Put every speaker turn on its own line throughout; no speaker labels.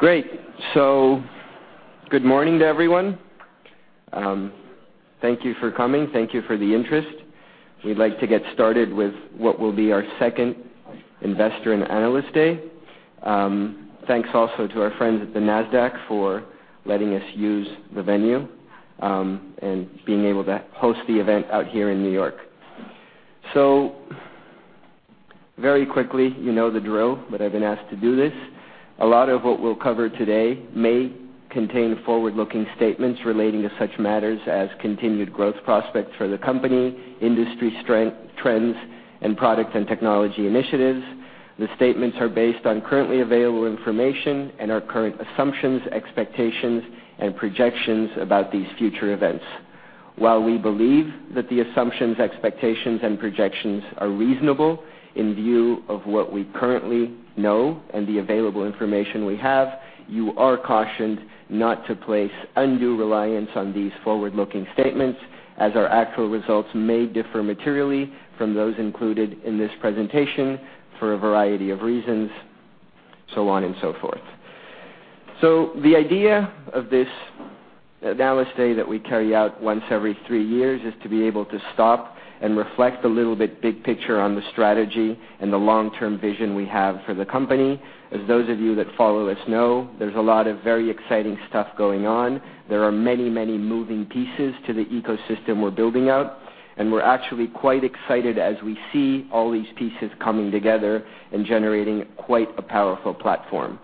Good morning to everyone. Thank you for coming. Thank you for the interest. We'd like to get started with what will be our second Investor and Analyst Day. Thanks also to our friends at the Nasdaq for letting us use the venue, and being able to host the event out here in New York. Very quickly, you know the drill, but I've been asked to do this. A lot of what we'll cover today may contain forward-looking statements relating to such matters as continued growth prospects for the company, industry trends, and product and technology initiatives. The statements are based on currently available information and our current assumptions, expectations, and projections about these future events. While we believe that the assumptions, expectations, and projections are reasonable in view of what we currently know and the available information we have, you are cautioned not to place undue reliance on these forward-looking statements, as our actual results may differ materially from those included in this presentation for a variety of reasons, so on and so forth. The idea of this Analyst Day that we carry out once every three years is to be able to stop and reflect a little bit big picture on the strategy and the long-term vision we have for the company. As those of you that follow us know, there's a lot of very exciting stuff going on. There are many moving pieces to the ecosystem we're building out, and we're actually quite excited as we see all these pieces coming together and generating quite a powerful platform.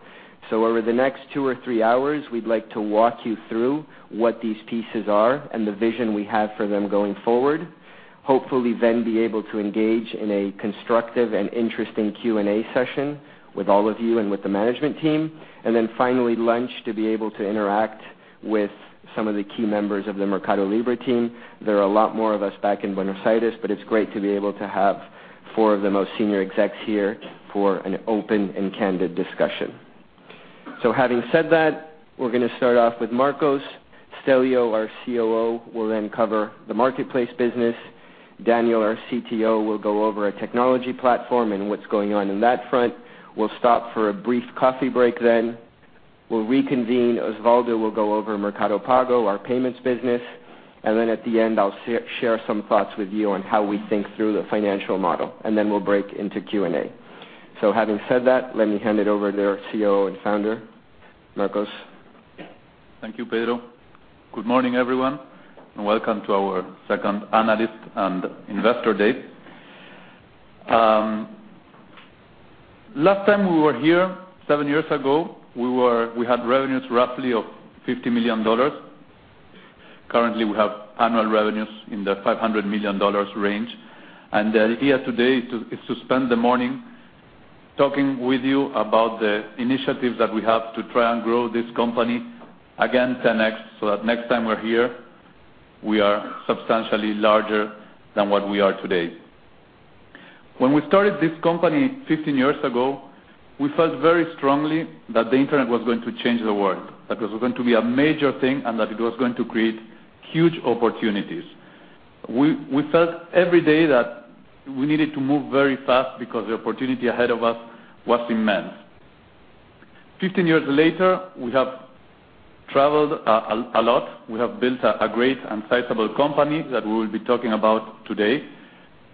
Over the next two or three hours, we'd like to walk you through what these pieces are and the vision we have for them going forward. Hopefully then be able to engage in a constructive and interesting Q&A session with all of you and with the management team. Finally, lunch, to be able to interact with some of the key members of the MercadoLibre team. There are a lot more of us back in Buenos Aires, but it's great to be able to have four of the most senior execs here for an open and candid discussion. Having said that, we're going to start off with Marcos. Stelleo, our COO, will then cover the marketplace business. Daniel, our CTO, will go over our technology platform and what's going on in that front. We'll stop for a brief coffee break then. We'll reconvene. Osvaldo will go over Mercado Pago, our payments business. At the end, I'll share some thoughts with you on how we think through the financial model. We'll break into Q&A. Having said that, let me hand it over to our CEO and founder, Marcos.
Thank you, Pedro. Good morning, everyone, and welcome to our second Analyst and Investor Day. Last time we were here seven years ago, we had revenues roughly of $50 million. Currently, we have annual revenues in the $500 million range. The idea today is to spend the morning talking with you about the initiatives that we have to try and grow this company, again, 10X, so that next time we're here, we are substantially larger than what we are today. When we started this company 15 years ago, we felt very strongly that the internet was going to change the world. That it was going to be a major thing, and that it was going to create huge opportunities. We felt every day that we needed to move very fast because the opportunity ahead of us was immense. 15 years later, we have traveled a lot. We have built a great and sizable company that we'll be talking about today.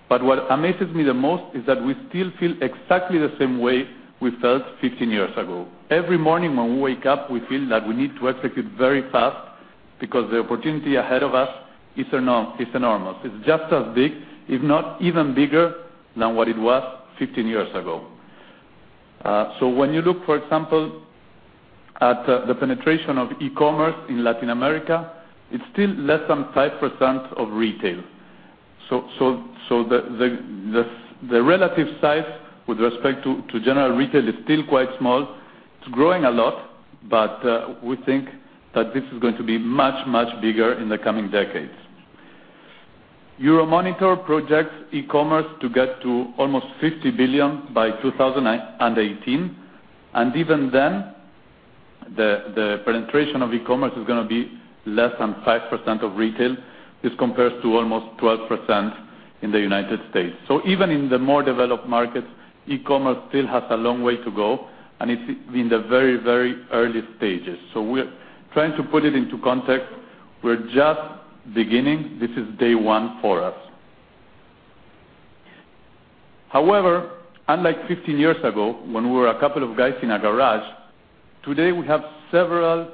What amazes me the most is that we still feel exactly the same way we felt 15 years ago. Every morning when we wake up, we feel that we need to execute very fast because the opportunity ahead of us is enormous. It's just as big, if not even bigger, than what it was 15 years ago. When you look, for example, at the penetration of e-commerce in Latin America, it's still less than 5% of retail. The relative size with respect to general retail is still quite small. It's growing a lot, but we think that this is going to be much, much bigger in the coming decades. Euromonitor projects e-commerce to get to almost 50 billion by 2018, even then, the penetration of e-commerce is going to be less than 5% of retail. This compares to almost 12% in the U.S. Even in the more developed markets, e-commerce still has a long way to go, and it's in the very early stages. We're trying to put it into context. We're just beginning. This is day one for us. However, unlike 15 years ago when we were a couple of guys in a garage, today we have several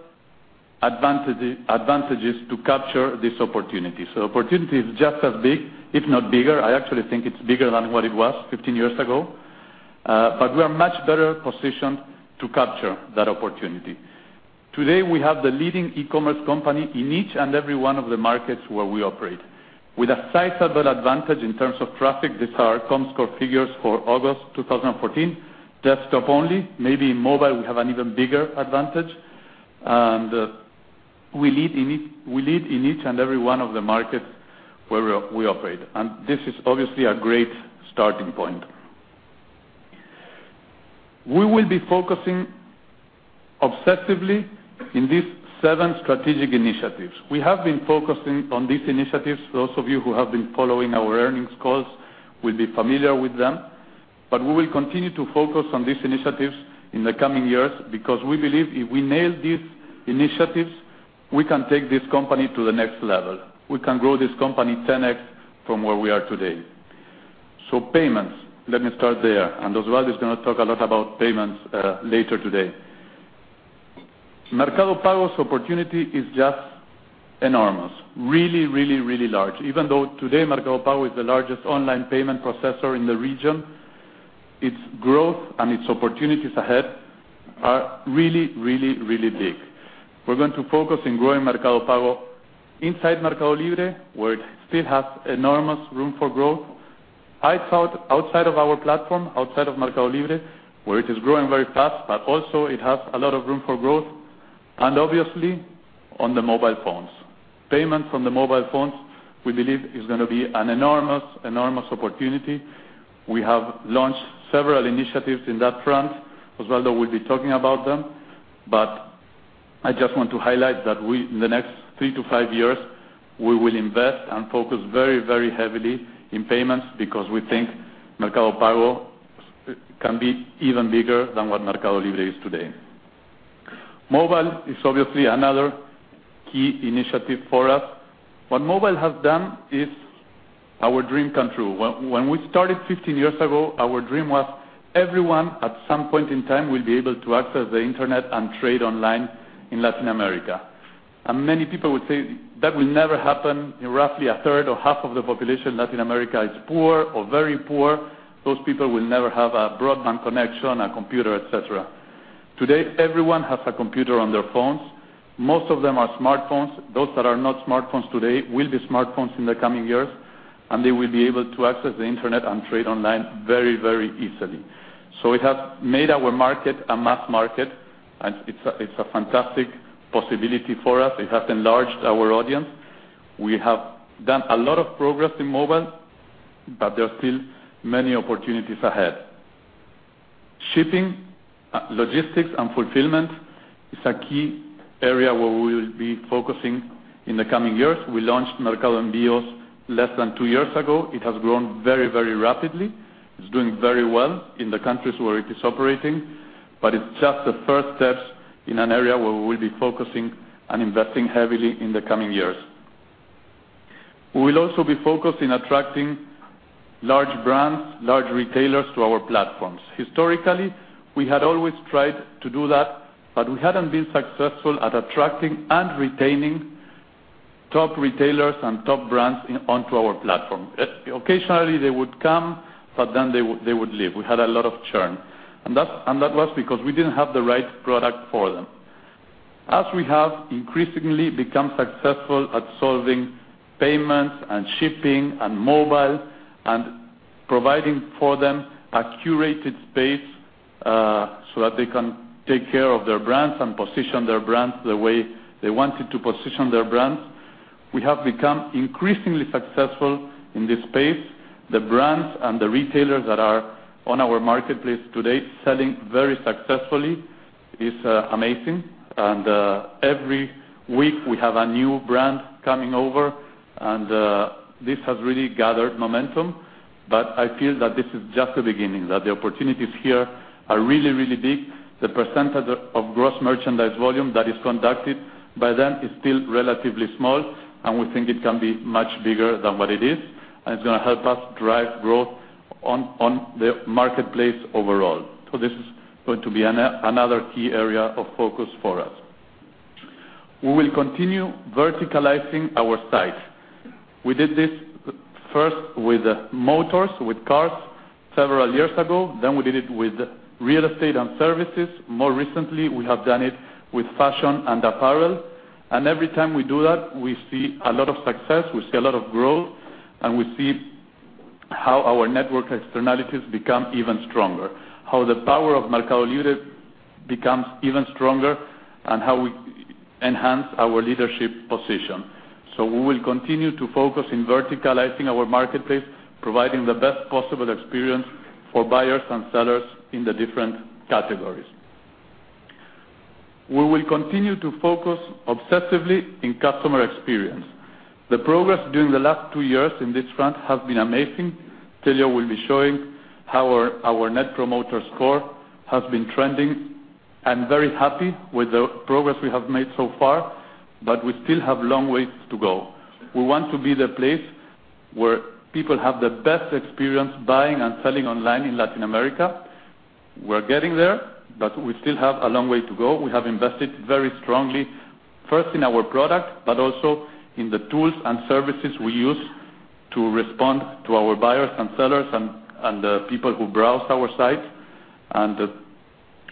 advantages to capture this opportunity. The opportunity is just as big, if not bigger. I actually think it's bigger than what it was 15 years ago. We are much better positioned to capture that opportunity. Today, we have the leading e-commerce company in each and every one of the markets where we operate. With a sizable advantage in terms of traffic. These are Comscore figures for August 2014. Desktop only, maybe in mobile, we have an even bigger advantage. We lead in each and every one of the markets where we operate. This is obviously a great starting point. We will be focusing Obsessively in these seven strategic initiatives. We have been focusing on these initiatives. Those of you who have been following our earnings calls will be familiar with them, but we will continue to focus on these initiatives in the coming years because we believe if we nail these initiatives, we can take this company to the next level. We can grow this company 10x from where we are today. Payments, let me start there, and Osvaldo is going to talk a lot about payments later today. Mercado Pago's opportunity is just enormous. Really large. Even though today Mercado Pago is the largest online payment processor in the region, its growth and its opportunities ahead are really big. We're going to focus on growing Mercado Pago inside Mercado Libre, where it still has enormous room for growth. Outside of our platform, outside of Mercado Libre, where it is growing very fast, but also it has a lot of room for growth, and obviously on the mobile phones. Payment from the mobile phones, we believe is going to be an enormous opportunity. We have launched several initiatives in that front. Osvaldo will be talking about them, but I just want to highlight that in the next 3 to 5 years, we will invest and focus very heavily on payments because we think Mercado Pago can be even bigger than what Mercado Libre is today. Mobile is obviously another key initiative for us. What mobile has done is our dream come true. When we started 15 years ago, our dream was everyone at some point in time will be able to access the internet and trade online in Latin America. Many people would say that will never happen in roughly a third or half of the population Latin America is poor or very poor. Those people will never have a broadband connection, a computer, et cetera. Today, everyone has a computer on their phones. Most of them are smartphones. Those that are not smartphones today will be smartphones in the coming years, and they will be able to access the internet and trade online very easily. It has made our market a mass market, and it's a fantastic possibility for us. It has enlarged our audience. We have done a lot of progress in mobile, but there are still many opportunities ahead. Shipping, logistics, and fulfillment is a key area where we will be focusing in the coming years. We launched Mercado Envios less than two years ago. It has grown very rapidly. It's doing very well in the countries where it is operating, but it's just the first steps in an area where we will be focusing and investing heavily in the coming years. We will also be focused on attracting large brands, large retailers to our platforms. Historically, we had always tried to do that, but we hadn't been successful at attracting and retaining top retailers and top brands onto our platform. Occasionally they would come, but then they would leave. We had a lot of churn. That was because we didn't have the right product for them. As we have increasingly become successful at solving payments and shipping and mobile, and providing for them a curated space, so that they can take care of their brands and position their brands the way they wanted to position their brands, we have become increasingly successful in this space. The brands and the retailers that are on our marketplace today selling very successfully is amazing. Every week we have a new brand coming over, and this has really gathered momentum. I feel that this is just the beginning, that the opportunities here are really big. The percentage of gross merchandise volume that is conducted by them is still relatively small, and we think it can be much bigger than what it is, and it's going to help us drive growth on the marketplace overall. This is going to be another key area of focus for us. We will continue verticalizing our site. We did this first with motors, with cars several years ago, then we did it with real estate and services. More recently, we have done it with fashion and apparel, and every time we do that, we see a lot of success, we see a lot of growth, and we see how our network externalities become even stronger, how the power of MercadoLibre becomes even stronger and how we enhance our leadership position. We will continue to focus on verticalizing our marketplace, providing the best possible experience for buyers and sellers in the different categories. We will continue to focus obsessively on customer experience. The progress during the last two years in this front has been amazing. Stelleo will be showing how our Net Promoter Score has been trending. I'm very happy with the progress we have made so far, but we still have a long way to go. We want to be the place where people have the best experience buying and selling online in Latin America. We're getting there, but we still have a long way to go. We have invested very strongly first in our product, but also in the tools and services we use to respond to our buyers and sellers and the people who browse our site.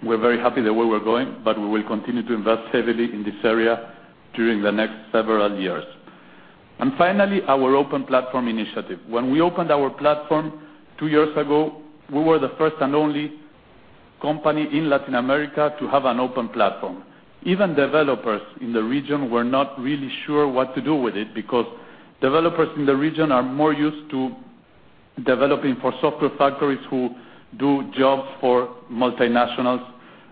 We're very happy the way we're going, but we will continue to invest heavily in this area during the next several years. Finally, our open platform initiative. When we opened our platform two years ago, we were the first and only company in Latin America to have an open platform. Even developers in the region were not really sure what to do with it because developers in the region are more used to developing for software factories who do jobs for multinationals,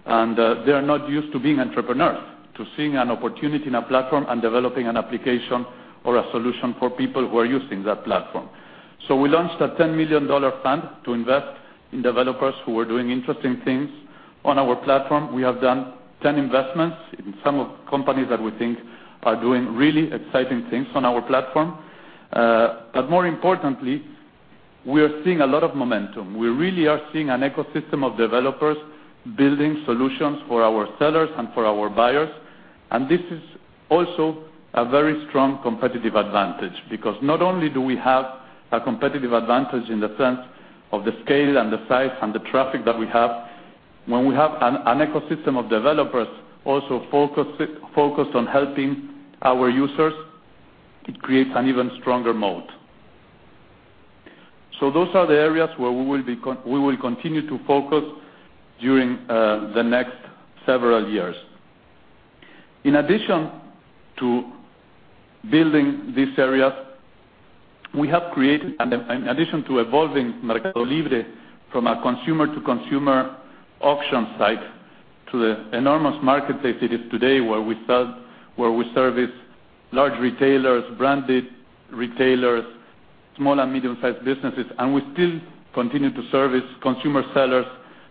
and they are not used to being entrepreneurs, to seeing an opportunity in a platform and developing an application or a solution for people who are using that platform. We launched a $10 million fund to invest in developers who are doing interesting things on our platform. We have done 10 investments in some of the companies that we think are doing really exciting things on our platform. More importantly, we are seeing a lot of momentum. We really are seeing an ecosystem of developers building solutions for our sellers and for our buyers. This is also a very strong competitive advantage because not only do we have a competitive advantage in the sense of the scale and the size and the traffic that we have, when we have an ecosystem of developers also focused on helping our users, it creates an even stronger moat. Those are the areas where we will continue to focus during the next several years. In addition to building these areas, we have created an addition to evolving MercadoLibre from a consumer-to-consumer auction site to the enormous marketplace it is today, where we service large retailers, branded retailers, small and medium-sized businesses, and we still continue to service consumer sellers,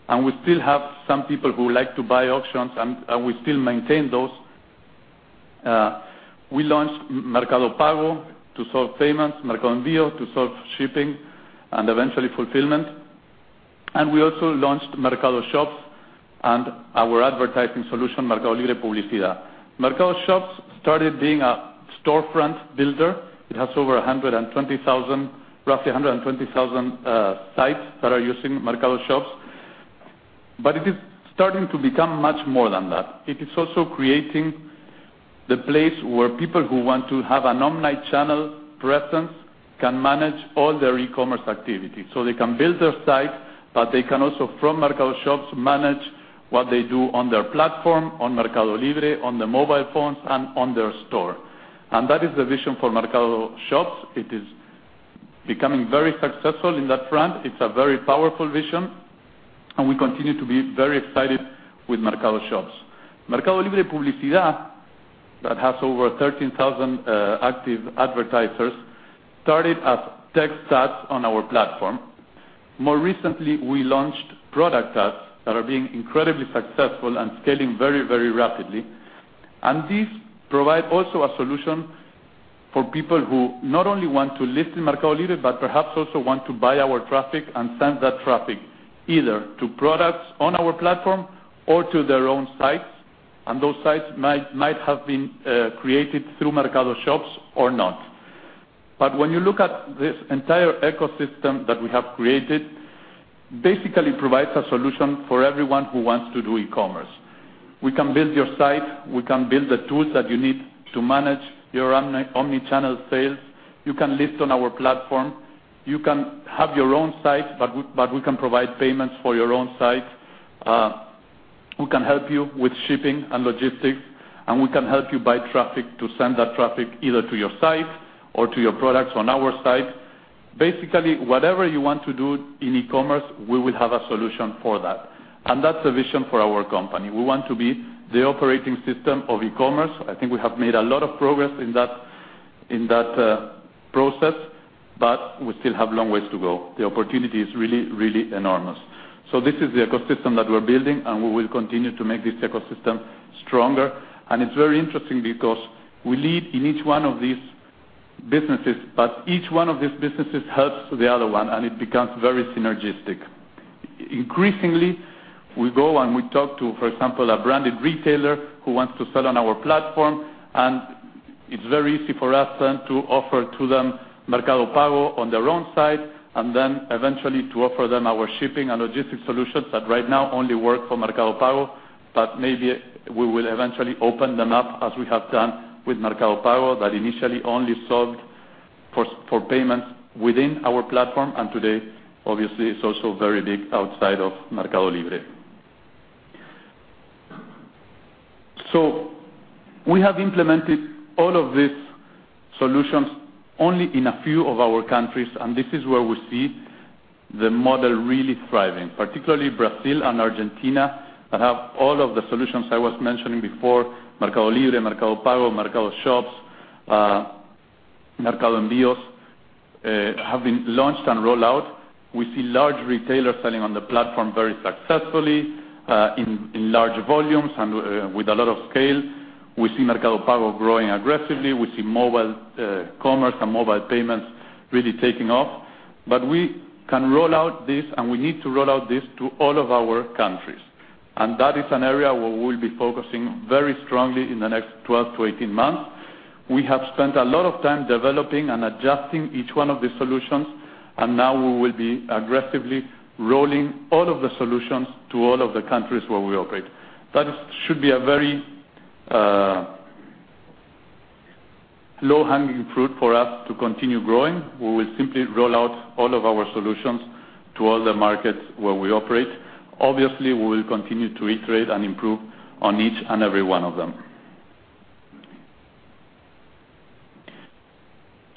and we still have some people who like to buy auctions, and we still maintain those. We launched Mercado Pago to solve payments, Mercado Envios to solve shipping and eventually fulfillment. We also launched Mercado Shops and our advertising solution, Mercado Libre Publicidad. Mercado Shops started being a storefront builder. It has roughly 120,000 sites that are using Mercado Shops. It is starting to become much more than that. It is also creating the place where people who want to have an omnichannel presence can manage all their e-commerce activity. They can build their site, but they can also, from Mercado Shops, manage what they do on their platform, on Mercado Libre, on their mobile phones, and on their store. That is the vision for Mercado Shops. It is becoming very successful in that front. It's a very powerful vision. We continue to be very excited with Mercado Shops. Mercado Libre Publicidad, that has over 13,000 active advertisers, started as text ads on our platform. More recently, we launched product ads that are being incredibly successful and scaling very rapidly. These provide also a solution for people who not only want to list in Mercado Libre, but perhaps also want to buy our traffic and send that traffic either to products on our platform or to their own sites. Those sites might have been created through Mercado Shops or not. When you look at this entire ecosystem that we have created, basically provides a solution for everyone who wants to do e-commerce. We can build your site, we can build the tools that you need to manage your omnichannel sales. You can list on our platform. You can have your own site, but we can provide payments for your own site. We can help you with shipping and logistics. We can help you buy traffic to send that traffic either to your site or to your products on our site. Basically, whatever you want to do in e-commerce, we will have a solution for that. That's the vision for our company. We want to be the operating system of e-commerce. I think we have made a lot of progress in that process, but we still have a long way to go. The opportunity is really enormous. This is the ecosystem that we're building. We will continue to make this ecosystem stronger. It's very interesting because we lead in each one of these businesses, but each one of these businesses helps the other one, and it becomes very synergistic. Increasingly, we go and we talk to, for example, a branded retailer who wants to sell on our platform. It's very easy for us then to offer to them Mercado Pago on their own site. Then eventually to offer them our shipping and logistics solutions that right now only work for Mercado Pago. Maybe we will eventually open them up as we have done with Mercado Pago, that initially only solved for payments within our platform. Today, obviously, it's also very big outside of Mercado Libre. We have implemented all of these solutions only in a few of our countries. This is where we see the model really thriving, particularly Brazil and Argentina, that have all of the solutions I was mentioning before, Mercado Libre, Mercado Pago, Mercado Shops, Mercado Envios, have been launched and rolled out. We see large retailers selling on the platform very successfully in large volumes and with a lot of scale. We see Mercado Pago growing aggressively. We see mobile commerce and mobile payments really taking off. We can roll out this, and we need to roll out this to all of our countries. That is an area where we'll be focusing very strongly in the next 12 to 18 months. We have spent a lot of time developing and adjusting each one of the solutions, and now we will be aggressively rolling out all of the solutions to all of the countries where we operate. That should be a very low-hanging fruit for us to continue growing. We will simply roll out all of our solutions to all the markets where we operate. Obviously, we will continue to iterate and improve on each and every one of them.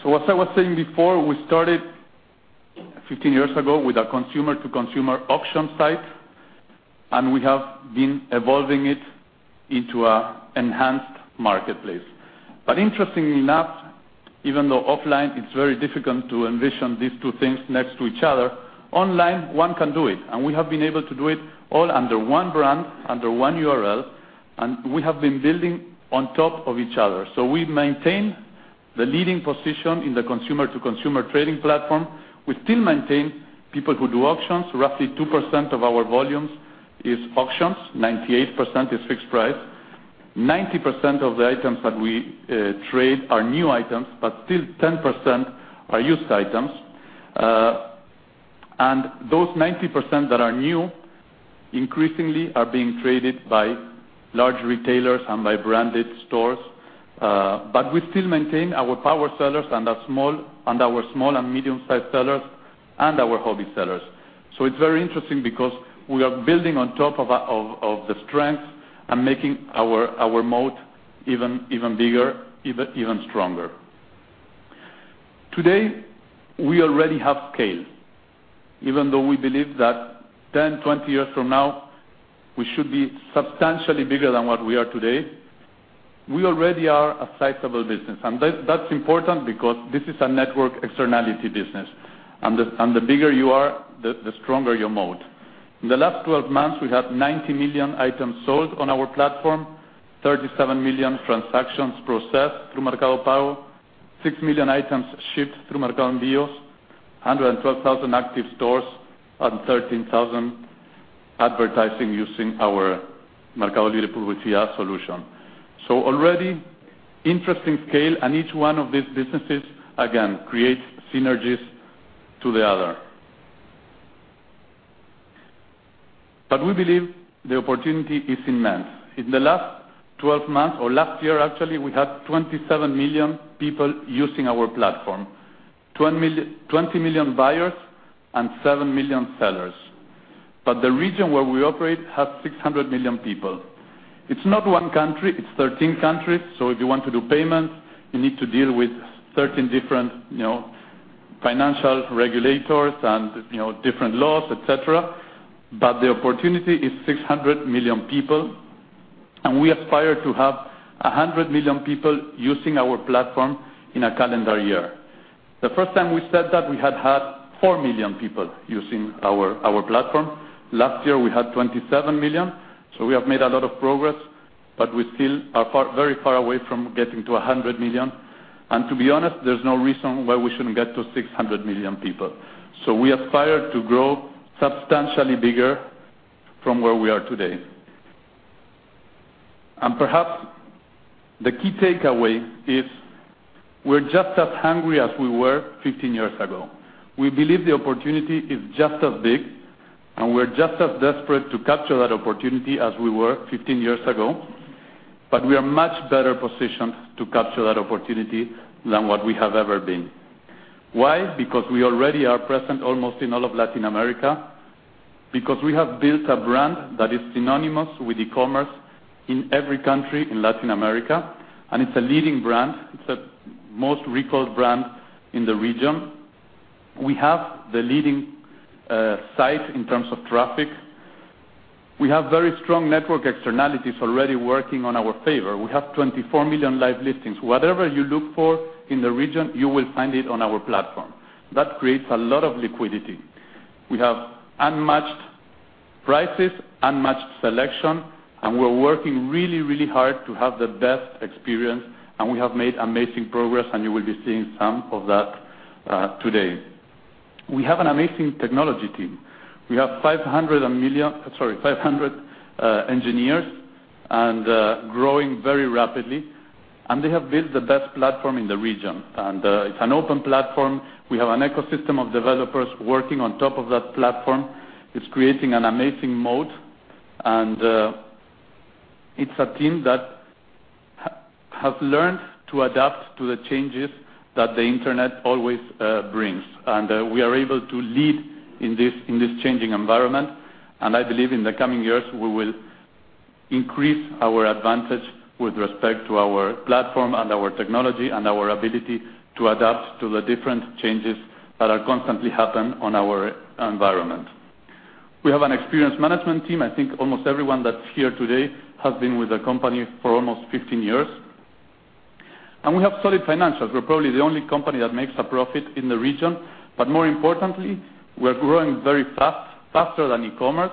As I was saying before, we started 15 years ago with a consumer-to-consumer auction site, and we have been evolving it into an enhanced marketplace. Interestingly enough, even though offline it's very difficult to envision these two things next to each other, online, one can do it. We have been able to do it all under one brand, under one URL, and we have been building on top of each other. We maintain the leading position in the consumer-to-consumer trading platform. We still maintain people who do auctions. Roughly 2% of our volumes is auctions, 98% is fixed price. 90% of the items that we trade are new items, but still 10% are used items. Those 90% that are new increasingly are being traded by large retailers and by branded stores. We still maintain our power sellers and our small and medium-sized sellers and our hobby sellers. It's very interesting because we are building on top of the strengths and making our moat even bigger, even stronger. Today, we already have scale. Even though we believe that 10, 20 years from now, we should be substantially bigger than what we are today, we already are a sizable business. That's important because this is a network externality business. The bigger you are, the stronger your moat. In the last 12 months, we had 90 million items sold on our platform, 37 million transactions processed through Mercado Pago, six million items shipped through Mercado Envios, 112,000 active stores, and 13,000 advertising using our Mercado Libre Publicidad solution. Already interesting scale, and each one of these businesses, again, creates synergies to the other. We believe the opportunity is immense. In the last 12 months or last year, actually, we had 27 million people using our platform. 20 million buyers and seven million sellers. The region where we operate has 600 million people. It's not one country, it's 13 countries. If you want to do payments, you need to deal with 13 different financial regulators and different laws, et cetera. The opportunity is 600 million people, and we aspire to have 100 million people using our platform in a calendar year. The first time we said that, we had had four million people using our platform. Last year, we had 27 million. We have made a lot of progress, but we still are very far away from getting to 100 million. To be honest, there's no reason why we shouldn't get to 600 million people. We aspire to grow substantially bigger from where we are today. Perhaps the key takeaway is we are just as hungry as we were 15 years ago. We believe the opportunity is just as big, and we are just as desperate to capture that opportunity as we were 15 years ago. But we are much better positioned to capture that opportunity than what we have ever been. Why? Because we already are present almost in all of Latin America, because we have built a brand that is synonymous with e-commerce in every country in Latin America, and it is a leading brand. It is the most recalled brand in the region. We have the leading site in terms of traffic. We have very strong network externalities already working on our favor. We have 24 million live listings. Whatever you look for in the region, you will find it on our platform. That creates a lot of liquidity. We have unmatched prices, unmatched selection, and we are working really hard to have the best experience, and we have made amazing progress, and you will be seeing some of that today. We have an amazing technology team. We have 500 engineers and growing very rapidly, and they have built the best platform in the region. It is an open platform. We have an ecosystem of developers working on top of that platform. It is creating an amazing moat, and it is a team that has learned to adapt to the changes that the internet always brings. We are able to lead in this changing environment, and I believe in the coming years, we will increase our advantage with respect to our platform and our technology and our ability to adapt to the different changes that are constantly happen on our environment. We have an experienced management team. I think almost everyone that is here today has been with the company for almost 15 years. We have solid financials. We are probably the only company that makes a profit in the region, but more importantly, we are growing very fast, faster than e-commerce.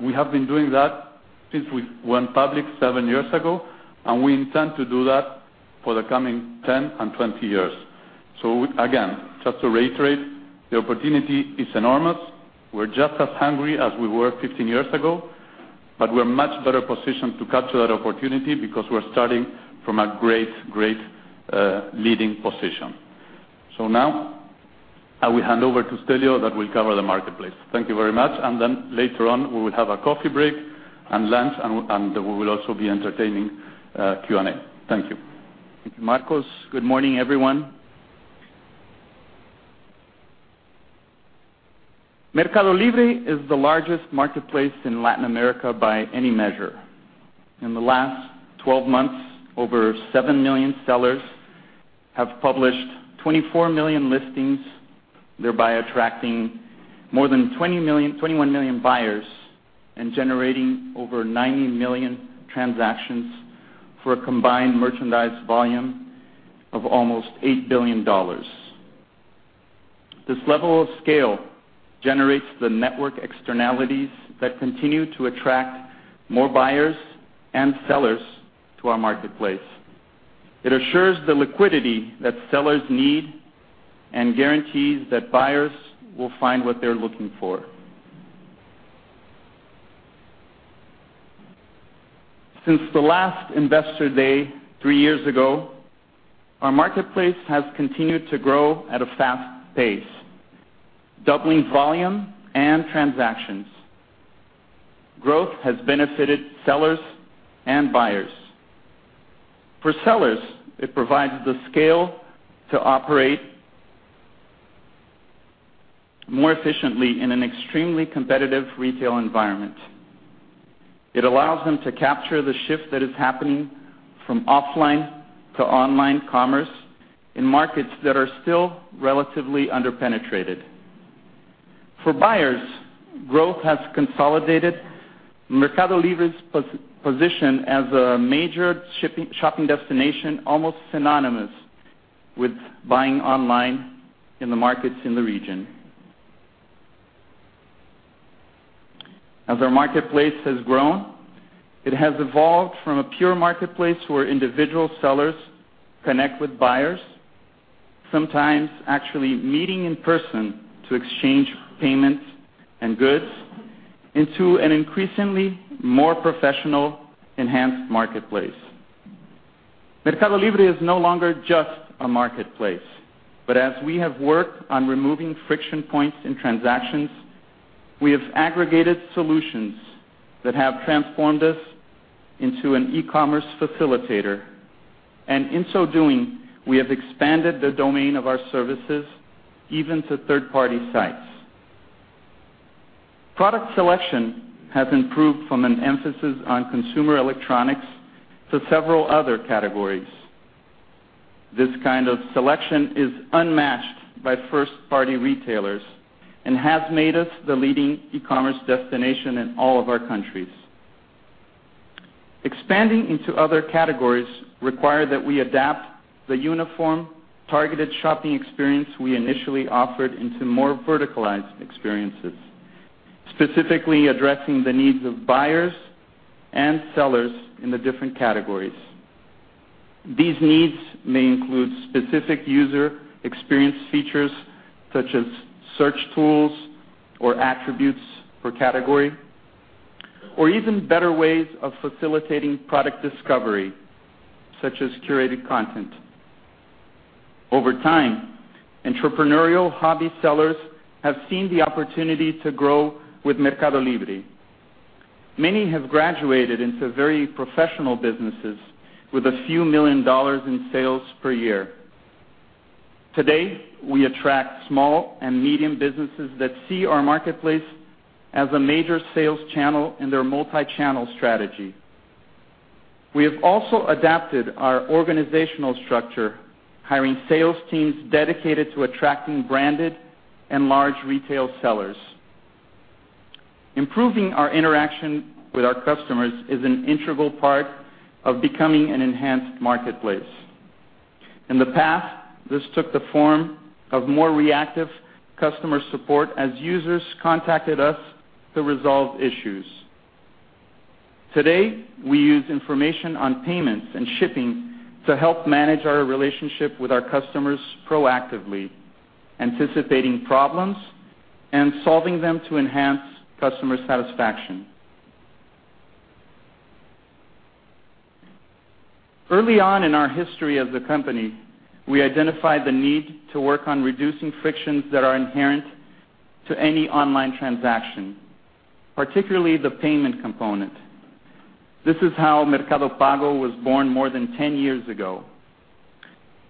We have been doing that since we went public seven years ago, and we intend to do that for the coming 10 and 20 years. Again, just to reiterate, the opportunity is enormous. We are just as hungry as we were 15 years ago, but we are much better positioned to capture that opportunity because we are starting from a great leading position. Now I will hand over to Stelleo that will cover the marketplace. Thank you very much. Later on, we will have a coffee break and lunch, and we will also be entertaining Q&A. Thank you.
Thank you, Marcos. Good morning, everyone. MercadoLibre is the largest marketplace in Latin America by any measure. In the last 12 months, over 7 million sellers have published 24 million listings, thereby attracting more than 21 million buyers and generating over 90 million transactions for a combined merchandise volume of almost $8 billion. This level of scale generates the network externalities that continue to attract more buyers and sellers to our marketplace. It assures the liquidity that sellers need and guarantees that buyers will find what they are looking for. Since the last Investor Day three years ago, our marketplace has continued to grow at a fast pace, doubling volume and transactions. Growth has benefited sellers and buyers. For sellers, it provides the scale to operate more efficiently in an extremely competitive retail environment. It allows them to capture the shift that is happening from offline to online commerce in markets that are still relatively under-penetrated. For buyers, growth has consolidated MercadoLibre's position as a major shopping destination, almost synonymous with buying online in the markets in the region. As our marketplace has grown, it has evolved from a pure marketplace where individual sellers connect with buyers, sometimes actually meeting in person to exchange payments and goods, into an increasingly more professional enhanced marketplace. MercadoLibre is no longer just a marketplace, but as we have worked on removing friction points in transactions, we have aggregated solutions that have transformed us into an e-commerce facilitator. In so doing, we have expanded the domain of our services even to third-party sites. Product selection has improved from an emphasis on consumer electronics to several other categories. This kind of selection is unmatched by first-party retailers and has made us the leading e-commerce destination in all of our countries. Expanding into other categories require that we adapt the uniform targeted shopping experience we initially offered into more verticalized experiences, specifically addressing the needs of buyers and sellers in the different categories. These needs may include specific user experience features such as search tools or attributes for category, or even better ways of facilitating product discovery, such as curated content. Over time, entrepreneurial hobby sellers have seen the opportunity to grow with MercadoLibre. Many have graduated into very professional businesses with a few million dollars in sales per year. Today, we attract small and medium businesses that see our marketplace as a major sales channel in their multi-channel strategy. We have also adapted our organizational structure, hiring sales teams dedicated to attracting branded and large retail sellers. Improving our interaction with our customers is an integral part of becoming an enhanced marketplace. In the past, this took the form of more reactive customer support as users contacted us to resolve issues. Today, we use information on payments and shipping to help manage our relationship with our customers proactively, anticipating problems and solving them to enhance customer satisfaction. Early on in our history as a company, we identified the need to work on reducing frictions that are inherent to any online transaction, particularly the payment component. This is how Mercado Pago was born more than 10 years ago.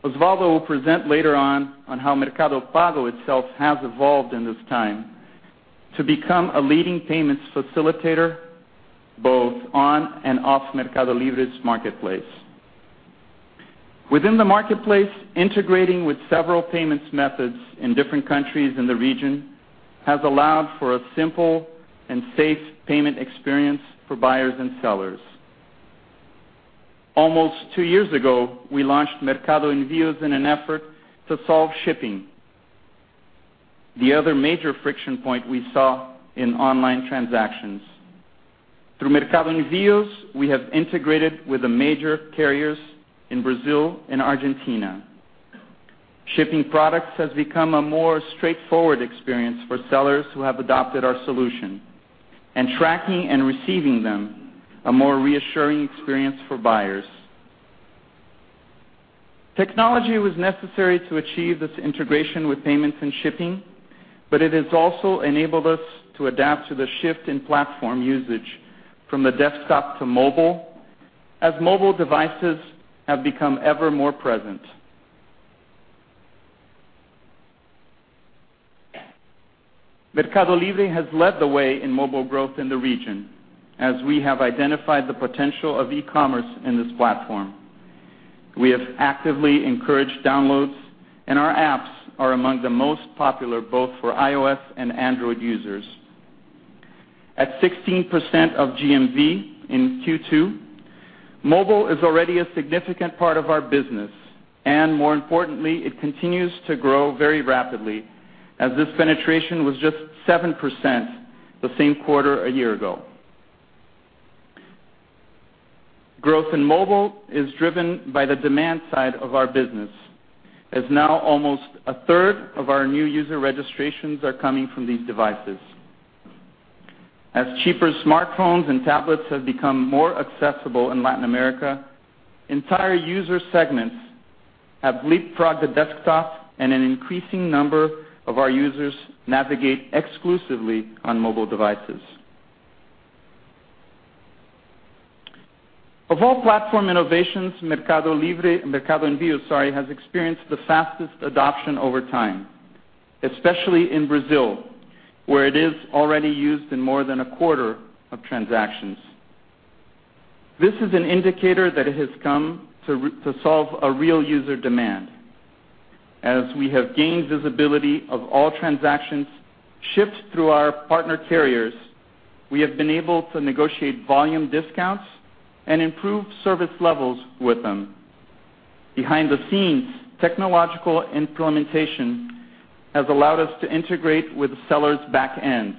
Osvaldo will present later on on how Mercado Pago itself has evolved in this time to become a leading payments facilitator both on and off MercadoLibre's marketplace. Within the marketplace, integrating with several payments methods in different countries in the region has allowed for a simple and safe payment experience for buyers and sellers. Almost two years ago, we launched Mercado Envios in an effort to solve shipping, the other major friction point we saw in online transactions. Through Mercado Envios, we have integrated with the major carriers in Brazil and Argentina. Shipping products has become a more straightforward experience for sellers who have adopted our solution, and tracking and receiving them a more reassuring experience for buyers. Technology was necessary to achieve this integration with payments and shipping, but it has also enabled us to adapt to the shift in platform usage from the desktop to mobile as mobile devices have become ever more present. MercadoLibre has led the way in mobile growth in the region, as we have identified the potential of e-commerce in this platform. We have actively encouraged downloads, and our apps are among the most popular both for iOS and Android users. At 16% of GMV in Q2, mobile is already a significant part of our business, and more importantly, it continues to grow very rapidly as this penetration was just 7% the same quarter a year ago. Growth in mobile is driven by the demand side of our business, as now almost a third of our new user registrations are coming from these devices. As cheaper smartphones and tablets have become more accessible in Latin America, entire user segments have leapfrogged the desktop, and an increasing number of our users navigate exclusively on mobile devices. Of all platform innovations, Mercado Envios has experienced the fastest adoption over time, especially in Brazil, where it is already used in more than a quarter of transactions. This is an indicator that it has come to solve a real user demand. As we have gained visibility of all transactions shipped through our partner carriers, we have been able to negotiate volume discounts and improve service levels with them. Behind the scenes, technological implementation has allowed us to integrate with sellers' back ends,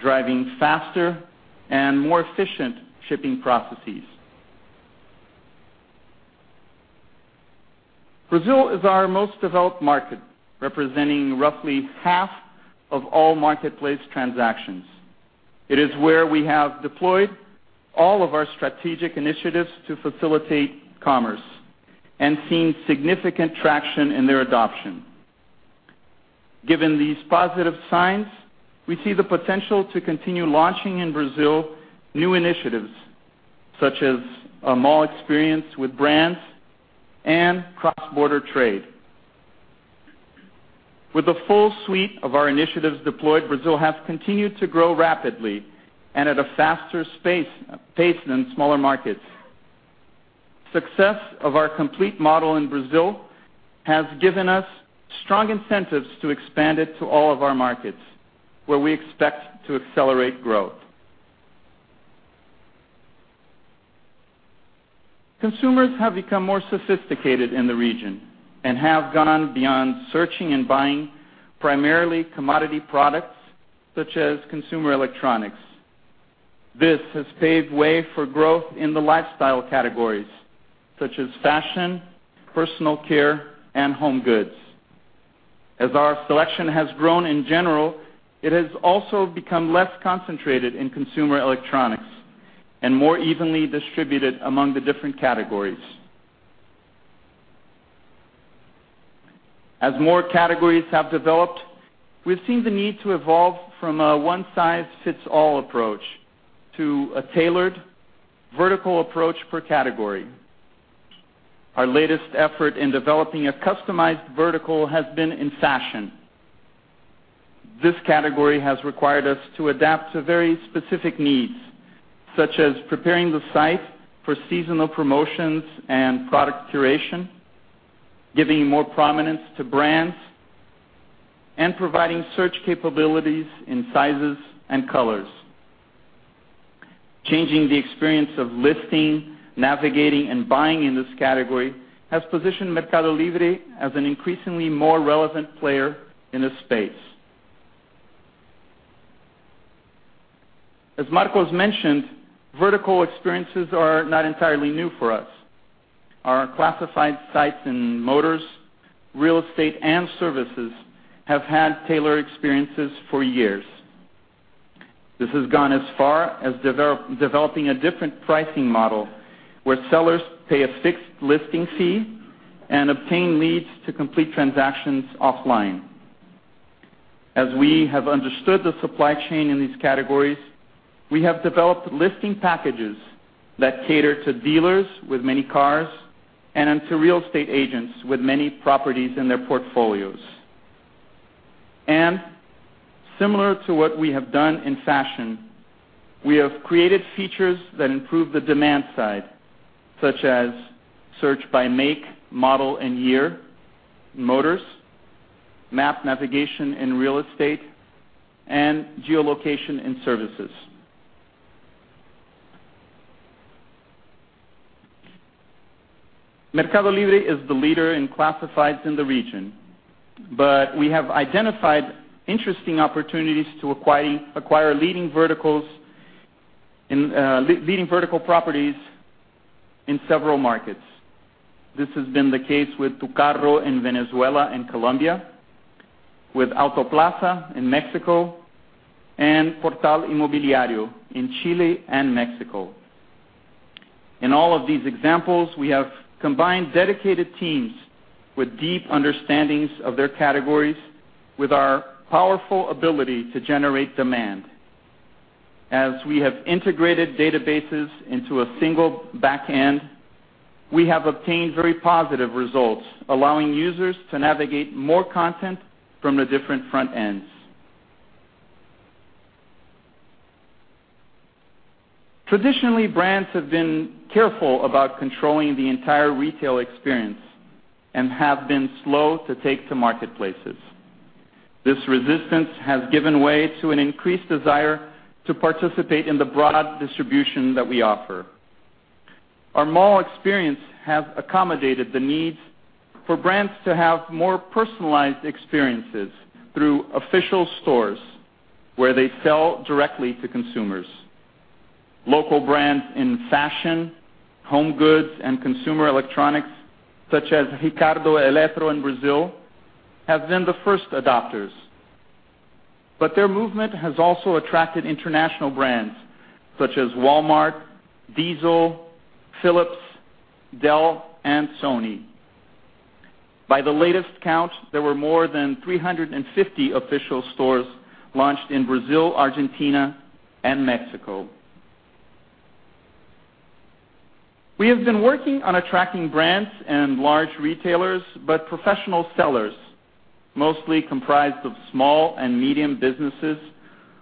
driving faster and more efficient shipping processes. Brazil is our most developed market, representing roughly half of all marketplace transactions. It is where we have deployed all of our strategic initiatives to facilitate commerce and seen significant traction in their adoption. Given these positive signs, we see the potential to continue launching in Brazil new initiatives such as a mall experience with brands and cross-border trade. With the full suite of our initiatives deployed, Brazil has continued to grow rapidly and at a faster pace than smaller markets. Success of our complete model in Brazil has given us strong incentives to expand it to all of our markets, where we expect to accelerate growth. Consumers have become more sophisticated in the region and have gone beyond searching and buying primarily commodity products such as consumer electronics. This has paved way for growth in the lifestyle categories such as fashion, personal care, and home goods. As our selection has grown in general, it has also become less concentrated in consumer electronics and more evenly distributed among the different categories. As more categories have developed, we've seen the need to evolve from a one-size-fits-all approach to a tailored vertical approach per category. Our latest effort in developing a customized vertical has been in fashion. This category has required us to adapt to very specific needs, such as preparing the site for seasonal promotions and product curation, giving more prominence to brands, and providing search capabilities in sizes and colors. Changing the experience of listing, navigating, and buying in this category has positioned MercadoLibre as an increasingly more relevant player in this space. As Marcos mentioned, vertical experiences are not entirely new for us. Our classified sites in motors, real estate, and services have had tailored experiences for years. This has gone as far as developing a different pricing model where sellers pay a fixed listing fee and obtain leads to complete transactions offline. As we have understood the supply chain in these categories, we have developed listing packages that cater to dealers with many cars and to real estate agents with many properties in their portfolios. Similar to what we have done in fashion, we have created features that improve the demand side, such as search by make, model, and year in motors, map navigation in real estate, and geolocation in services. MercadoLibre is the leader in classifieds in the region, but we have identified interesting opportunities to acquire leading vertical properties in several markets. This has been the case with TuCarro in Venezuela and Colombia, with Autoplaza in Mexico, and Portal Inmobiliario in Chile and Mexico. In all of these examples, we have combined dedicated teams with deep understandings of their categories with our powerful ability to generate demand. As we have integrated databases into a single backend, we have obtained very positive results, allowing users to navigate more content from the different front ends. Traditionally, brands have been careful about controlling the entire retail experience and have been slow to take to marketplaces. This resistance has given way to an increased desire to participate in the broad distribution that we offer. Our mall experience has accommodated the needs for brands to have more personalized experiences through official stores where they sell directly to consumers. Local brands in fashion, home goods, and consumer electronics, such as Ricardo Eletro in Brazil, have been the first adopters. Their movement has also attracted international brands such as Walmart, Diesel, Philips, Dell, and Sony. By the latest count, there were more than 350 official stores launched in Brazil, Argentina, and Mexico. We have been working on attracting brands and large retailers, but professional sellers, mostly comprised of small and medium businesses,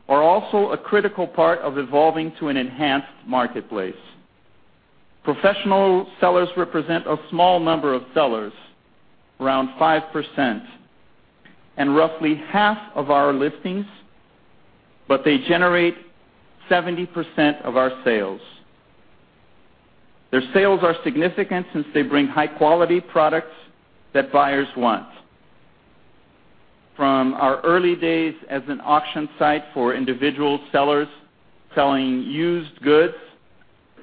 are also a critical part of evolving to an enhanced marketplace. Professional sellers represent a small number of sellers, around 5%, and roughly half of our listings, but they generate 70% of our sales. Their sales are significant since they bring high-quality products that buyers want. From our early days as an auction site for individual sellers selling used goods,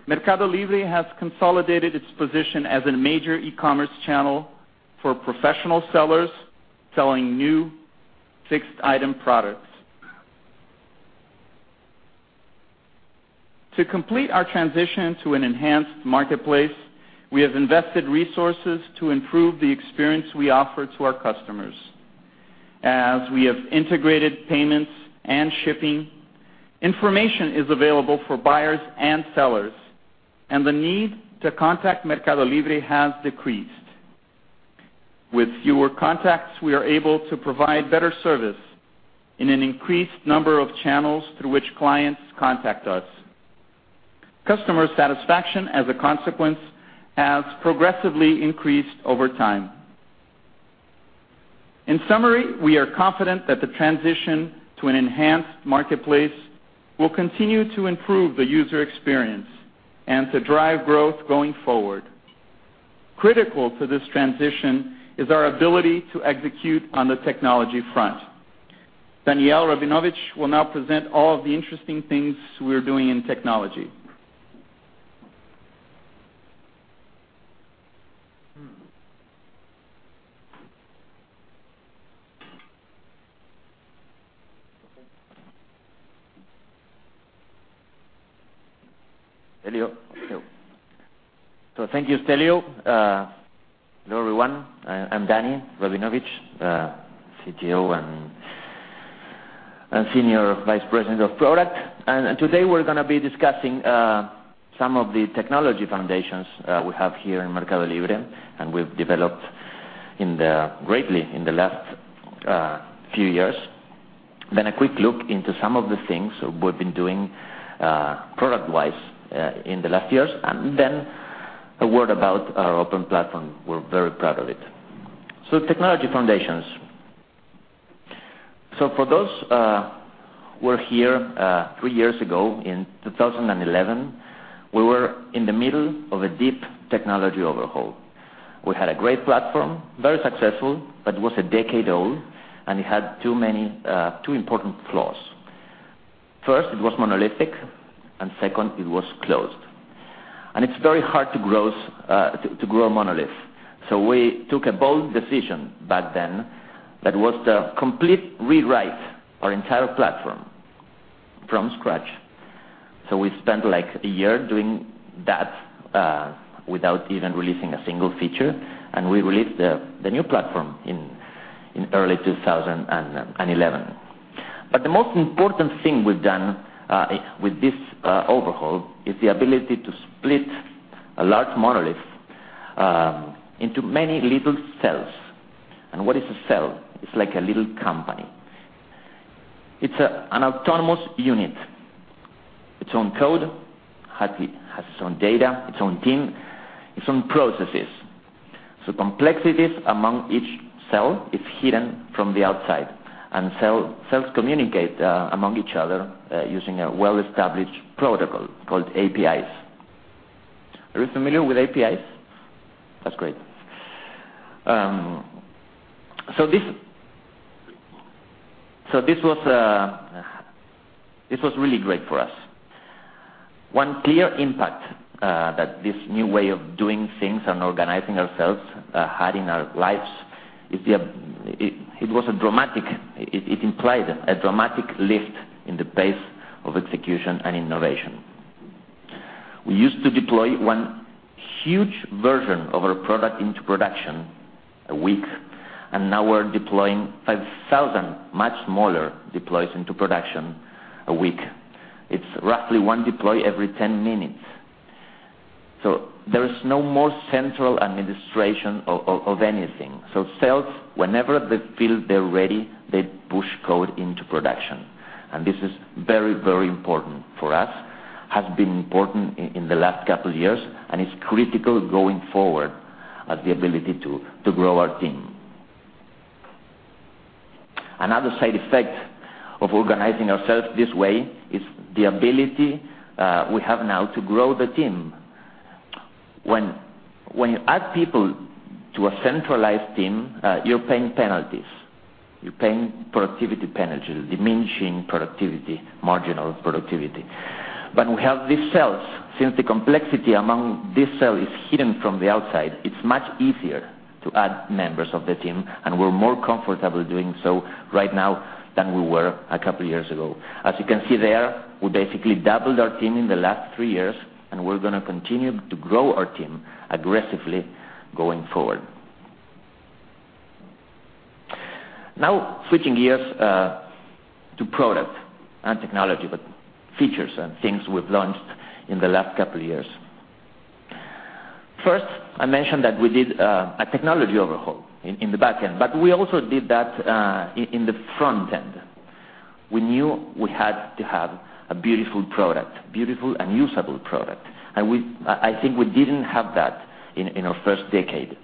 MercadoLibre has consolidated its position as a major e-commerce channel for professional sellers selling new, fixed-item products. To complete our transition to an enhanced marketplace, we have invested resources to improve the experience we offer to our customers. As we have integrated payments and shipping, information is available for buyers and sellers, and the need to contact MercadoLibre has decreased. With fewer contacts, we are able to provide better service in an increased number of channels through which clients contact us. Customer satisfaction, as a consequence, has progressively increased over time. In summary, we are confident that the transition to an enhanced marketplace will continue to improve the user experience and to drive growth going forward. Critical to this transition is our ability to execute on the technology front. Daniel Rabinovich will now present all of the interesting things we're doing in technology.
Hello. Thank you, Stelleo. Hello, everyone. I'm Daniel Rabinovich, CTO and Senior Vice President of Product. Today we're going to be discussing some of the technology foundations we have here in MercadoLibre and we've developed greatly in the last few years. A quick look into some of the things we've been doing product-wise in the last years, a word about our open platform. We're very proud of it. Technology foundations. For those who were here three years ago in 2011, we were in the middle of a deep technology overhaul. We had a great platform, very successful, but it was a decade old, it had two important flaws. First, it was monolithic, second, it was closed. It's very hard to grow a monolith. We took a bold decision back then that was to complete rewrite our entire platform from scratch. We spent a year doing that without even releasing a single feature, and we released the new platform in early 2011. The most important thing we've done with this overhaul is the ability to split a large monolith into many little cells. What is a cell? It's like a little company. It's an autonomous unit. Its own code, has its own data, its own team, its own processes. Complexities among each cell is hidden from the outside, and cells communicate among each other using a well-established protocol called APIs. Are you familiar with APIs? That's great. This was really great for us. One clear impact that this new way of doing things and organizing ourselves had in our lives, it implied a dramatic lift in the pace of execution and innovation. We used to deploy one huge version of our product into production a week, and now we're deploying 5,000 much smaller deploys into production a week. It's roughly one deploy every 10 minutes. There is no more central administration of anything. Cells, whenever they feel they're ready, they push code into production. This is very important for us, has been important in the last couple of years, and it's critical going forward as the ability to grow our team. Another side effect of organizing ourselves this way is the ability we have now to grow the team. When you add people to a centralized team, you're paying penalties. You're paying productivity penalties, diminishing productivity, marginal productivity. When we have these cells, since the complexity among these cells is hidden from the outside, we're more comfortable doing so right now than we were a couple of years ago. As you can see there, we basically doubled our team in the last three years, and we're going to continue to grow our team aggressively going forward. Switching gears to product and technology, but features and things we've launched in the last couple of years. First, I mentioned that we did a technology overhaul in the back end, we also did that in the front end. We knew we had to have a beautiful product, beautiful and usable product. I think we didn't have that in our first decade.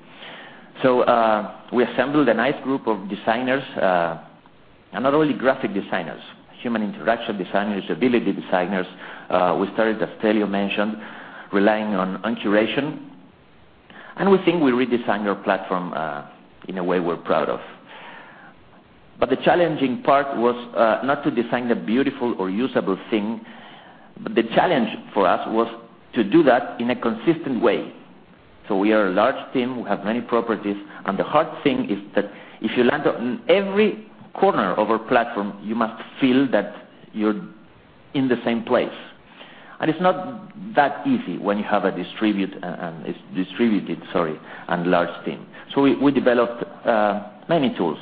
We assembled a nice group of designers, not only graphic designers, human interaction designers, ability designers. We started, as Stelleo mentioned, relying on curation. We think we redesigned our platform in a way we're proud of. The challenging part was not to design the beautiful or usable thing. The challenge for us was to do that in a consistent way. We are a large team. We have many properties, and the hard thing is that if you land on every corner of our platform, you must feel that you're in the same place. It's not that easy when you have a distributed and large team. We developed many tools,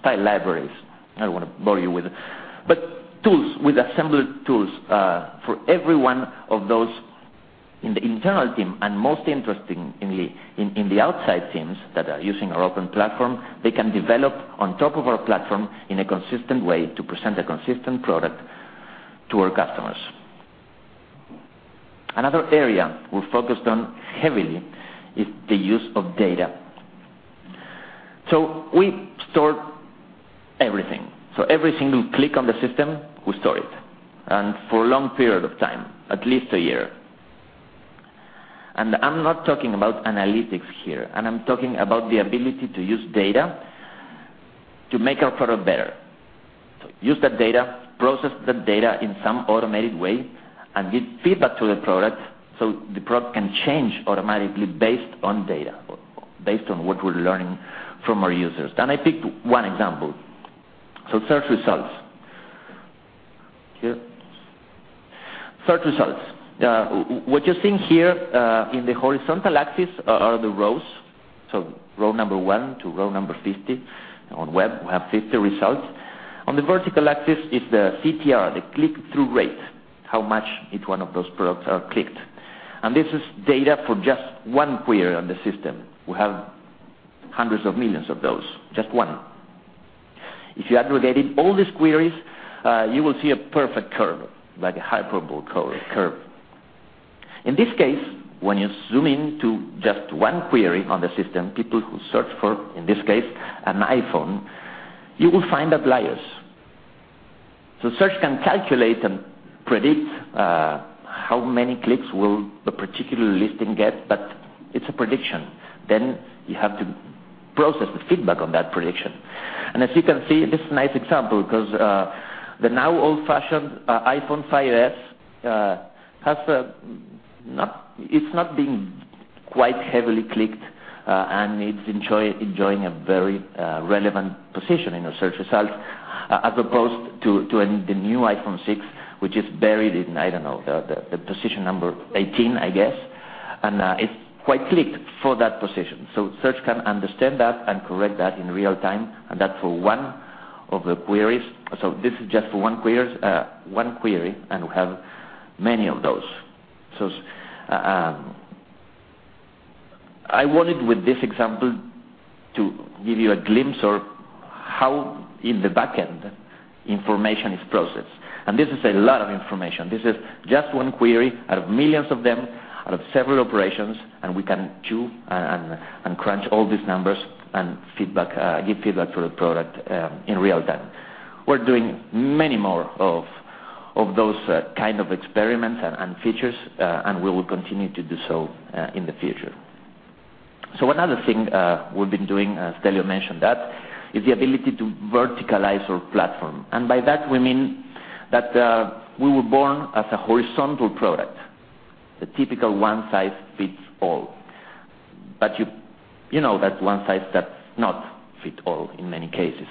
style libraries. I don't want to bore you with it, but tools. We've assembled tools for every one of those in the internal team, most interestingly, in the outside teams that are using our open platform, they can develop on top of our platform in a consistent way to present a consistent product to our customers. Another area we've focused on heavily is the use of data. We store everything. Every single click on the system, we store it. For a long period of time, at least a year. I'm not talking about analytics here, I'm talking about the ability to use data to make our product better. Use that data, process that data in some automated way, and give feedback to the product so the product can change automatically based on data or based on what we're learning from our users. I picked one example. Search results. Here. Search results. What you're seeing here in the horizontal axis are the rows. Row number 1 to row number 50. On web, we have 50 results. On the vertical axis is the CTR, the click-through rate, how much each one of those products are clicked. This is data for just one query on the system. We have hundreds of millions of those, just one. If you aggregated all these queries, you will see a perfect curve, like a hyperbola curve. In this case, when you zoom into just one query on the system, people who search for, in this case, an iPhone, you will find outliers. Search can calculate and predict how many clicks will the particular listing get, but it's a prediction. You have to process the feedback on that prediction. As you can see, this is a nice example because the now old-fashioned iPhone 5s, it's not being quite heavily clicked, and it's enjoying a very relevant position in our search results, as opposed to the new iPhone 6, which is buried in, I don't know, the position number 18, I guess. It's quite clicked for that position. Search can understand that and correct that in real time, and that's for one of the queries. This is just for one query, and we have many of those. I wanted with this example to give you a glimpse of how in the back end information is processed. This is a lot of information. This is just one query out of millions of them, out of several operations, and we can chew and crunch all these numbers and give feedback to the product in real time. We're doing many more of those kind of experiments and features, we will continue to do so in the future. Another thing we've been doing, as Stelleo mentioned that, is the ability to verticalize our platform. By that we mean that we were born as a horizontal product, the typical one size fits all. You know that one size does not fit all in many cases.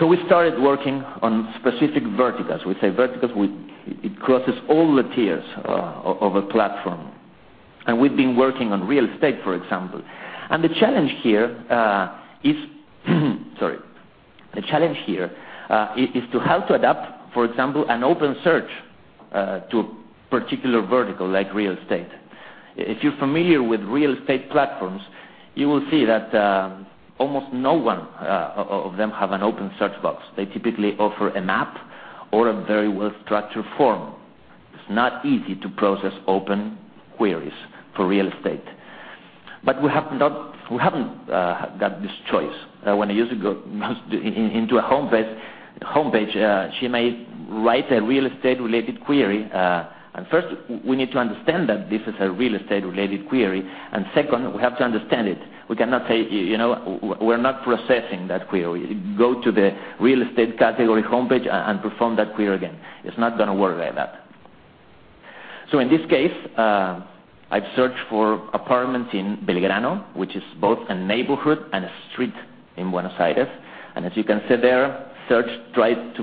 We started working on specific verticals. We say verticals, it crosses all the tiers of a platform. We've been working on real estate, for example. The challenge here is to how to adapt, for example, an open search to a particular vertical like real estate. If you're familiar with real estate platforms, you will see that almost no one of them have an open search box. They typically offer a map or a very well-structured form. It's not easy to process open queries for real estate. We haven't got this choice. When a user go into a homepage, she may write a real estate related query. First, we need to understand that this is a real estate related query. Second, we have to understand it. We cannot say, "We're not processing that query. Go to the real estate category homepage and perform that query again." It's not going to work like that. In this case, I've searched for apartments in Belgrano, which is both a neighborhood and a street in Buenos Aires. As you can see there, search tries to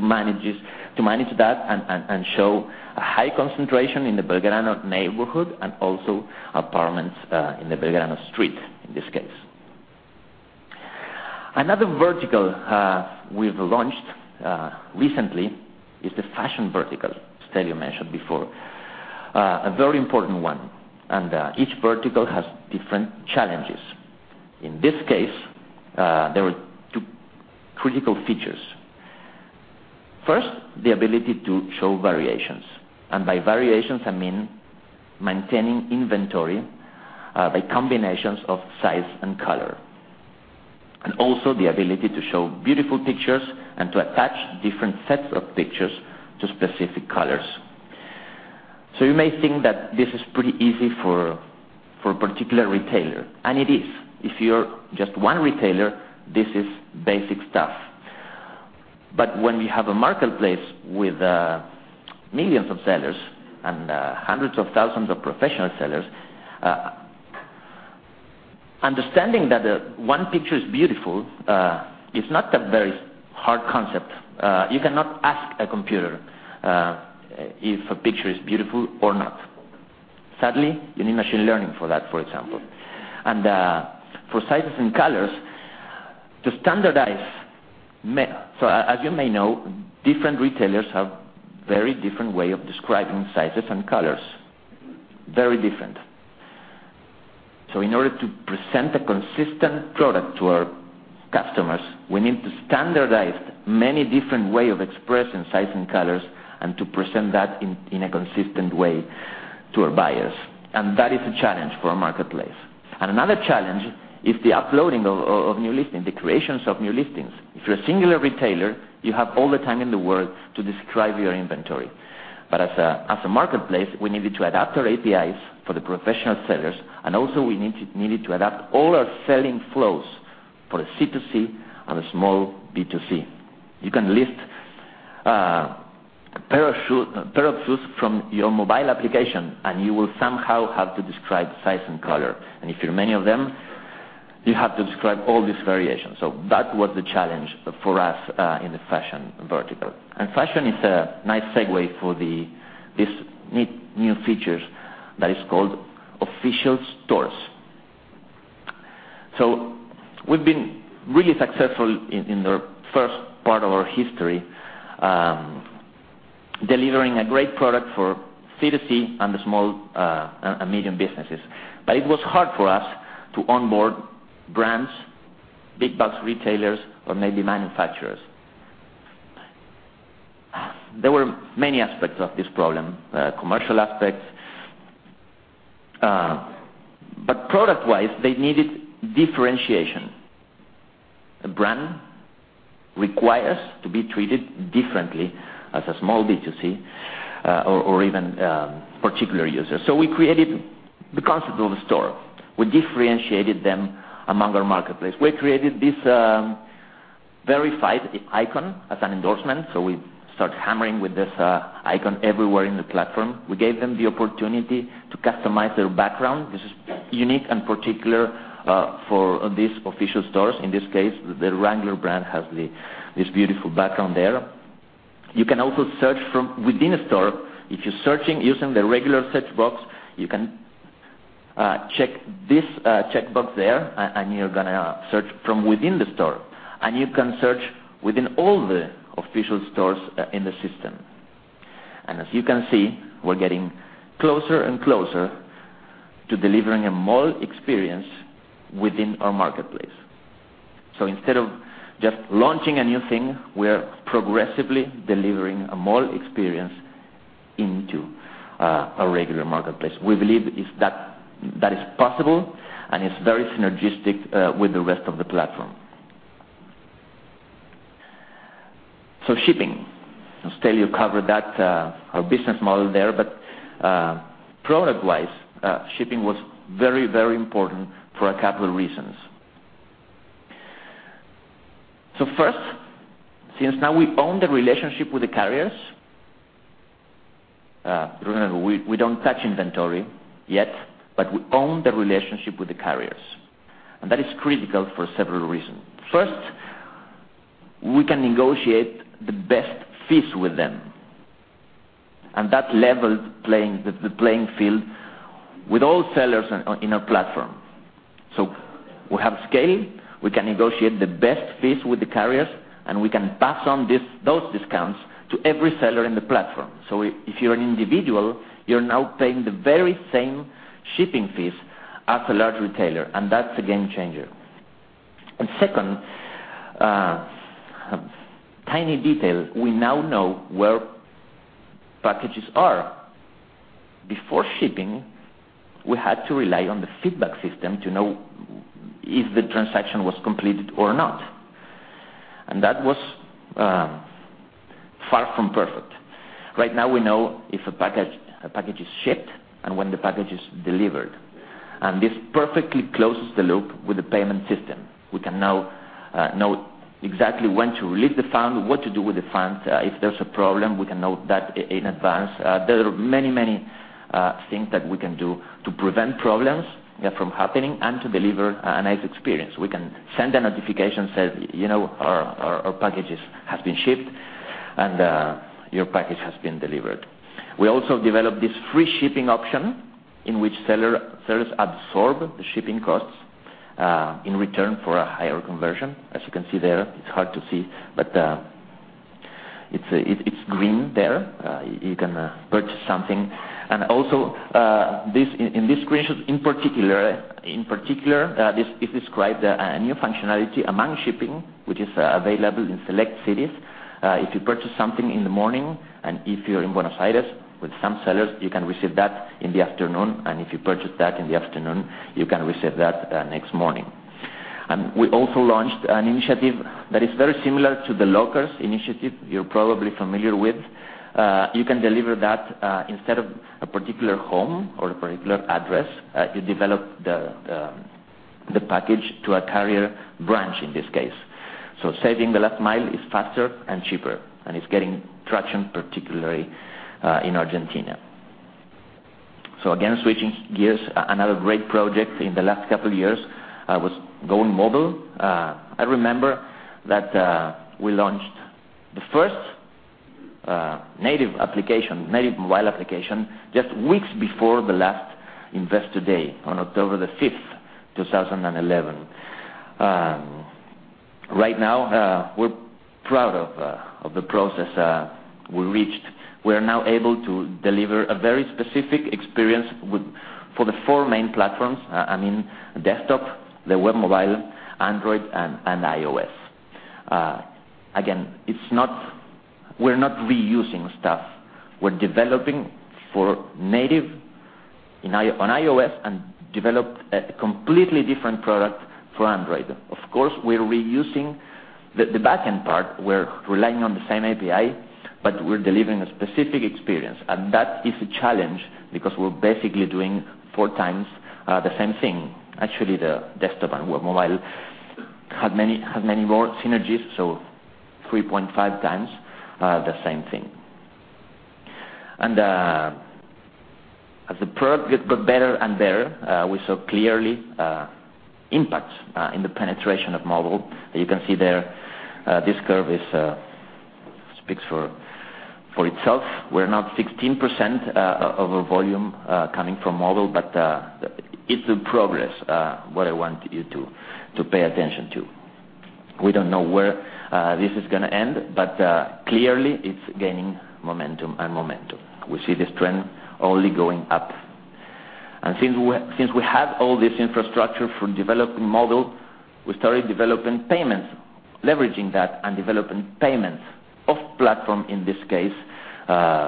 manage that and show a high concentration in the Belgrano neighborhood and also apartments in the Belgrano street, in this case. Another vertical we've launched recently is the fashion vertical, as Stelleo mentioned before. A very important one. Each vertical has different challenges. In this case, there were two critical features. First, the ability to show variations. By variations, I mean maintaining inventory by combinations of size and color. Also the ability to show beautiful pictures and to attach different sets of pictures to specific colors. You may think that this is pretty easy for a particular retailer, and it is. If you're just one retailer, this is basic stuff. When we have a marketplace with millions of sellers and hundreds of thousands of professional sellers, understanding that one picture is beautiful is not a very hard concept. You cannot ask a computer if a picture is beautiful or not. Sadly, you need machine learning for that, for example. For sizes and colors, to standardize as you may know, different retailers have very different way of describing sizes and colors. Very different. In order to present a consistent product to our customers, we need to standardize many different way of expressing sizes and colors, and to present that in a consistent way to our buyers. That is a challenge for a marketplace. Another challenge is the uploading of new listing, the creations of new listings. If you're a singular retailer, you have all the time in the world to describe your inventory. As a marketplace, we needed to adapt our APIs for the professional sellers, and also we needed to adapt all our selling flows for a C2C and a small B2C. You can list a pair of shoes from your mobile application, and you will somehow have to describe size and color. If you're many of them, you have to describe all these variations. That was the challenge for us in the fashion vertical. Fashion is a nice segue for this neat new features that is called official stores. We've been really successful in the first part of our history delivering a great product for C2C and the small and medium businesses. It was hard for us to onboard brands, big box retailers, or maybe manufacturers. There were many aspects of this problem, commercial aspects. Product-wise, they needed differentiation. A brand requires to be treated differently as a small B2C or even particular user. We created the concept of a store. We differentiated them among our marketplace. We created this verified icon as an endorsement, so we start hammering with this icon everywhere in the platform. We gave them the opportunity to customize their background, which is unique and particular for these official stores. In this case, the Wrangler brand has this beautiful background there. You can also search from within a store. If you're searching using the regular search box, you can check this checkbox there, and you're going to search from within the store. You can search within all the official stores in the system. As you can see, we're getting closer and closer to delivering a mall experience within our marketplace. Instead of just launching a new thing, we are progressively delivering a mall experience into a regular marketplace. We believe that is possible and it's very synergistic with the rest of the platform. Shipping. Stelleo covered that, our business model there. Product-wise, shipping was very important for a couple reasons. First, since now we own the relationship with the carriers. Remember, we don't touch inventory yet, but we own the relationship with the carriers, and that is critical for several reasons. First, we can negotiate the best fees with them, and that levels the playing field with all sellers in our platform. We have scale, we can negotiate the best fees with the carriers, and we can pass on those discounts to every seller in the platform. If you're an individual, you're now paying the very same shipping fees as a large retailer, and that's a game changer. Second, a tiny detail, we now know where packages are. Before shipping, we had to rely on the feedback system to know if the transaction was completed or not, and that was far from perfect. Right now, we know if a package is shipped and when the package is delivered, and this perfectly closes the loop with the payment system. We can now know exactly when to release the fund, what to do with the funds. If there's a problem, we can know that in advance. There are many things that we can do to prevent problems from happening and to deliver a nice experience. We can send a notification saying, "Our packages have been shipped," and, "Your package has been delivered." We also developed this free shipping option in which sellers absorb the shipping costs in return for a higher conversion. As you can see there, it's hard to see, but it's green there. You can purchase something. Also, in this screenshot in particular, this describes a new functionality among shipping, which is available in select cities. If you purchase something in the morning, if you're in Buenos Aires with some sellers, you can receive that in the afternoon. If you purchase that in the afternoon, you can receive that the next morning. We also launched an initiative that is very similar to the lockers initiative you're probably familiar with. You can deliver that instead of a particular home or a particular address, you deliver the package to a carrier branch in this case. Saving the last mile is faster and cheaper, it's getting traction, particularly in Argentina. Again, switching gears, another great project in the last couple of years was going mobile. I remember that we launched the first native mobile application just weeks before the last Investor Day on October 5, 2011. Right now, we're proud of the progress we reached. We are now able to deliver a very specific experience for the four main platforms, I mean, desktop, the web mobile, Android, and iOS. Again, we're not reusing stuff. We're developing for native on iOS and developed a completely different product for Android. Of course, we're reusing the backend part. We're relying on the same API, but we're delivering a specific experience, and that is a challenge because we're basically doing four times the same thing. Actually, the desktop and web mobile have many more synergies, so 3.5 times the same thing. As the product got better and better, we saw clearly impacts in the penetration of mobile. You can see there, this curve speaks for itself. We're now at 16% of our volume coming from mobile, but it's the progress what I want you to pay attention to. We don't know where this is going to end, clearly, it's gaining momentum and momentum. We see this trend only going up. Since we have all this infrastructure for developing mobile, we started developing payments, leveraging that and developing payments off-platform, in this case,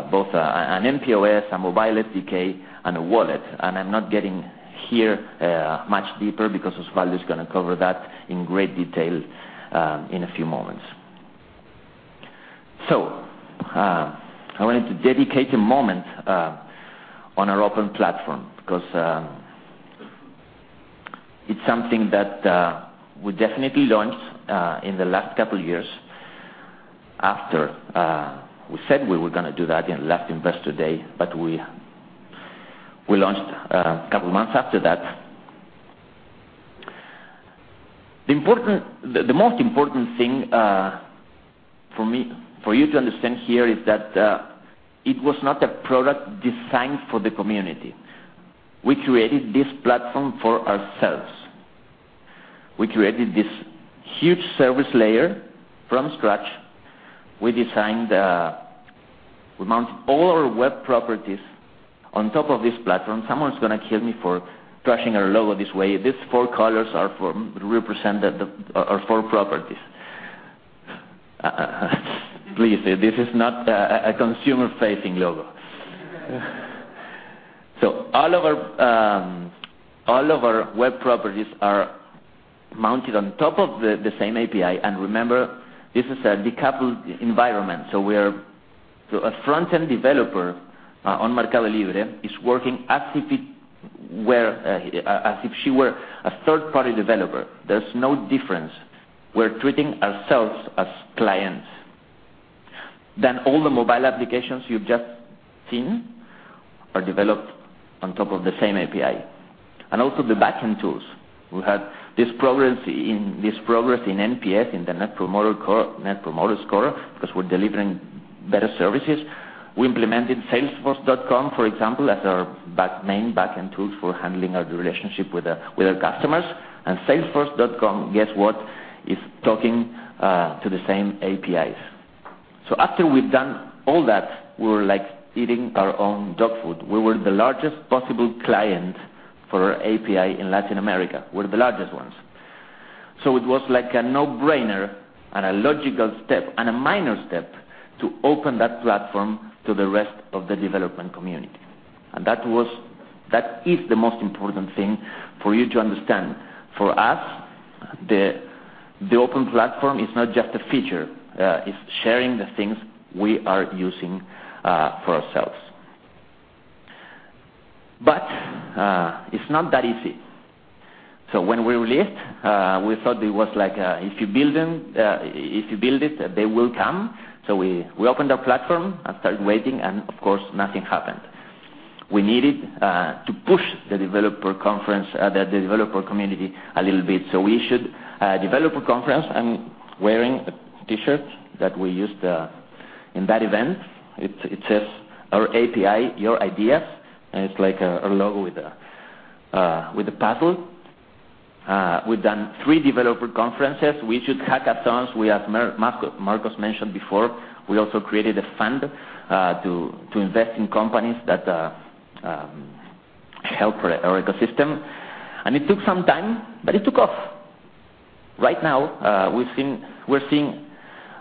both an mPOS, a mobile SDK, and a wallet. I'm not getting here much deeper because Osvaldo is going to cover that in great detail in a few moments. I wanted to dedicate a moment on our open platform because it's something that we definitely launched in the last couple of years after we said we were going to do that in the last Investor Day, but we launched a couple of months after that. The most important thing for you to understand here is that it was not a product designed for the community. We created this platform for ourselves. We created this huge service layer from scratch. We mounted all our web properties on top of this platform. Someone's going to kill me for trashing our logo this way. These four colors represent our four properties. Please, this is not a consumer-facing logo. All of our web properties are mounted on top of the same API. Remember, this is a decoupled environment. A front-end developer on MercadoLibre is working as if she were a third-party developer, there's no difference. We're treating ourselves as clients. All the mobile applications you've just seen are developed on top of the same API and also the backend tools. We had this progress in NPS, in the Net Promoter Score, because we're delivering better services. We implemented salesforce.com, for example, as our main backend tools for handling our relationship with our customers. salesforce.com, guess what? Is talking to the same APIs. After we've done all that, we were like eating our own dog food. We were the largest possible client for API in Latin America. We're the largest ones. It was like a no-brainer and a logical step and a minor step to open that platform to the rest of the development community. That is the most important thing for you to understand. For us, the open platform is not just a feature, it's sharing the things we are using for ourselves. It's not that easy. When we released, we thought it was like if you build it, they will come. We opened our platform and started waiting, and of course, nothing happened. We needed to push the developer community a little bit. We issued a developer conference. I'm wearing a T-shirt that we used in that event. It says, "Our API, your ideas," it's like a logo with a puzzle. We've done three developer conferences. We issued hackathons. As Marcos mentioned before, we also created a fund to invest in companies that help our ecosystem. It took some time, but it took off. Right now, we're seeing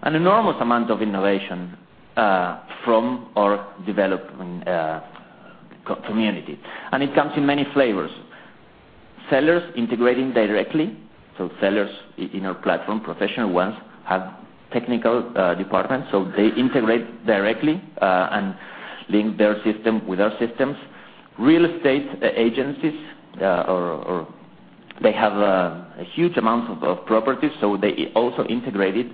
an enormous amount of innovation from our development community, and it comes in many flavors. Sellers integrating directly. Sellers in our platform, professional ones, have technical departments, they integrate directly and link their system with our systems. Real estate agencies, they have a huge amount of properties, they also integrated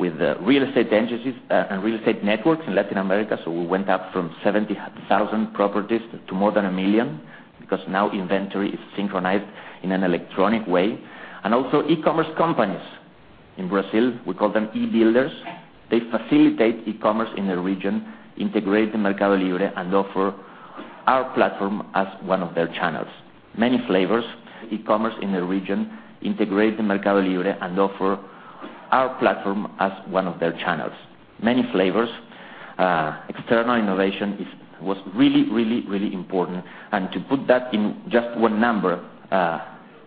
with real estate agencies and real estate networks in Latin America. We went up from 70,000 properties to more than 1 million, because now inventory is synchronized in an electronic way. Also e-commerce companies in Brazil, we call them e-builders. They facilitate e-commerce in the region, integrate MercadoLibre, and offer our platform as one of their channels. Many flavors. External innovation was really important. To put that in just one number,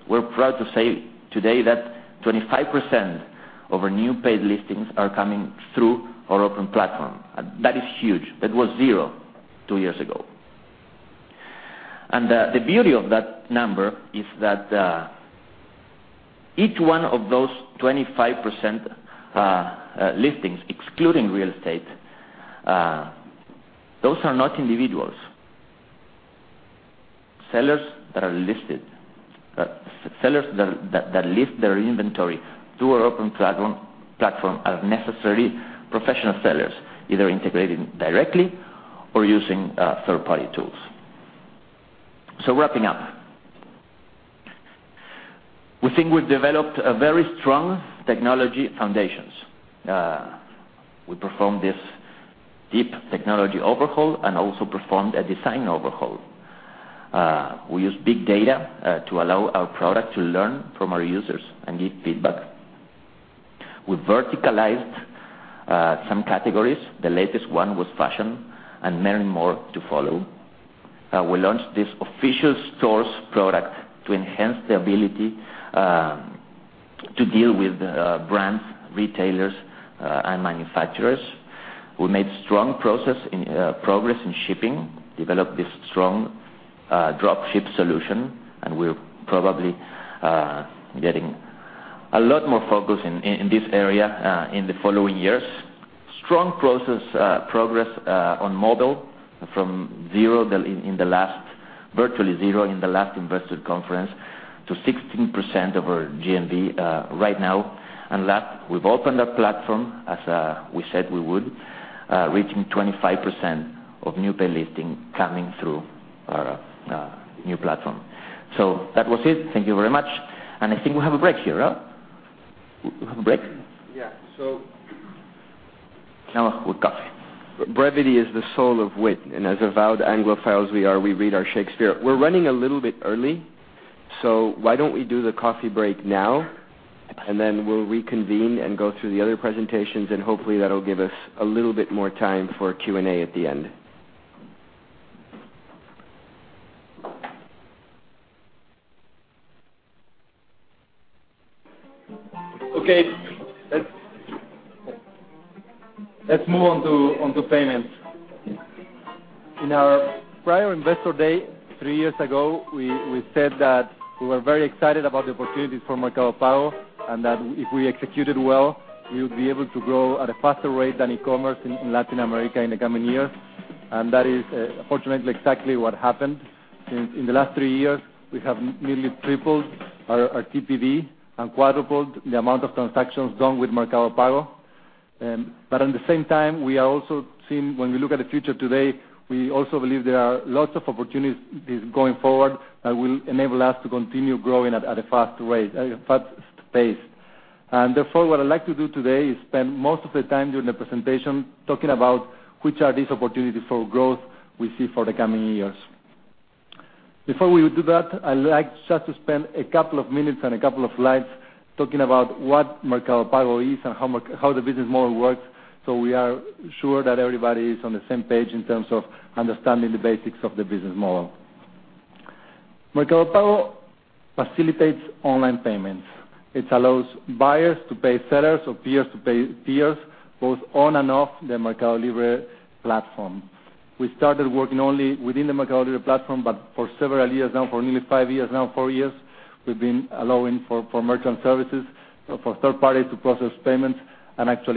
we're proud to say today that 25% of our new paid listings are coming through our open platform. That is huge. That was 0 two years ago. The beauty of that number is that each one of those 25% listings, excluding real estate, those are not individuals. Sellers that list their inventory through our open platform are necessarily professional sellers, either integrating directly or using third-party tools. Wrapping up, we think we've developed a very strong technology foundations. We performed this deep technology overhaul, also performed a design overhaul. We use big data to allow our product to learn from our users and give feedback. We verticalized some categories. The latest one was fashion, many more to follow. We launched this official stores product to enhance the ability to deal with brands, retailers, and manufacturers. We made strong progress in shipping, developed this strong drop ship solution, we're probably getting a lot more focus in this area in the following years. Strong progress on mobile from virtually 0 in the last investor conference to 16% of our GMV right now. Last, we've opened our platform, as we said we would, reaching 25% of new paid listing coming through our new platform. That was it. Thank you very much. I think we have a break here. We have a break?
Yeah.
Now with coffee
brevity is the soul of wit, and as avowed Anglophiles we are, we read our Shakespeare. We're running a little bit early, so why don't we do the coffee break now, and then we'll reconvene and go through the other presentations, and hopefully that'll give us a little bit more time for Q&A at the end.
Okay. Let's move on to payment. In our prior Investor Day three years ago We said that we were very excited about the opportunities for Mercado Pago, that if we executed well, we would be able to grow at a faster rate than e-commerce in Latin America in the coming years. That is, fortunately, exactly what happened. In the last three years, we have nearly tripled our TPV and quadrupled the amount of transactions done with Mercado Pago. At the same time, we are also seeing, when we look at the future today, we also believe there are lots of opportunities going forward that will enable us to continue growing at a fast pace. Therefore, what I'd like to do today is spend most of the time during the presentation talking about which are these opportunities for growth we see for the coming years. It's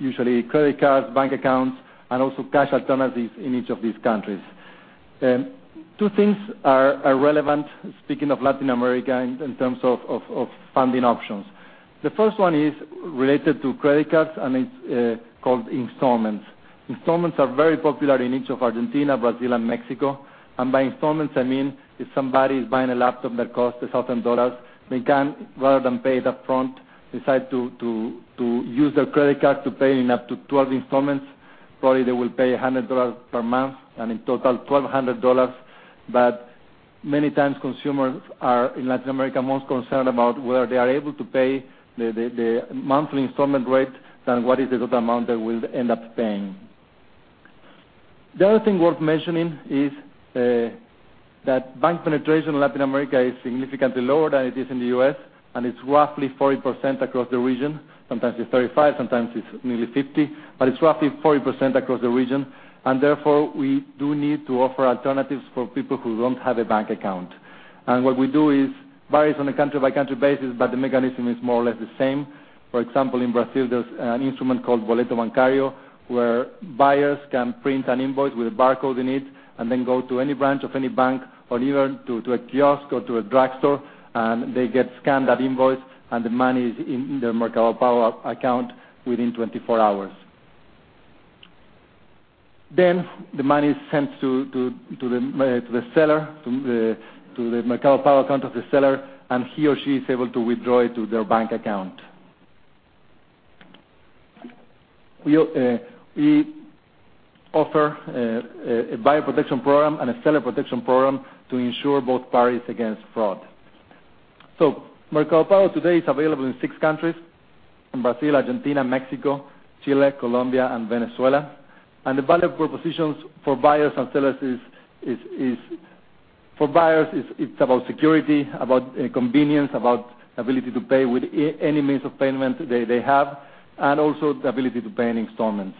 usually credit cards, bank accounts, and also cash alternatives in each of these countries. Two things are relevant, speaking of Latin America, in terms of Many times consumers are, in Latin America, most concerned about whether they are able to pay the monthly installment rate than what is the total amount they will end up paying. The other thing worth mentioning is that bank penetration in Latin America is significantly lower than it is in the U.S., it's roughly 40% across the region. Sometimes it's 35%, sometimes it's nearly 50%, but it's roughly 40% across the region. Therefore, we do need to offer alternatives for people who don't have a bank account. What we do varies on a country-by-country basis, but the mechanism is more or less the same. For example, in Brazil, there's an instrument called Boleto Bancário, where buyers can print an invoice with a barcode in it and then go to any branch of any bank or even to a kiosk or to a drugstore, and they get scanned that invoice, and the money is in their Mercado Pago account within 24 hours. The money is sent to the seller, to the Mercado Pago account of the seller, and he or she is able to withdraw it to their bank account. We offer a buyer protection program and a seller protection program to ensure both parties against fraud. Mercado Pago today is available in six countries, in Brazil, Argentina, Mexico, Chile, Colombia, and Venezuela. The value propositions for buyers and sellers is, for buyers, it's about security, about convenience, about ability to pay with any means of payment they have, and also the ability to pay in installments.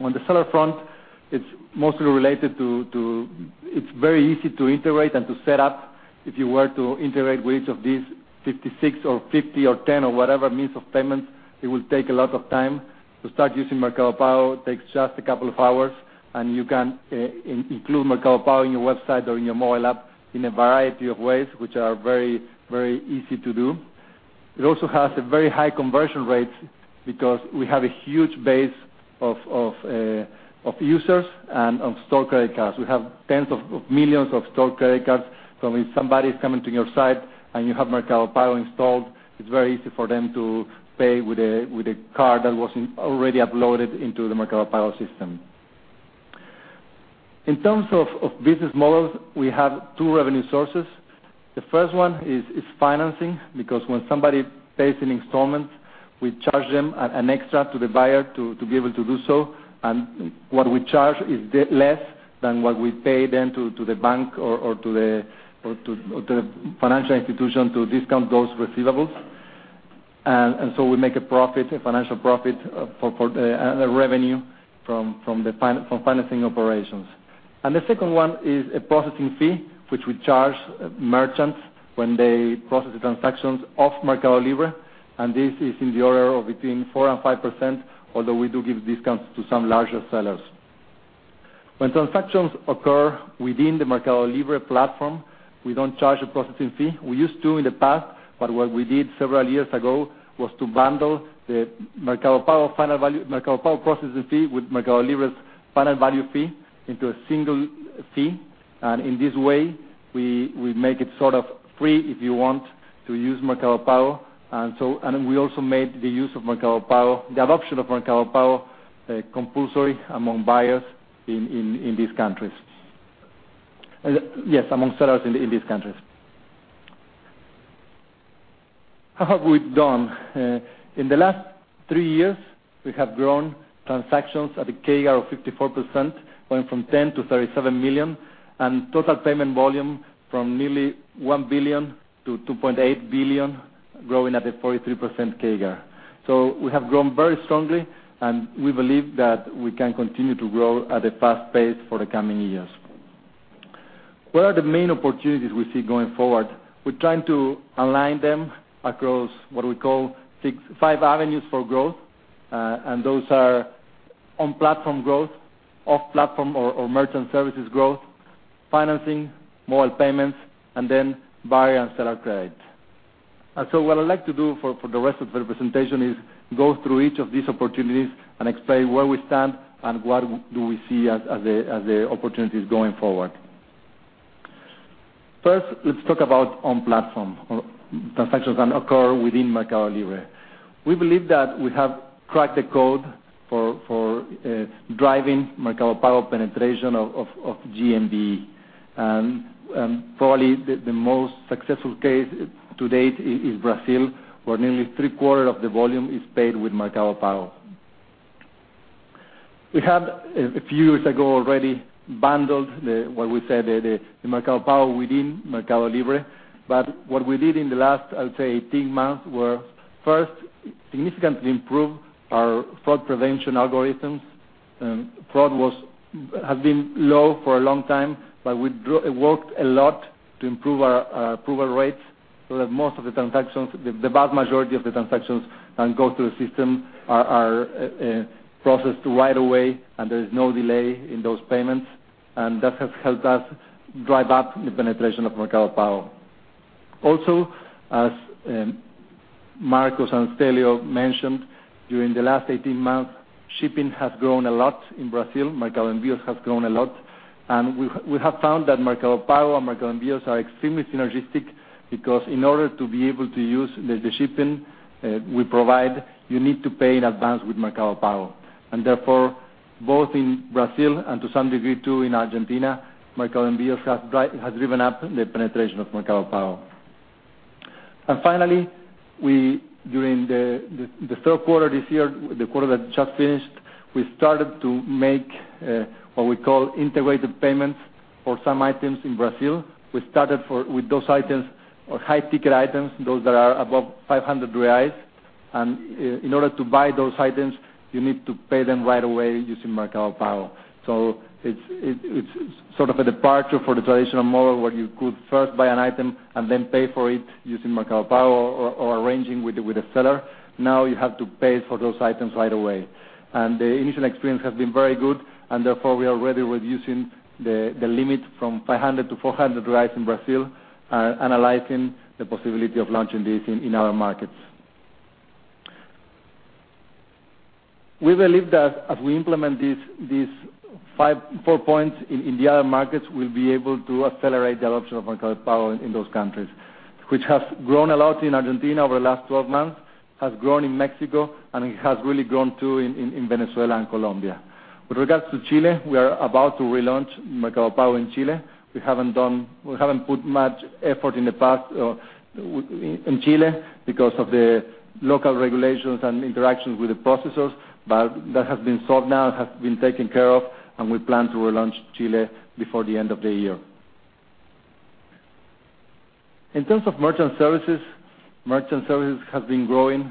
On the seller front, it's mostly related to, it's very easy to integrate and to set up. If you were to integrate with each of these 56 or 50 or 10 or whatever means of payment, it would take a lot of time. To start using Mercado Pago takes just a couple of hours, and you can include Mercado Pago in your website or in your mobile app in a variety of ways, which are very easy to do. It also has a very high conversion rate because we have a huge base of users and of stored credit cards. We have tens of millions of stored credit cards. If somebody's coming to your site and you have Mercado Pago installed, it's very easy for them to pay with a card that was already uploaded into the Mercado Pago system. In terms of business models, we have two revenue sources. The first one is financing, because when somebody pays in installments, we charge them an extra to the buyer to be able to do so. What we charge is less than what we pay them to the bank or to the financial institution to discount those receivables. We make a profit, a financial profit, for the revenue from financing operations. The second one is a processing fee, which we charge merchants when they process the transactions off Mercado Libre. This is in the order of between 4% and 5%, although we do give discounts to some larger sellers. When transactions occur within the Mercado Libre platform, we don't charge a processing fee. We used to in the past, but what we did several years ago was to bundle the Mercado Pago processing fee with Mercado Libre's final value fee into a single fee. In this way, we make it sort of free, if you want, to use Mercado Pago. We also made the use of Mercado Pago, the adoption of Mercado Pago, compulsory among buyers in these countries. Yes, among sellers in these countries. How have we done? In the last three years, we have grown transactions at a CAGR of 54%, going from 10 to 37 million, and total payment volume from nearly $1 billion to $2.8 billion, growing at a 43% CAGR. We have grown very strongly, and we believe that we can continue to grow at a fast pace for the coming years. What are the main opportunities we see going forward? We're trying to align them across what we call five avenues for growth. Those are on-platform growth, off-platform or merchant services growth, financing, mobile payments, and then buyer and seller credit. What I'd like to do for the rest of the presentation is go through each of these opportunities and explain where we stand and what do we see as the opportunities going forward. First, let's talk about on-platform or transactions that occur within Mercado Libre. We believe that we have cracked the code for driving Mercado Pago penetration of GMV. Probably the most successful case to date is Brazil, where nearly three-quarters of the volume is paid with Mercado Pago. We have, a few years ago already, bundled the, what we said, the Mercado Pago within Mercado Libre. What we did in the last, I'll say, 18 months were, first, significantly improve our fraud prevention algorithms. Fraud has been low for a long time, but we worked a lot to improve our approval rates so that most of the transactions, the vast majority of the transactions that go through the system are processed right away, and there is no delay in those payments. That has helped us drive up the penetration of Mercado Pago. Also, as Marcos and Stelleo mentioned, during the last 18 months, shipping has grown a lot in Brazil. Mercado Envios has grown a lot. We have found that Mercado Pago and Mercado Envios are extremely synergistic, because in order to be able to use the shipping we provide, you need to pay in advance with Mercado Pago. Therefore, both in Brazil and to some degree, too, in Argentina, Mercado Envios has driven up the penetration of Mercado Pago. Finally, during the third quarter this year, the quarter that just finished, we started to make what we call integrated payments for some items in Brazil. We started with those items or high-ticket items, those that are above 500 reais. In order to buy those items, you need to pay them right away using Mercado Pago. It's sort of a departure for the traditional model, where you could first buy an item and then pay for it using Mercado Pago or arranging with a seller. Now you have to pay for those items right away. The initial experience has been very good, and therefore, we are already reducing the limit from 500 to 400 in Brazil, analyzing the possibility of launching this in our markets. We believe that as we implement these 4 points in the other markets, we'll be able to accelerate the adoption of Mercado Pago in those countries, which has grown a lot in Argentina over the last 12 months, has grown in Mexico, and it has really grown, too, in Venezuela and Colombia. With regards to Chile, we are about to relaunch Mercado Pago in Chile. We haven't put much effort in the past in Chile because of the local regulations and interactions with the processors, but that has been solved now, has been taken care of, and we plan to relaunch Chile before the end of the year. In terms of merchant services, merchant services has been growing,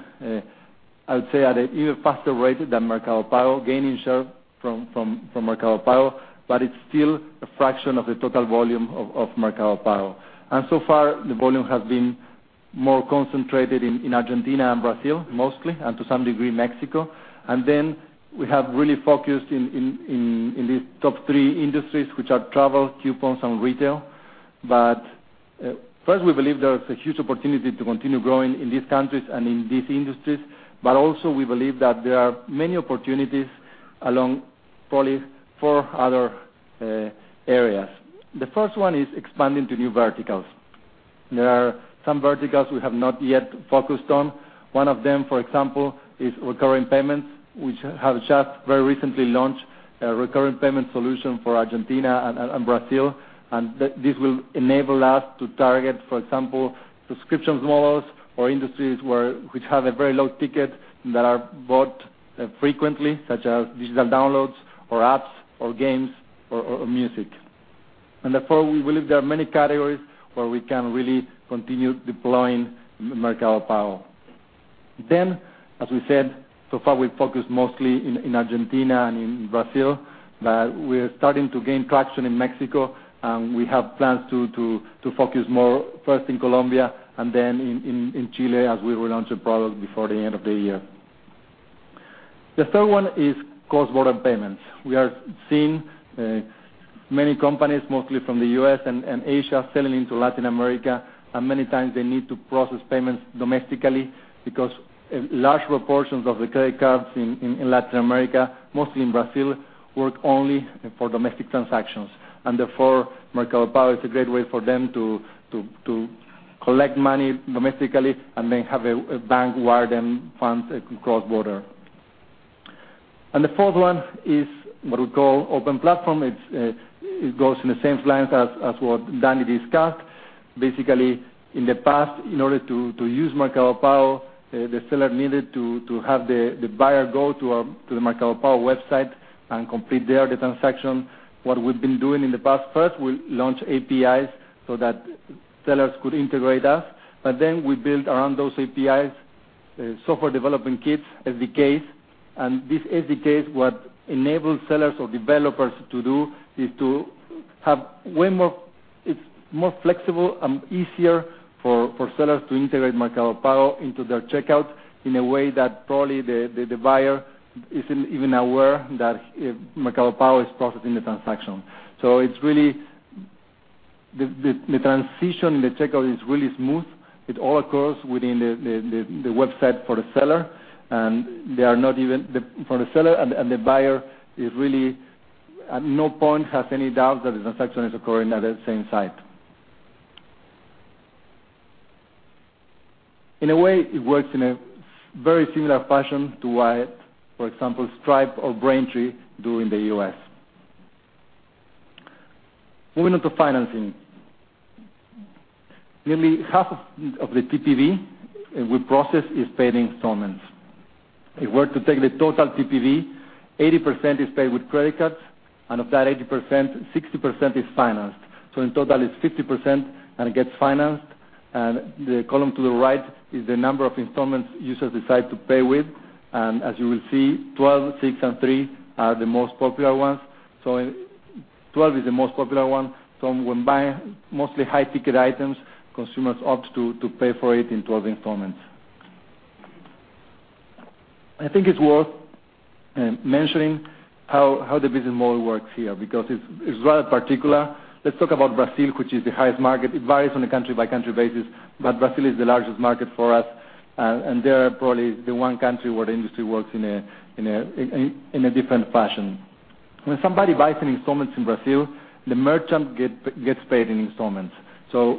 I would say, at an even faster rate than Mercado Pago, gaining share from Mercado Pago, but it's still a fraction of the total volume of Mercado Pago. So far, the volume has been more concentrated in Argentina and Brazil, mostly, and to some degree, Mexico. We have really focused in these top three industries, which are travel, coupons, and retail. First, we believe there is a huge opportunity to continue growing in these countries and in these industries. Also, we believe that there are many opportunities along, probably four other areas. The first one is expanding to new verticals. There are some verticals we have not yet focused on. One of them, for example, is recurring payments. We have just very recently launched a recurring payment solution for Argentina and Brazil. This will enable us to target, for example, subscription models or industries which have a very low ticket that are bought frequently, such as digital downloads or apps or games or music. Therefore, we believe there are many categories where we can really continue deploying Mercado Pago. As we said, so far, we focus mostly in Argentina and in Brazil. We're starting to gain traction in Mexico, and we have plans to focus more, first in Colombia and then in Chile as we relaunch the product before the end of the year. The third one is cross-border payments. We are seeing many companies, mostly from the U.S. and Asia, selling into Latin America, and many times they need to process payments domestically because large proportions of the credit cards in Latin America, mostly in Brazil, work only for domestic transactions. Therefore, Mercado Pago is a great way for them to collect money domestically and then have a bank wire them funds cross-border. The fourth one is what we call open platform. It goes in the same lines as what Danny discussed. Basically, in the past, in order to use Mercado Pago, the seller needed to have the buyer go to the Mercado Pago website and complete there the transaction. What we've been doing in the past, first, we launched APIs so that sellers could integrate us, we built around those APIs, software development kits, SDKs. These SDKs, what enables sellers or developers to do is to have It's more flexible and easier for sellers to integrate Mercado Pago into their checkout in a way that probably the buyer isn't even aware that Mercado Pago is processing the transaction. The transition in the checkout is really smooth. It all occurs within the website for the seller, and the buyer, really, at no point has any doubt that the transaction is occurring at that same site. In a way, it works in a very similar fashion to what, for example, Stripe or Braintree do in the U.S. Moving on to financing. Nearly half of the TPV we process is paid in installments. If we were to take the total TPV, 80% is paid with credit cards, and of that 80%, 60% is financed. In total, it's 50% and it gets financed. The column to the right is the number of installments users decide to pay with. As you will see, 12, 6, and 3 are the most popular ones. 12 is the most popular one. When buying mostly high-ticket items, consumers opt to pay for it in 12 installments. I think it's worth mentioning how the business model works here, because it's rather particular. Let's talk about Brazil, which is the highest market. It varies on a country-by-country basis, Brazil is the largest market for us, they are probably the one country where the industry works in a different fashion. When somebody buys in installments in Brazil, the merchant gets paid in installments.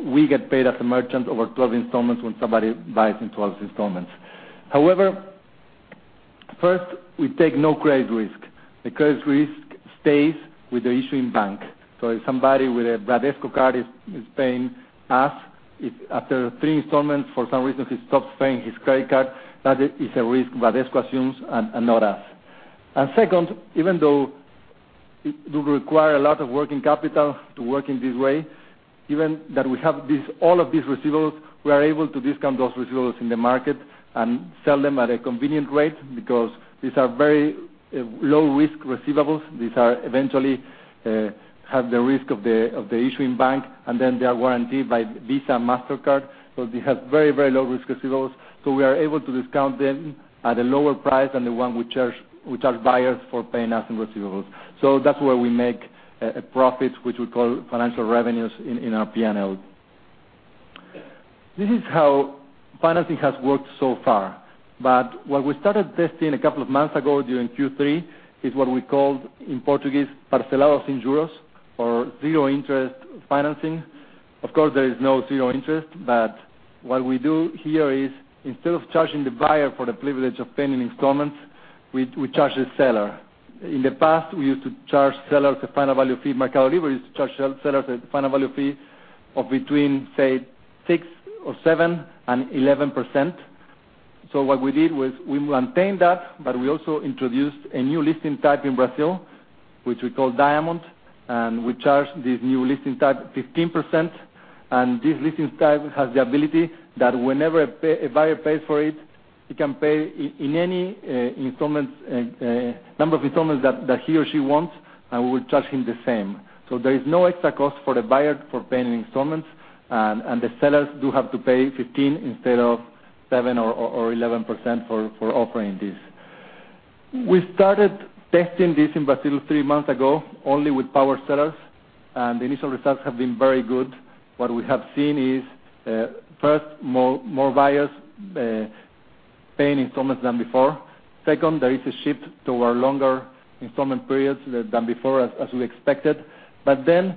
We get paid as a merchant over 12 installments when somebody buys in 12 installments. However, first, we take no credit risk. The credit risk stays with the issuing bank. If somebody with a Bradesco card is paying us, if after three installments, for some reason he stops paying his credit card, that is a risk Bradesco assumes and not us. Second, even though it do require a lot of working capital to work in this way, given that we have all of these receivables, we are able to discount those receivables in the market and sell them at a convenient rate because these are very low-risk receivables. These eventually have the risk of the issuing bank, they are guaranteed by Visa and Mastercard. They have very low-risk receivables. We are able to discount them at a lower price than the one we charge buyers for paying us in receivables. That's where we make a profit, which we call financial revenues in our P&L. This is how financing has worked so far. What we started testing a couple of months ago during Q3 is what we called, in Portuguese, parcelado sem juros, or zero-interest financing. Of course, there is no zero interest, what we do here is instead of charging the buyer for the privilege of paying in installments, we charge the seller. In the past, we used to charge sellers a final value fee. MercadoLibre used to charge sellers a final value fee of between, say, 6% or 7% and 11%. What we did was we maintained that, we also introduced a new listing type in Brazil, which we call Diamond. We charge this new listing type 15%, and this listings type has the ability that whenever a buyer pays for it, he can pay in any number of installments that he or she wants, and we will charge him the same. There is no extra cost for the buyer for paying in installments, the sellers do have to pay 15% instead of 7% or 11% for offering this. We started testing this in Brazil three months ago, only with power sellers, the initial results have been very good. What we have seen is, first, more buyers paying installments than before. Second, there is a shift toward longer installment periods than before, as we expected. With the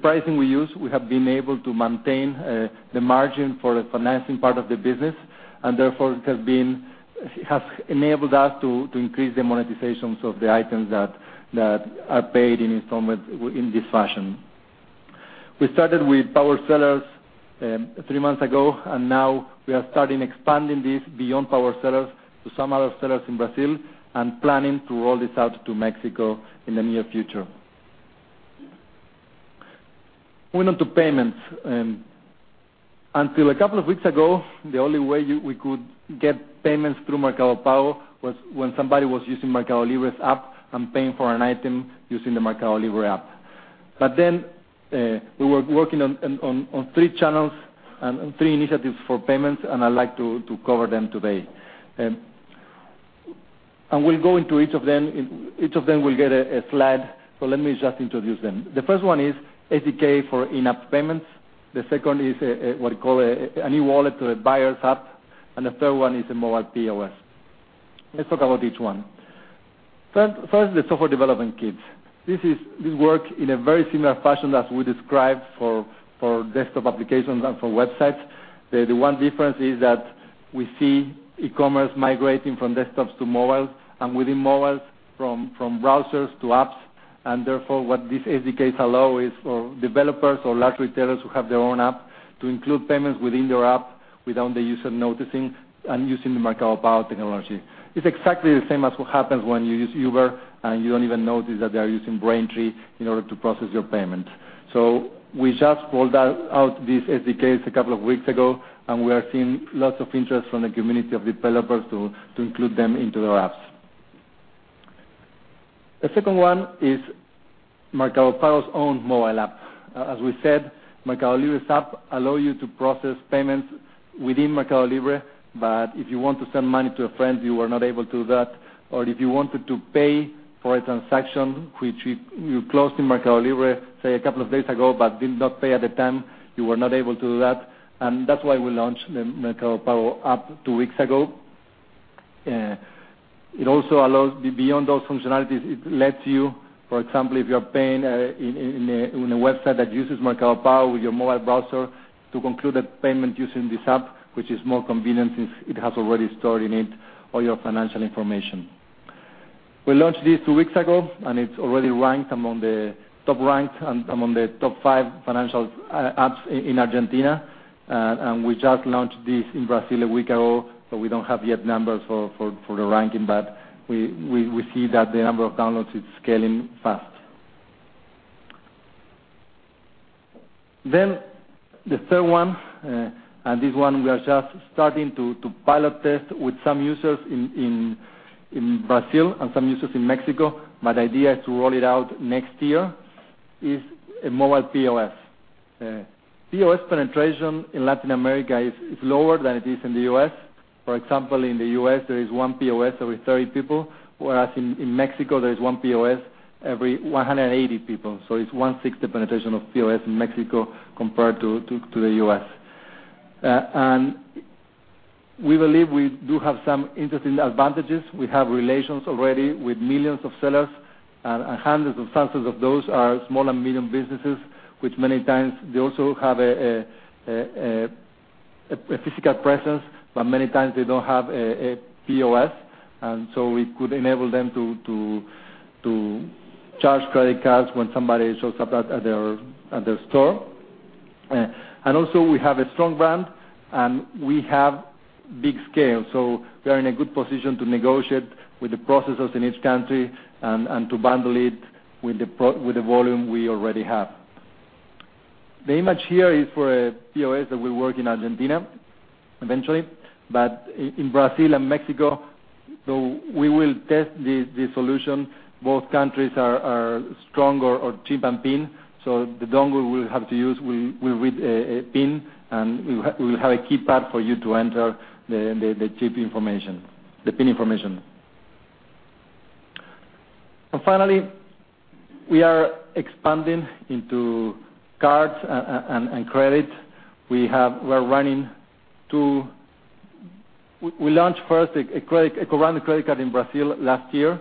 pricing we use, we have been able to maintain the margin for the financing part of the business, therefore it has enabled us to increase the monetizations of the items that are paid in installments in this fashion. We started with power sellers three months ago, and now we are starting expanding this beyond power sellers to some other sellers in Brazil and planning to roll this out to Mexico in the near future. Moving on to payments. Until a couple of weeks ago, the only way we could get payments through Mercado Pago was when somebody was using MercadoLibre's app and paying for an item using the MercadoLibre app. We were working on three channels and three initiatives for payments, and I'd like to cover them today. We'll go into each of them. Each of them will get a slide. Let me just introduce them. The first one is SDK for in-app payments. The second is what we call a new wallet to a buyer's app, and the third one is a mobile POS. Let's talk about each one. First, the software development kits. This works in a very similar fashion as we described for desktop applications and for websites. The one difference is that we see e-commerce migrating from desktops to mobile, and within mobile from browsers to apps. Therefore, what these SDKs allow is for developers or large retailers who have their own app to include payments within their app without the user noticing and using the Mercado Pago technology. It's exactly the same as what happens when you use Uber, and you don't even notice that they are using Braintree in order to process your payment. We just rolled out these SDKs a couple of weeks ago, and we are seeing lots of interest from the community of developers to include them into their apps. The second one is Mercado Pago's own mobile app. As we said, MercadoLibre's app allows you to process payments within MercadoLibre, but if you want to send money to a friend, you are not able to do that. If you wanted to pay for a transaction, which you closed in MercadoLibre, say, a couple of days ago, but did not pay at the time, you were not able to do that. That's why we launched the Mercado Pago app two weeks ago. It also allows, beyond those functionalities, it lets you, for example, if you're paying on a website that uses Mercado Pago with your mobile browser to conclude that payment using this app, which is more convenient since it has already stored in it all your financial information. We launched this two weeks ago, and it's already top ranked among the top five financial apps in Argentina. We just launched this in Brazil a week ago, but we don't have yet numbers for the ranking, but we see that the number of downloads is scaling fast. The third one, this one we are just starting to pilot test with some users in Brazil and some users in Mexico, but the idea is to roll it out next year, is a mobile POS. POS penetration in Latin America is lower than it is in the U.S. For example, in the U.S., there is one POS every 30 people, whereas in Mexico, there is one POS every 180 people. So it's one-sixth the penetration of POS in Mexico compared to the U.S. We believe we do have some interesting advantages. We have relations already with millions of sellers, and hundreds and thousands of those are small and medium businesses, which many times they also have a physical presence, but many times they don't have a POS. We could enable them to charge credit cards when somebody shows up at their store. Also we have a strong brand and we have big scale, so we are in a good position to negotiate with the processors in each country and to bundle it with the volume we already have. The image here is for a POS that will work in Argentina eventually. In Brazil and Mexico, though we will test the solution, both countries are strong on chip and PIN, so the dongle we'll have to use will read a PIN, and we'll have a keypad for you to enter the chip information, the PIN information. Finally, we are expanding into cards and credit. We launched first a co-branded credit card in Brazil last year,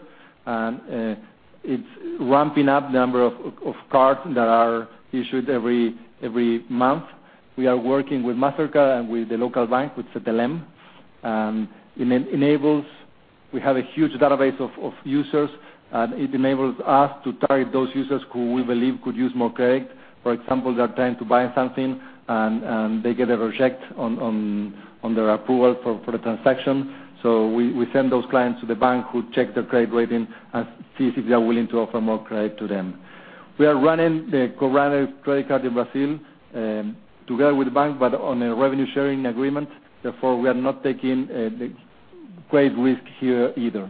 it's ramping up the number of cards that are issued every month. We are working with Mastercard and with the local bank, with Cetelem. We have a huge database of users, it enables us to target those users who we believe could use more credit. For example, they are trying to buy something, they get a reject on their approval for the transaction. We send those clients to the bank who check their credit rating and see if they are willing to offer more credit to them. We are running the co-branded credit card in Brazil together with the bank, on a revenue-sharing agreement. Therefore, we are not taking the great risk here either.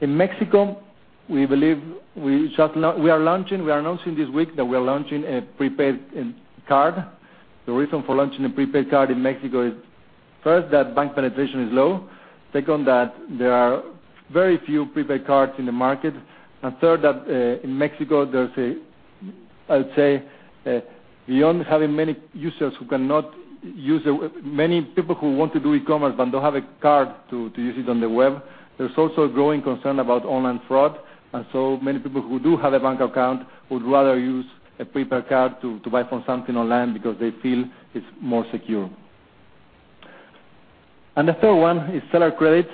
In Mexico, we are announcing this week that we are launching a prepaid card. The reason for launching a prepaid card in Mexico is, first, that bank penetration is low. Second, that there are very few prepaid cards in the market. Third, that in Mexico, there's a, I would say, beyond having many people who want to do e-commerce but don't have a card to use it on the web, there's also a growing concern about online fraud. Many people who do have a bank account would rather use a prepaid card to buy something online because they feel it's more secure. The third one is seller credit,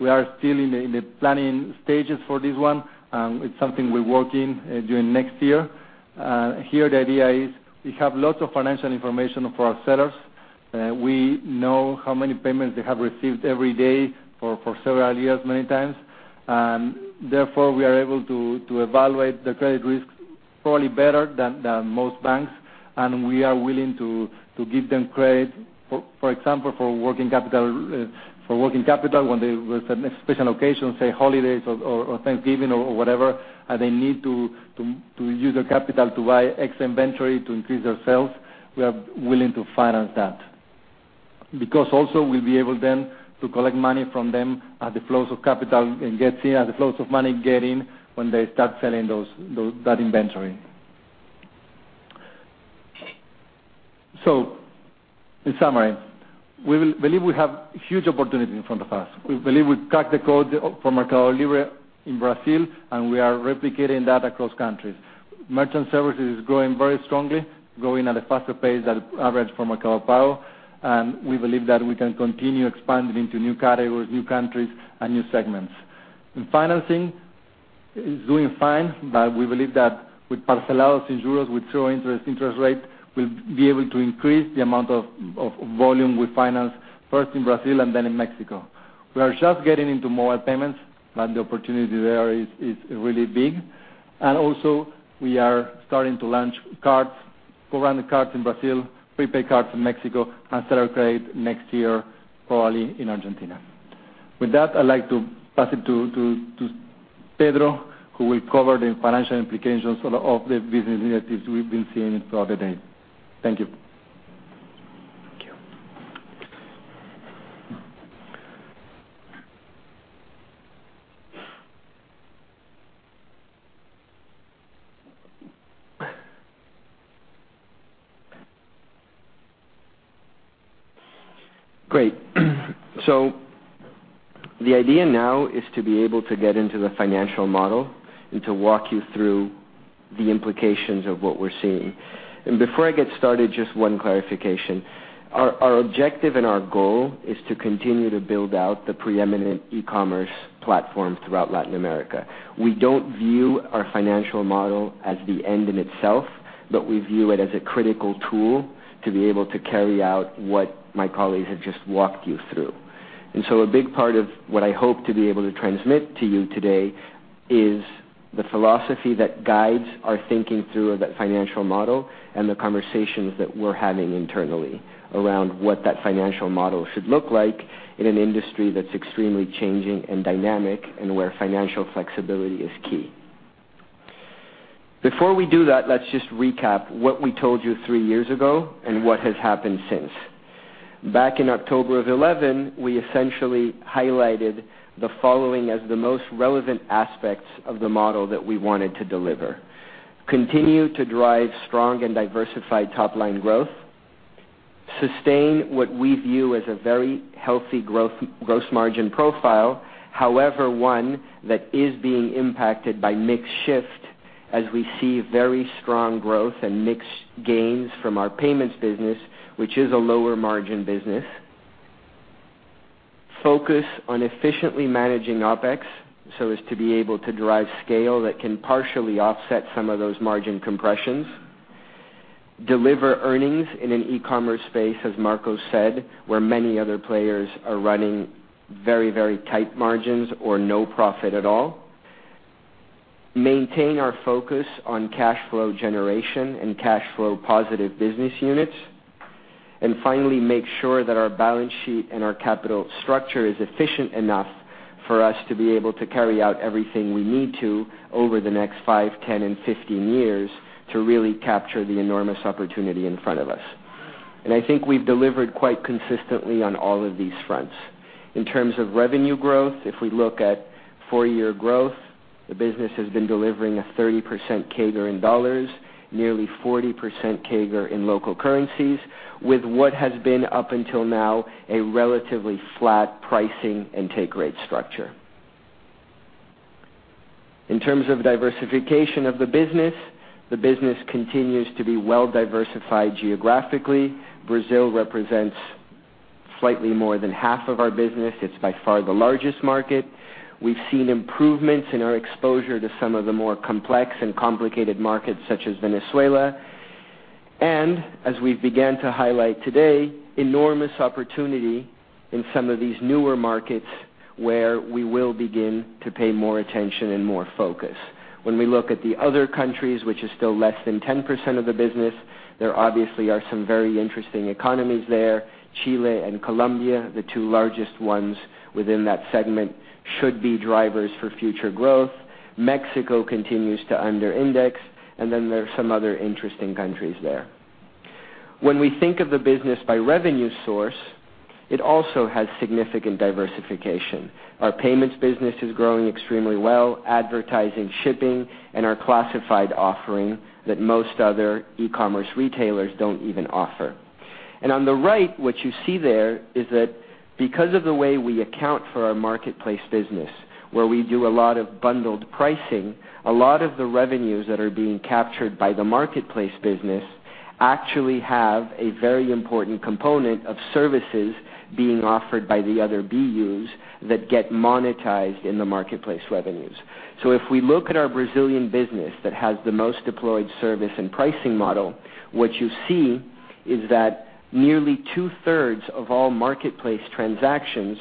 we are still in the planning stages for this one. It's something we're working during next year. Here, the idea is we have lots of financial information for our sellers. We know how many payments they have received every day for several years, many times. Therefore, we are able to evaluate the credit risk probably better than most banks. We are willing to give them credit, for example, for working capital when there was a special occasion, say, holidays or Thanksgiving or whatever, and they need to use their capital to buy X inventory to increase their sales. We are willing to finance that. Because also we'll be able then to collect money from them as the flows of capital get in, as the flows of money get in when they start selling that inventory. In summary, we believe we have huge opportunity in front of us. We believe we've cracked the code for MercadoLibre in Brazil, we are replicating that across countries. Merchant services is growing very strongly, growing at a faster pace than average for Mercado Pago, and we believe that we can continue expanding into new categories, new countries, and new segments. In financing, it's doing fine, but we believe that with parcelado sem juros with low interest rate, we'll be able to increase the amount of volume we finance, first in Brazil and then in Mexico. We are just getting into mobile payments, but the opportunity there is really big. Also we are starting to launch cards, co-branded cards in Brazil, prepaid cards in Mexico, and seller credit next year, probably in Argentina. With that, I'd like to pass it to Pedro, who will cover the financial implications of the business initiatives we've been seeing throughout the day. Thank you.
Thank you. Great. The idea now is to be able to get into the financial model and to walk you through the implications of what we're seeing. Before I get started, just one clarification. Our objective and our goal is to continue to build out the preeminent e-commerce platform throughout Latin America. We don't view our financial model as the end in itself, but we view it as a critical tool to be able to carry out what my colleagues have just walked you through. A big part of what I hope to be able to transmit to you today is the philosophy that guides our thinking through that financial model and the conversations that we're having internally around what that financial model should look like in an industry that's extremely changing and dynamic, and where financial flexibility is key. Before we do that, let's just recap what we told you 3 years ago and what has happened since. Back in October of 2011, we essentially highlighted the following as the most relevant aspects of the model that we wanted to deliver. Continue to drive strong and diversified top-line growth. Sustain what we view as a very healthy gross margin profile. However, one that is being impacted by mix shift as we see very strong growth and mix gains from our payments business, which is a lower margin business. Focus on efficiently managing OpEx so as to be able to drive scale that can partially offset some of those margin compressions. Deliver earnings in an e-commerce space, as Marcos said, where many other players are running very tight margins or no profit at all. Maintain our focus on cash flow generation and cash flow positive business units. Finally, make sure that our balance sheet and our capital structure is efficient enough for us to be able to carry out everything we need to over the next five, 10, and 15 years to really capture the enormous opportunity in front of us. I think we've delivered quite consistently on all of these fronts. In terms of revenue growth, if we look at four-year growth, the business has been delivering a 30% CAGR in U.S. dollars, nearly 40% CAGR in local currencies, with what has been up until now a relatively flat pricing and take rate structure. In terms of diversification of the business, the business continues to be well diversified geographically. Brazil represents slightly more than half of our business. It's by far the largest market. We've seen improvements in our exposure to some of the more complex and complicated markets such as Venezuela. As we've began to highlight today, enormous opportunity in some of these newer markets where we will begin to pay more attention and more focus. When we look at the other countries, which is still less than 10% of the business, there obviously are some very interesting economies there. Chile and Colombia, the two largest ones within that segment, should be drivers for future growth. Mexico continues to under-index, then there are some other interesting countries there. When we think of the business by revenue source, it also has significant diversification. Our payments business is growing extremely well. Advertising, shipping, and our classified offering that most other e-commerce retailers don't even offer. On the right, what you see there is that because of the way we account for our marketplace business, where we do a lot of bundled pricing, a lot of the revenues that are being captured by the marketplace business actually have a very important component of services being offered by the other BUs that get monetized in the marketplace revenues. If we look at our Brazilian business that has the most deployed service and pricing model, what you see is that nearly two-thirds of all marketplace transactions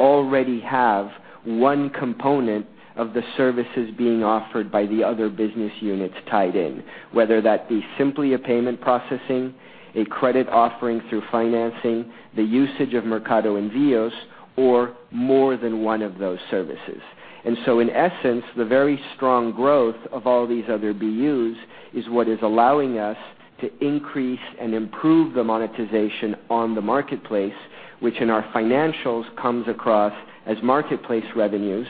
already have one component of the services being offered by the other business units tied in. Whether that be simply a payment processing, a credit offering through financing, the usage of Mercado Envios, or more than one of those services. In essence, the very strong growth of all these other BUs is what is allowing us to increase and improve the monetization on the marketplace, which in our financials comes across as marketplace revenues.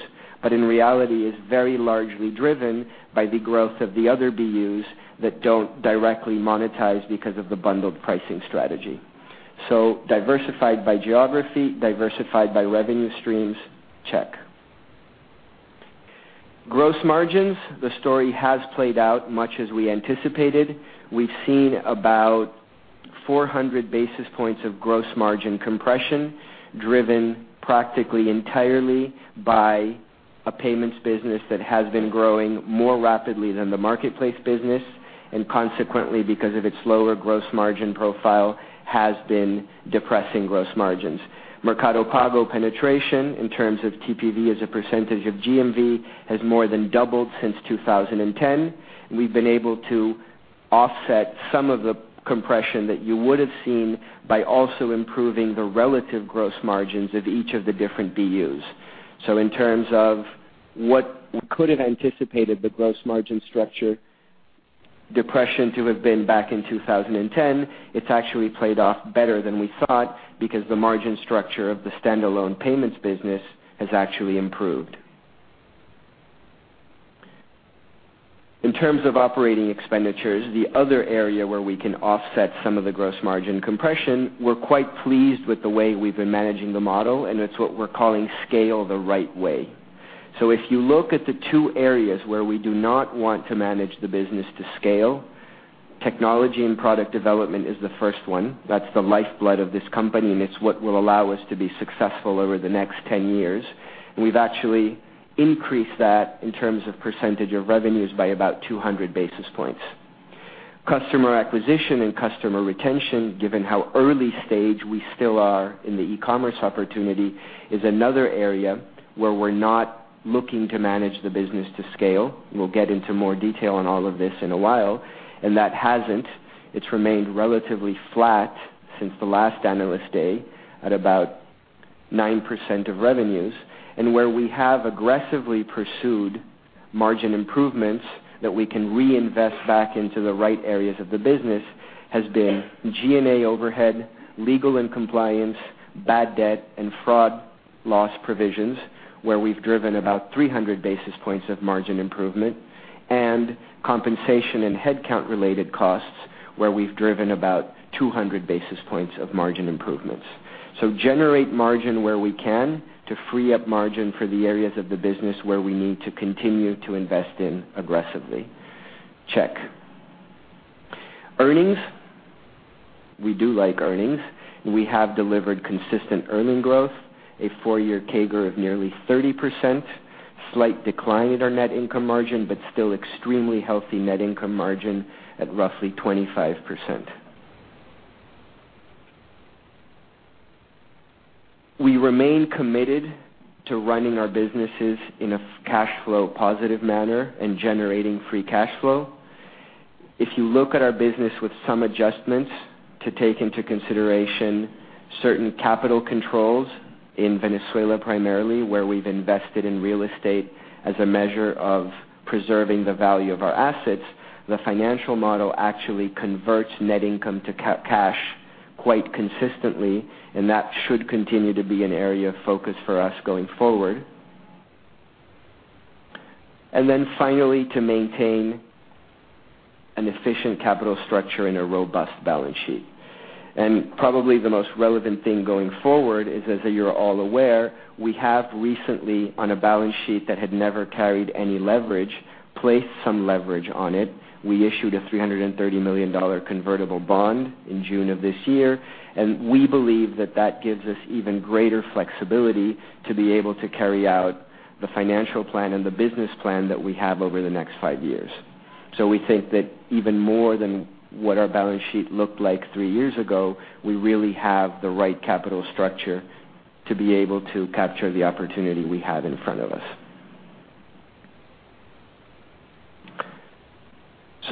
In reality, is very largely driven by the growth of the other BUs that don't directly monetize because of the bundled pricing strategy. Diversified by geography, diversified by revenue streams, check. Gross margins. The story has played out much as we anticipated. We've seen about 400 basis points of gross margin compression, driven practically entirely by a payments business that has been growing more rapidly than the marketplace business, and consequently, because of its lower gross margin profile, has been depressing gross margins. Mercado Pago penetration in terms of TPV as a percentage of GMV has more than doubled since 2010. We've been able to offset some of the compression that you would have seen by also improving the relative gross margins of each of the different BUs. In terms of what we could have anticipated the gross margin structure depression to have been back in 2010, it's actually played off better than we thought because the margin structure of the standalone payments business has actually improved. In terms of operating expenditures, the other area where we can offset some of the gross margin compression, we're quite pleased with the way we've been managing the model, it's what we're calling scale the right way. If you look at the two areas where we do not want to manage the business to scale, technology and product development is the first one. That's the lifeblood of this company, and it's what will allow us to be successful over the next 10 years. We've actually increased that in terms of percentage of revenues by about 200 basis points. Customer acquisition and customer retention, given how early stage we still are in the e-commerce opportunity, is another area where we're not looking to manage the business to scale. We'll get into more detail on all of this in a while. That hasn't. It's remained relatively flat since the last Analyst Day, at about 9% of revenues. Where we have aggressively pursued margin improvements that we can reinvest back into the right areas of the business has been G&A overhead, legal and compliance, bad debt, and fraud loss provisions, where we've driven about 300 basis points of margin improvement. Compensation and headcount-related costs, where we've driven about 200 basis points of margin improvements. Generate margin where we can to free up margin for the areas of the business where we need to continue to invest in aggressively. Check. Earnings. We do like earnings. We have delivered consistent earning growth, a four-year CAGR of nearly 30%. Slight decline in our net income margin, but still extremely healthy net income margin at roughly 25%. We remain committed to running our businesses in a cash flow positive manner and generating free cash flow. If you look at our business with some adjustments to take into consideration certain capital controls in Venezuela, primarily where we've invested in real estate as a measure of preserving the value of our assets, the financial model actually converts net income to cash quite consistently. That should continue to be an area of focus for us going forward. Finally, to maintain an efficient capital structure and a robust balance sheet. Probably the most relevant thing going forward is, as you're all aware, we have recently, on a balance sheet that had never carried any leverage, placed some leverage on it. We issued a $330 million convertible bond in June of this year, and we believe that that gives us even greater flexibility to be able to carry out the financial plan and the business plan that we have over the next five years. We think that even more than what our balance sheet looked like three years ago, we really have the right capital structure to be able to capture the opportunity we have in front of us.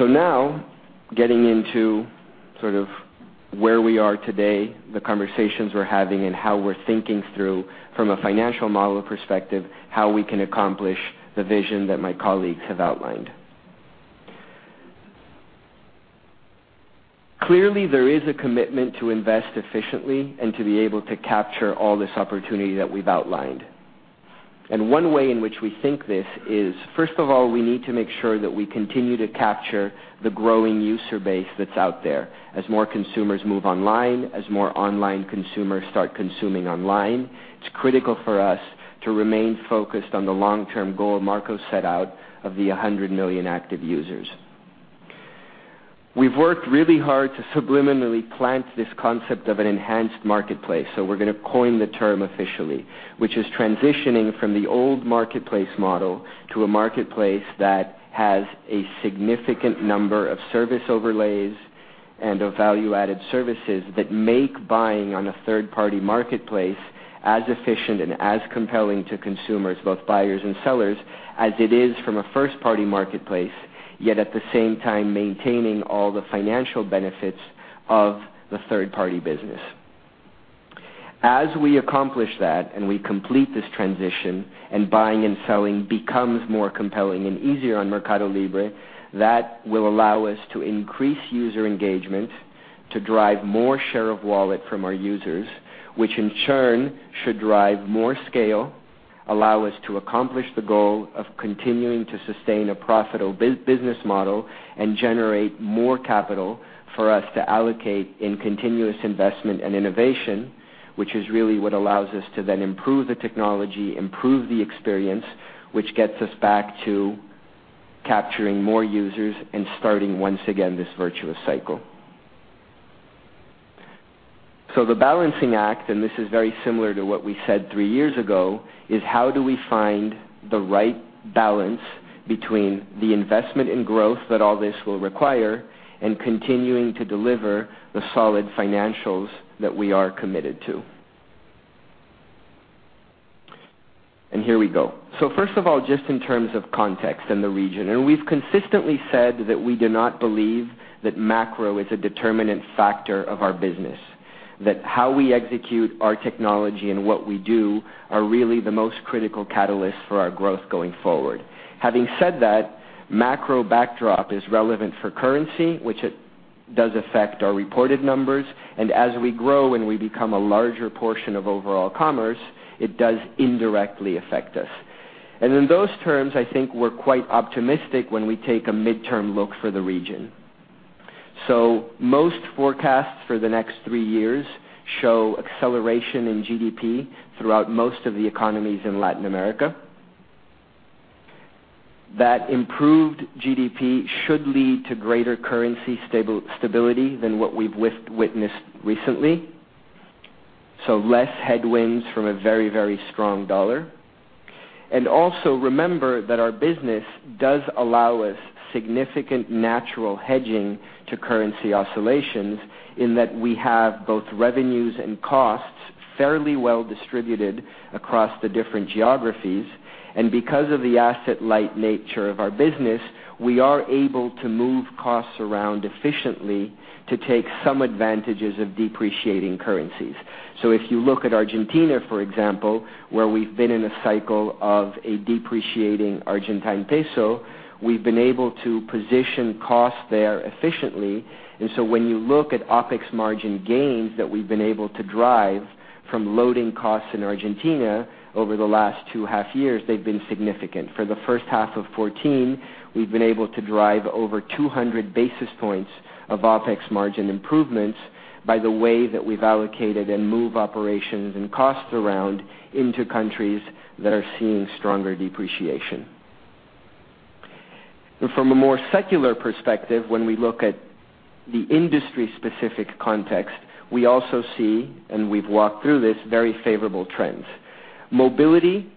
Now getting into sort of where we are today, the conversations we're having, and how we're thinking through from a financial model perspective, how we can accomplish the vision that my colleagues have outlined. Clearly, there is a commitment to invest efficiently and to be able to capture all this opportunity that we've outlined. One way in which we think this is, first of all, we need to make sure that we continue to capture the growing user base that's out there as more consumers move online, as more online consumers start consuming online. It's critical for us to remain focused on the long-term goal Marcos set out of the 100 million active users. We've worked really hard to subliminally plant this concept of an enhanced marketplace, we're going to coin the term officially, which is transitioning from the old marketplace model to a marketplace that has a significant number of service overlays and of value-added services that make buying on a third-party marketplace as efficient and as compelling to consumers, both buyers and sellers, as it is from a first-party marketplace, yet at the same time, maintaining all the financial benefits of the third-party business. As we accomplish that and we complete this transition, and buying and selling becomes more compelling and easier on MercadoLibre, that will allow us to increase user engagement to drive more share of wallet from our users, which in turn should drive more scale. Allow us to accomplish the goal of continuing to sustain a profitable business model and generate more capital for us to allocate in continuous investment and innovation, which is really what allows us to then improve the technology, improve the experience, which gets us back to capturing more users and starting once again this virtuous cycle. The balancing act, and this is very similar to what we said three years ago, is how do we find the right balance between the investment in growth that all this will require and continuing to deliver the solid financials that we are committed to? Here we go. First of all, just in terms of context and the region, we've consistently said that we do not believe that macro is a determinant factor of our business. That how we execute our technology and what we do are really the most critical catalyst for our growth going forward. Having said that, macro backdrop is relevant for currency, which it does affect our reported numbers, and as we grow and we become a larger portion of overall commerce, it does indirectly affect us. In those terms, I think we're quite optimistic when we take a midterm look for the region. Most forecasts for the next three years show acceleration in GDP throughout most of the economies in Latin America. That improved GDP should lead to greater currency stability than what we've witnessed recently, less headwinds from a very, very strong dollar. Also remember that our business does allow us significant natural hedging to currency oscillations in that we have both revenues and costs fairly well distributed across the different geographies. Because of the asset-light nature of our business, we are able to move costs around efficiently to take some advantages of depreciating currencies. If you look at Argentina, for example, where we've been in a cycle of a depreciating Argentine peso, we've been able to position costs there efficiently. When you look at OpEx margin gains that we've been able to drive from loading costs in Argentina over the last two half years, they've been significant. For the first half of 2014, we've been able to drive over 200 basis points of OpEx margin improvements by the way that we've allocated and move operations and costs around into countries that are seeing stronger depreciation. From a more secular perspective, when we look at the industry-specific context, we also see, and we've walked through this, very favorable trends. Mobility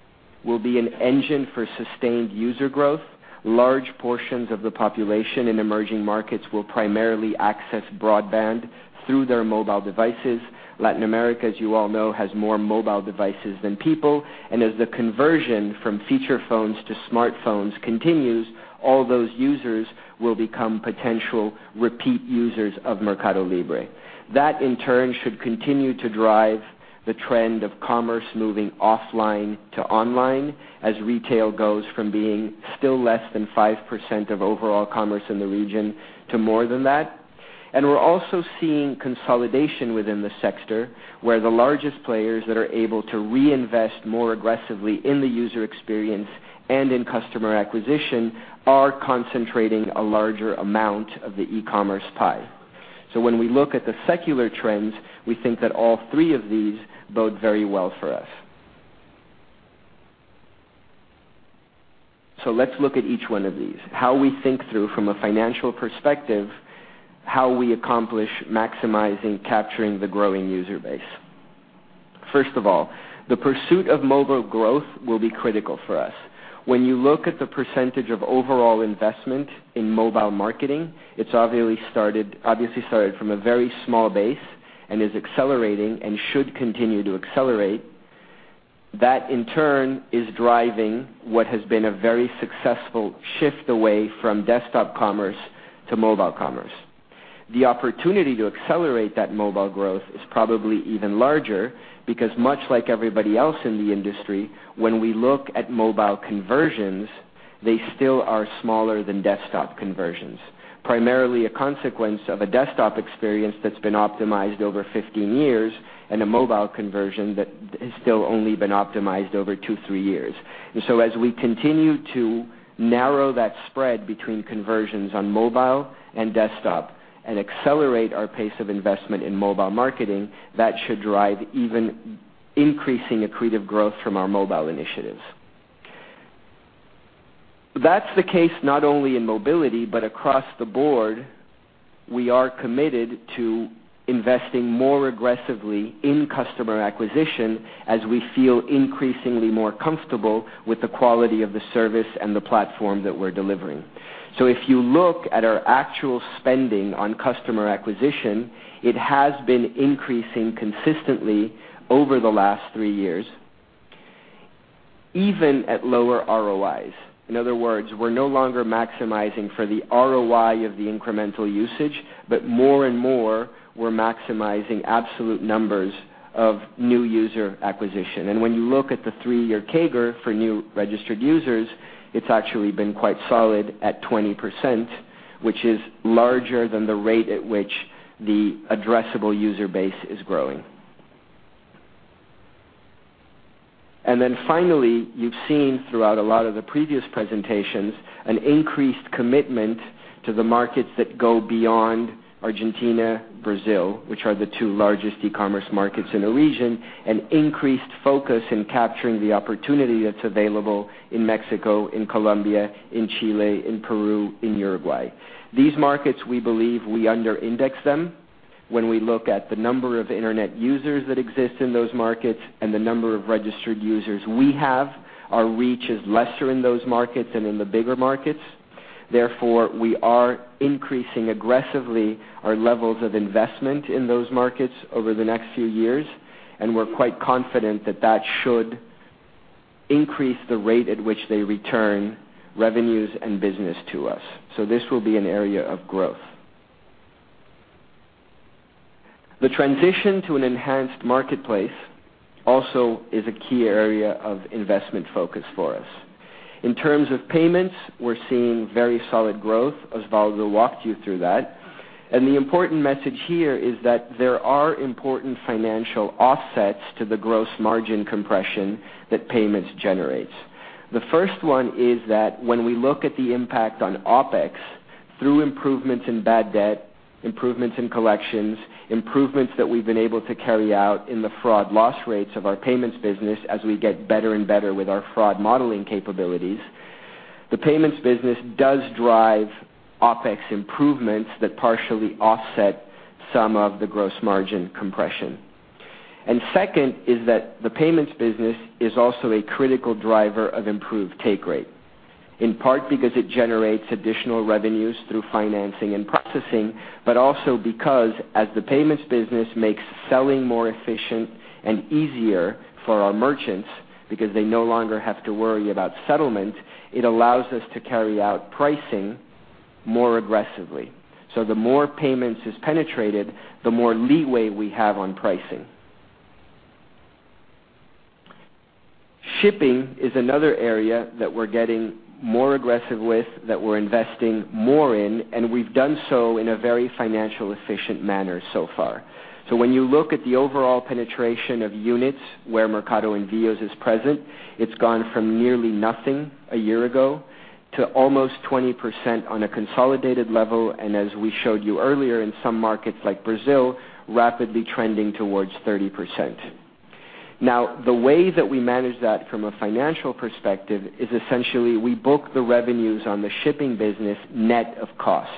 will be an engine for sustained user growth. Large portions of the population in emerging markets will primarily access broadband through their mobile devices. Latin America, as you all know, has more mobile devices than people. As the conversion from feature phones to smartphones continues, all those users will become potential repeat users of MercadoLibre. That, in turn, should continue to drive the trend of commerce moving offline to online as retail goes from being still less than 5% of overall commerce in the region to more than that. We're also seeing consolidation within the sector, where the largest players that are able to reinvest more aggressively in the user experience and in customer acquisition are concentrating a larger amount of the e-commerce pie. When we look at the secular trends, we think that all three of these bode very well for us. Let's look at each one of these, how we think through from a financial perspective, how we accomplish maximizing capturing the growing user base. First of all, the pursuit of mobile growth will be critical for us. When you look at the percentage of overall investment in mobile marketing, it's obviously started from a very small base and is accelerating and should continue to accelerate. That, in turn, is driving what has been a very successful shift away from desktop commerce to mobile commerce. The opportunity to accelerate that mobile growth is probably even larger because much like everybody else in the industry, when we look at mobile conversions, they still are smaller than desktop conversions. Primarily a consequence of a desktop experience that's been optimized over 15 years and a mobile conversion that has still only been optimized over two, three years. As we continue to narrow that spread between conversions on mobile and desktop and accelerate our pace of investment in mobile marketing, that should drive even increasing accretive growth from our mobile initiatives. That's the case not only in mobility, but across the board. We are committed to investing more aggressively in customer acquisition as we feel increasingly more comfortable with the quality of the service and the platform that we're delivering. If you look at our actual spending on customer acquisition, it has been increasing consistently over the last three years, even at lower ROIs. In other words, we're no longer maximizing for the ROI of the incremental usage, but more and more we're maximizing absolute numbers of new user acquisition. When you look at the three-year CAGR for new registered users, it's actually been quite solid at 20%. Which is larger than the rate at which the addressable user base is growing. Finally, you've seen throughout a lot of the previous presentations an increased commitment to the markets that go beyond Argentina, Brazil, which are the two largest e-commerce markets in the region, an increased focus in capturing the opportunity that's available in Mexico, in Colombia, in Chile, in Peru, in Uruguay. These markets, we believe we under-index them. When we look at the number of internet users that exist in those markets and the number of registered users we have, our reach is lesser in those markets than in the bigger markets. We are increasing aggressively our levels of investment in those markets over the next few years, and we're quite confident that that should increase the rate at which they return revenues and business to us. This will be an area of growth. The transition to an enhanced marketplace also is a key area of investment focus for us. In terms of payments, we're seeing very solid growth. Osvaldo walked you through that. The important message here is that there are important financial offsets to the gross margin compression that payments generates. The first one is that when we look at the impact on OpEx through improvements in bad debt, improvements in collections, improvements that we've been able to carry out in the fraud loss rates of our payments business as we get better and better with our fraud modeling capabilities. The payments business does drive OpEx improvements that partially offset some of the gross margin compression. Second is that the payments business is also a critical driver of improved take rate, in part because it generates additional revenues through financing and processing, but also because as the payments business makes selling more efficient and easier for our merchants because they no longer have to worry about settlement, it allows us to carry out pricing more aggressively. The more payments is penetrated, the more leeway we have on pricing. Shipping is another area that we're getting more aggressive with, that we're investing more in, we've done so in a very financial efficient manner so far. When you look at the overall penetration of units where Mercado Envios is present, it's gone from nearly nothing a year ago to almost 20% on a consolidated level, and as we showed you earlier, in some markets like Brazil, rapidly trending towards 30%. Now, the way that we manage that from a financial perspective is essentially we book the revenues on the shipping business net of cost.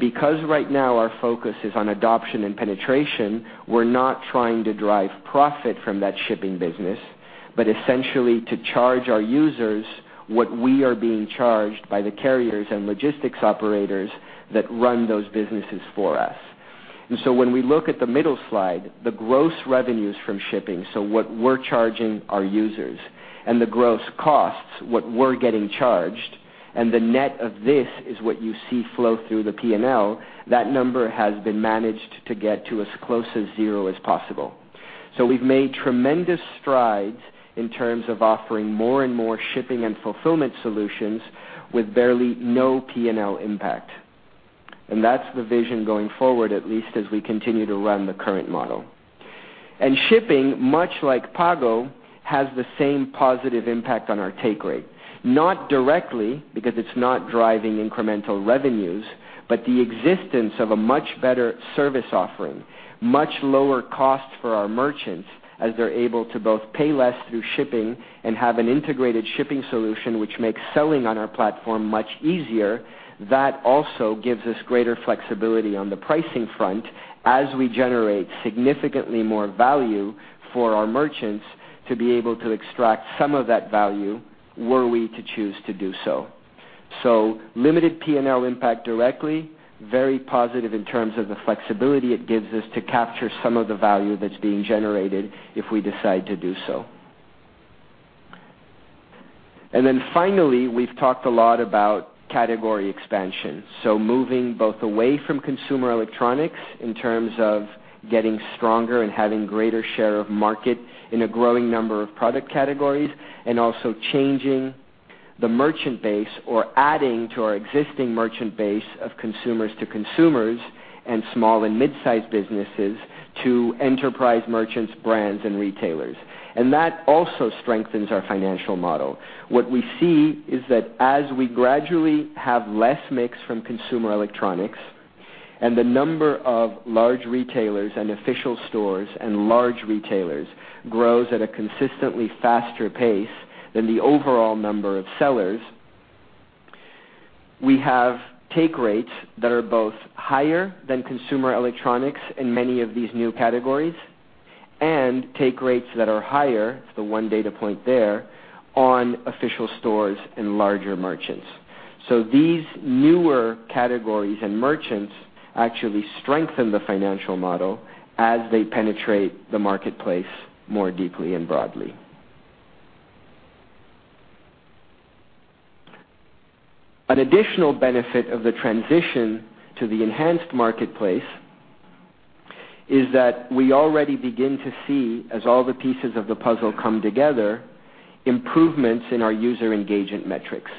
Because right now our focus is on adoption and penetration, we're not trying to drive profit from that shipping business, but essentially to charge our users what we are being charged by the carriers and logistics operators that run those businesses for us. When we look at the middle slide, the gross revenues from shipping, what we're charging our users, and the gross costs, what we're getting charged, and the net of this is what you see flow through the P&L. That number has been managed to get to as close as zero as possible. We've made tremendous strides in terms of offering more and more shipping and fulfillment solutions with barely no P&L impact. That's the vision going forward, at least as we continue to run the current model. Shipping, much like Pago, has the same positive impact on our take rate. Not directly, because it's not driving incremental revenues, but the existence of a much better service offering, much lower costs for our merchants as they're able to both pay less through shipping and have an integrated shipping solution which makes selling on our platform much easier. That also gives us greater flexibility on the pricing front as we generate significantly more value for our merchants to be able to extract some of that value, were we to choose to do so. Limited P&L impact directly, very positive in terms of the flexibility it gives us to capture some of the value that's being generated if we decide to do so. Finally, we've talked a lot about category expansion. Moving both away from consumer electronics in terms of getting stronger and having greater share of market in a growing number of product categories, and also changing the merchant base or adding to our existing merchant base of consumers to consumers and small and mid-size businesses to enterprise merchants, brands, and retailers. That also strengthens our financial model. What we see is that as we gradually have less mix from consumer electronics and the number of large retailers and official stores and large retailers grows at a consistently faster pace than the overall number of sellers, we have take rates that are both higher than consumer electronics in many of these new categories and take rates that are higher, the one data point there, on official stores and larger merchants. These newer categories and merchants actually strengthen the financial model as they penetrate the marketplace more deeply and broadly. An additional benefit of the transition to the enhanced marketplace is that we already begin to see, as all the pieces of the puzzle come together, improvements in our user engagement metrics.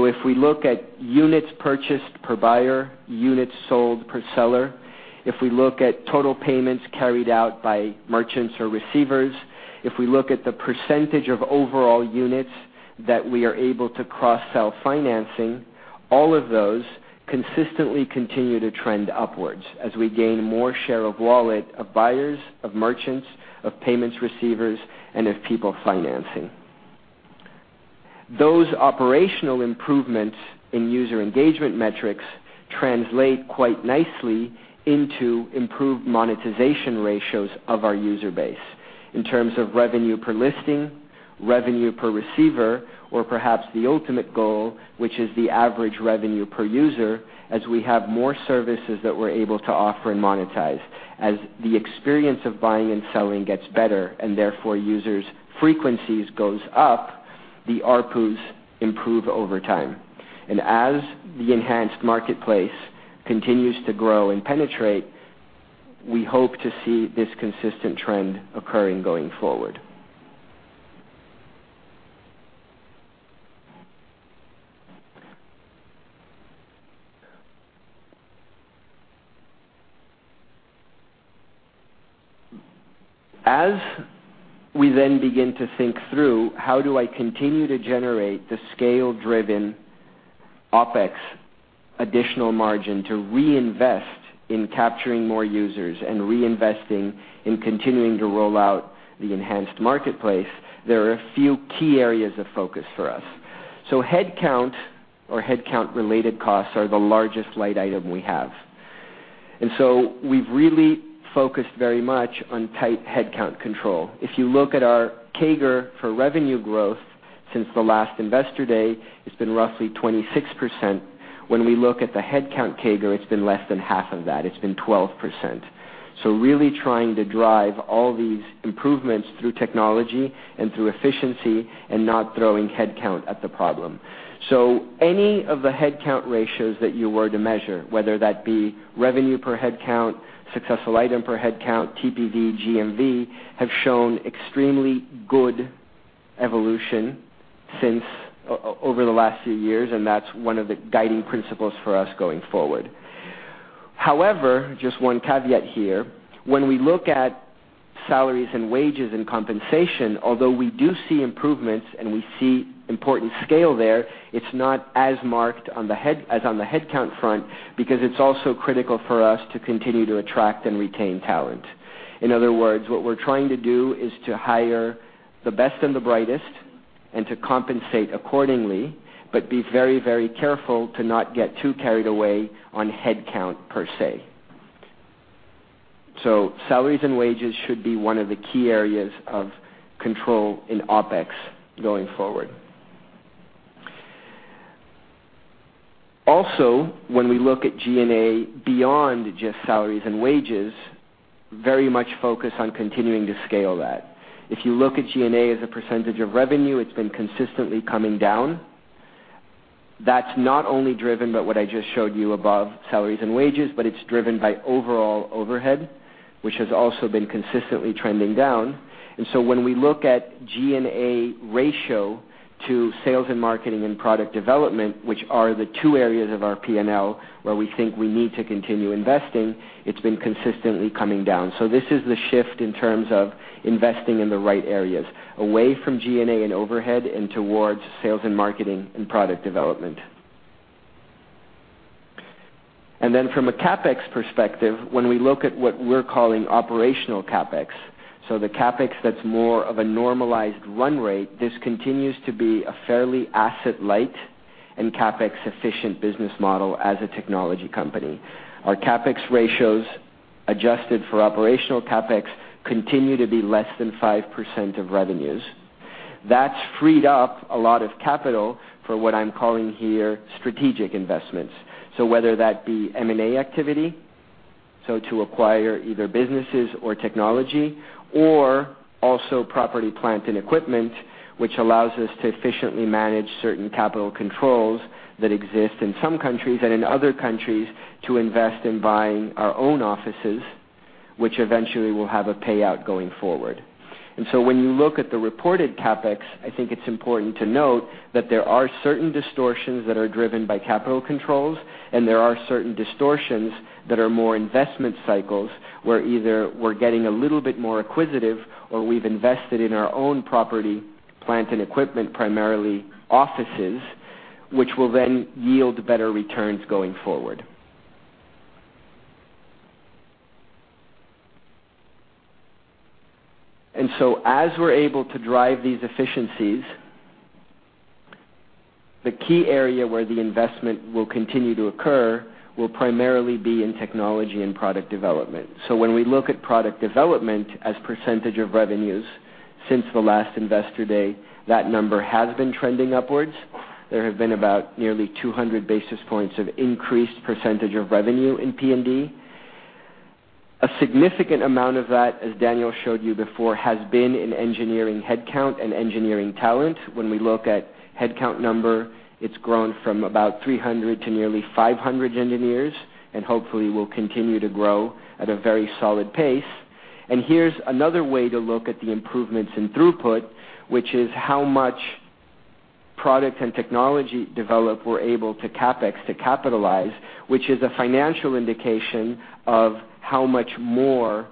If we look at units purchased per buyer, units sold per seller, if we look at total payments carried out by merchants or receivers, if we look at the % of overall units that we are able to cross-sell financing, all of those consistently continue to trend upwards as we gain more share of wallet of buyers, of merchants, of payments receivers, and of people financing. Those operational improvements in user engagement metrics translate quite nicely into improved monetization ratios of our user base. In terms of revenue per listing, revenue per receiver, or perhaps the ultimate goal, which is the average revenue per user, as we have more services that we're able to offer and monetize. As the experience of buying and selling gets better, and therefore users' frequencies goes up, the ARPUs improve over time. As the enhanced marketplace continues to grow and penetrate, we hope to see this consistent trend occurring going forward. As we then begin to think through, how do I continue to generate the scale-driven OpEx additional margin to reinvest in capturing more users and reinvesting in continuing to roll out the enhanced marketplace, there are a few key areas of focus for us. Headcount or headcount-related costs are the largest line item we have. We've really focused very much on tight headcount control. If you look at our CAGR for revenue growth since the last Investor Day, it's been roughly 26%. When we look at the headcount CAGR, it's been less than half of that. It's been 12%. Really trying to drive all these improvements through technology and through efficiency and not throwing headcount at the problem. Any of the headcount ratios that you were to measure, whether that be revenue per headcount, successful item per headcount, TPV, GMV, have shown extremely good evolution over the last few years, and that's one of the guiding principles for us going forward. However, just one caveat here. When we look at salaries and wages and compensation, although we do see improvements and we see important scale there, it's not as marked as on the headcount front because it's also critical for us to continue to attract and retain talent. In other words, what we're trying to do is to hire the best and the brightest and to compensate accordingly, but be very careful to not get too carried away on headcount per se. Salaries and wages should be one of the key areas of control in OpEx going forward. When we look at G&A beyond just salaries and wages, very much focused on continuing to scale that. If you look at G&A as a percentage of revenue, it's been consistently coming down. That's not only driven by what I just showed you above, salaries and wages, but it's driven by overall overhead, which has also been consistently trending down. When we look at G&A ratio to sales and marketing and product development, which are the two areas of our P&L where we think we need to continue investing, it's been consistently coming down. This is the shift in terms of investing in the right areas, away from G&A and overhead and towards sales and marketing and product development. From a CapEx perspective, when we look at what we're calling operational CapEx, the CapEx that's more of a normalized run rate, this continues to be a fairly asset-light and CapEx-efficient business model as a technology company. Our CapEx ratios adjusted for operational CapEx continue to be less than 5% of revenues. That's freed up a lot of capital for what I'm calling here strategic investments. Whether that be M&A activity, to acquire either businesses or technology, or also property, plant, and equipment, which allows us to efficiently manage certain capital controls that exist in some countries and in other countries to invest in buying our own offices, which eventually will have a payout going forward. When you look at the reported CapEx, I think it's important to note that there are certain distortions that are driven by capital controls, and there are certain distortions that are more investment cycles where either we're getting a little bit more acquisitive or we've invested in our own property, plant and equipment, primarily offices, which will then yield better returns going forward. As we're able to drive these efficiencies, the key area where the investment will continue to occur will primarily be in technology and product development. When we look at product development as percentage of revenues since the last Investor Day, that number has been trending upwards. There have been about nearly 200 basis points of increased percentage of revenue in P&D. A significant amount of that, as Daniel showed you before, has been in engineering headcount and engineering talent. When we look at headcount number, it's grown from about 300 to nearly 500 engineers, hopefully will continue to grow at a very solid pace. Here's another way to look at the improvements in throughput, which is how much product and technology develop we're able to CapEx to capitalize, which is a financial indication of how much more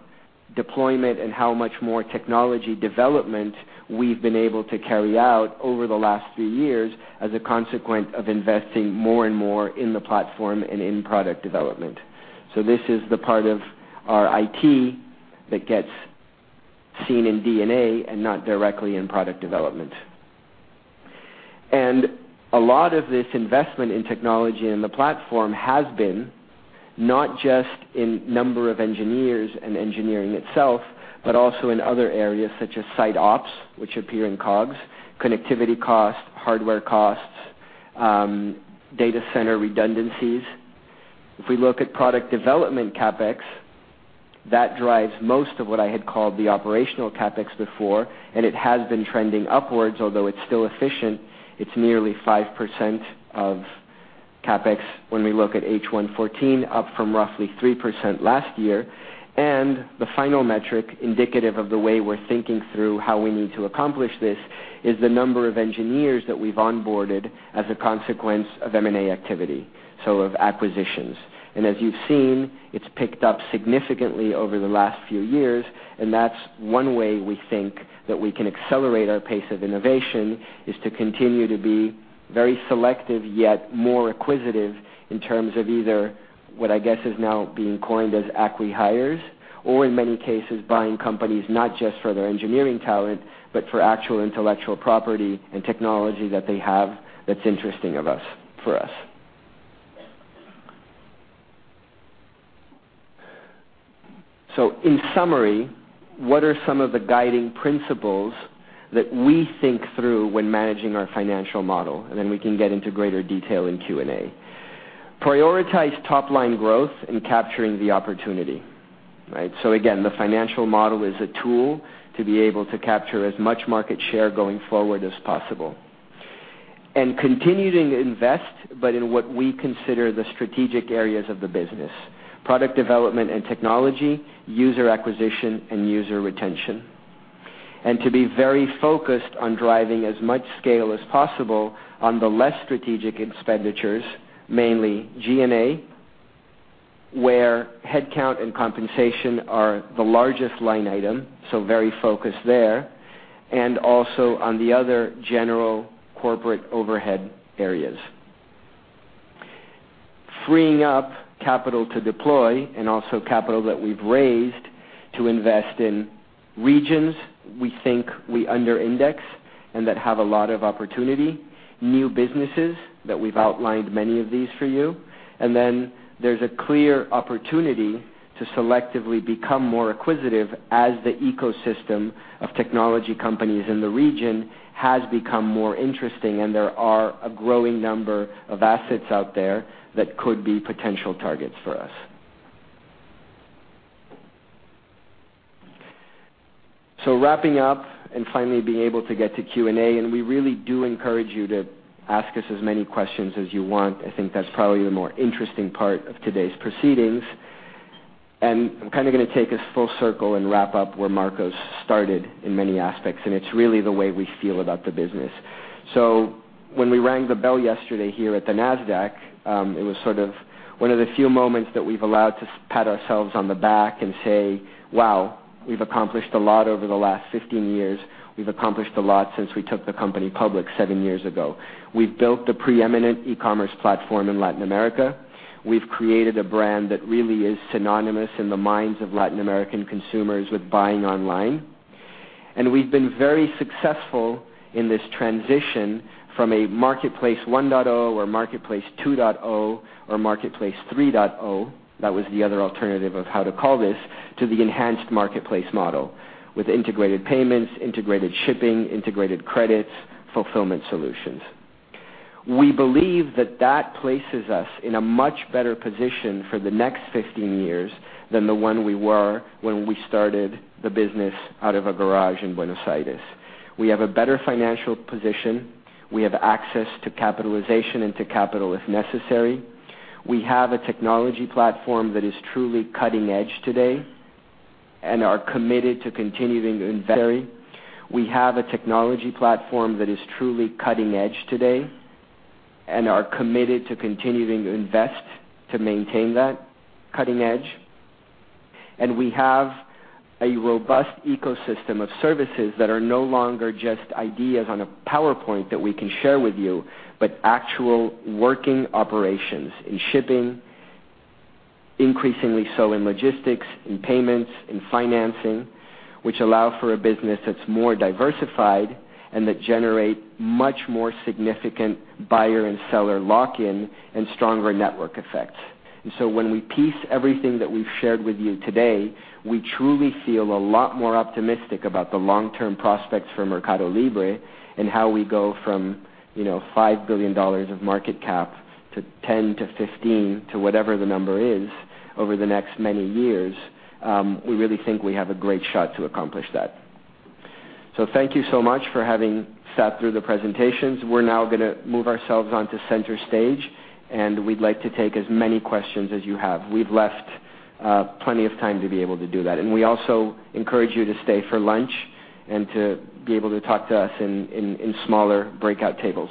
deployment and how much more technology development we've been able to carry out over the last few years as a consequence of investing more and more in the platform and in product development. This is the part of our IT that gets seen in D&A and not directly in product development. A lot of this investment in technology and the platform has been not just in number of engineers and engineering itself, but also in other areas such as site ops, which appear in COGS, connectivity costs, hardware costs, data center redundancies. If we look at product development CapEx, that drives most of what I had called the operational CapEx before, it has been trending upwards, although it's still efficient. It's nearly 5% of CapEx when we look at H1 2014, up from roughly 3% last year. The final metric indicative of the way we're thinking through how we need to accomplish this is the number of engineers that we've onboarded as a consequence of M&A activity, so of acquisitions. As you've seen, it's picked up significantly over the last few years, that's one way we think that we can accelerate our pace of innovation, is to continue to be very selective, yet more acquisitive in terms of either what I guess is now being coined as acquihires, or in many cases, buying companies not just for their engineering talent, but for actual intellectual property and technology that they have that's interesting for us. In summary, what are some of the guiding principles that we think through when managing our financial model? Then we can get into greater detail in Q&A. Prioritize top-line growth and capturing the opportunity. Right? Again, the financial model is a tool to be able to capture as much market share going forward as possible. Continuing to invest, but in what we consider the strategic areas of the business: product development and technology, user acquisition, and user retention. To be very focused on driving as much scale as possible on the less strategic expenditures, mainly G&A, where headcount and compensation are the largest line item, so very focused there, and also on the other general corporate overhead areas. Freeing up capital to deploy and also capital that we've raised to invest in regions we think we underindex and that have a lot of opportunity, new businesses that we've outlined many of these for you. Then there's a clear opportunity to selectively become more acquisitive as the ecosystem of technology companies in the region has become more interesting, and there are a growing number of assets out there that could be potential targets for us. Wrapping up and finally being able to get to Q&A, we really do encourage you to ask us as many questions as you want. I think that's probably the more interesting part of today's proceedings. I'm going to take us full circle and wrap up where Marcos started in many aspects, and it's really the way we feel about the business. When we rang the bell yesterday here at the Nasdaq, it was sort of one of the few moments that we've allowed to pat ourselves on the back and say, "Wow, we've accomplished a lot over the last 15 years. We've accomplished a lot since we took the company public 7 years ago." We've built the preeminent e-commerce platform in Latin America. We've created a brand that really is synonymous in the minds of Latin American consumers with buying online. We've been very successful in this transition from a Marketplace 1.0 or Marketplace 2.0 or Marketplace 3.0, that was the other alternative of how to call this, to the enhanced marketplace model with integrated payments, integrated shipping, integrated credits, fulfillment solutions. We believe that that places us in a much better position for the next 15 years than the one we were when we started the business out of a garage in Buenos Aires. We have a better financial position. We have access to capitalization and to capital if necessary. We have a technology platform that is truly cutting-edge today and are committed to continuing to invest to maintain that cutting edge. We have a robust ecosystem of services that are no longer just ideas on a PowerPoint that we can share with you, but actual working operations in shipping, increasingly so in logistics, in payments, in financing, which allow for a business that's more diversified and that generate much more significant buyer and seller lock-in and stronger network effects. When we piece everything that we've shared with you today, we truly feel a lot more optimistic about the long-term prospects for MercadoLibre and how we go from $5 billion of market cap to $10 billion to $15 billion to whatever the number is over the next many years. We really think we have a great shot to accomplish that. Thank you so much for having sat through the presentations. We're now going to move ourselves onto center stage, we'd like to take as many questions as you have. We've left plenty of time to be able to do that. We also encourage you to stay for lunch and to be able to talk to us in smaller breakout tables.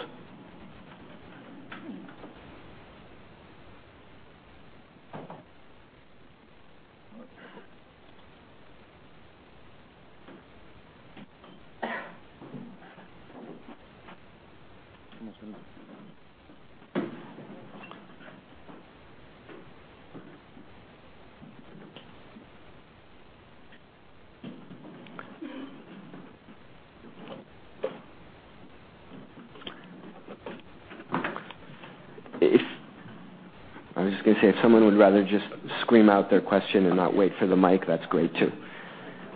I was just going to say, if someone would rather just scream out their question and not wait for the mic, that's great too.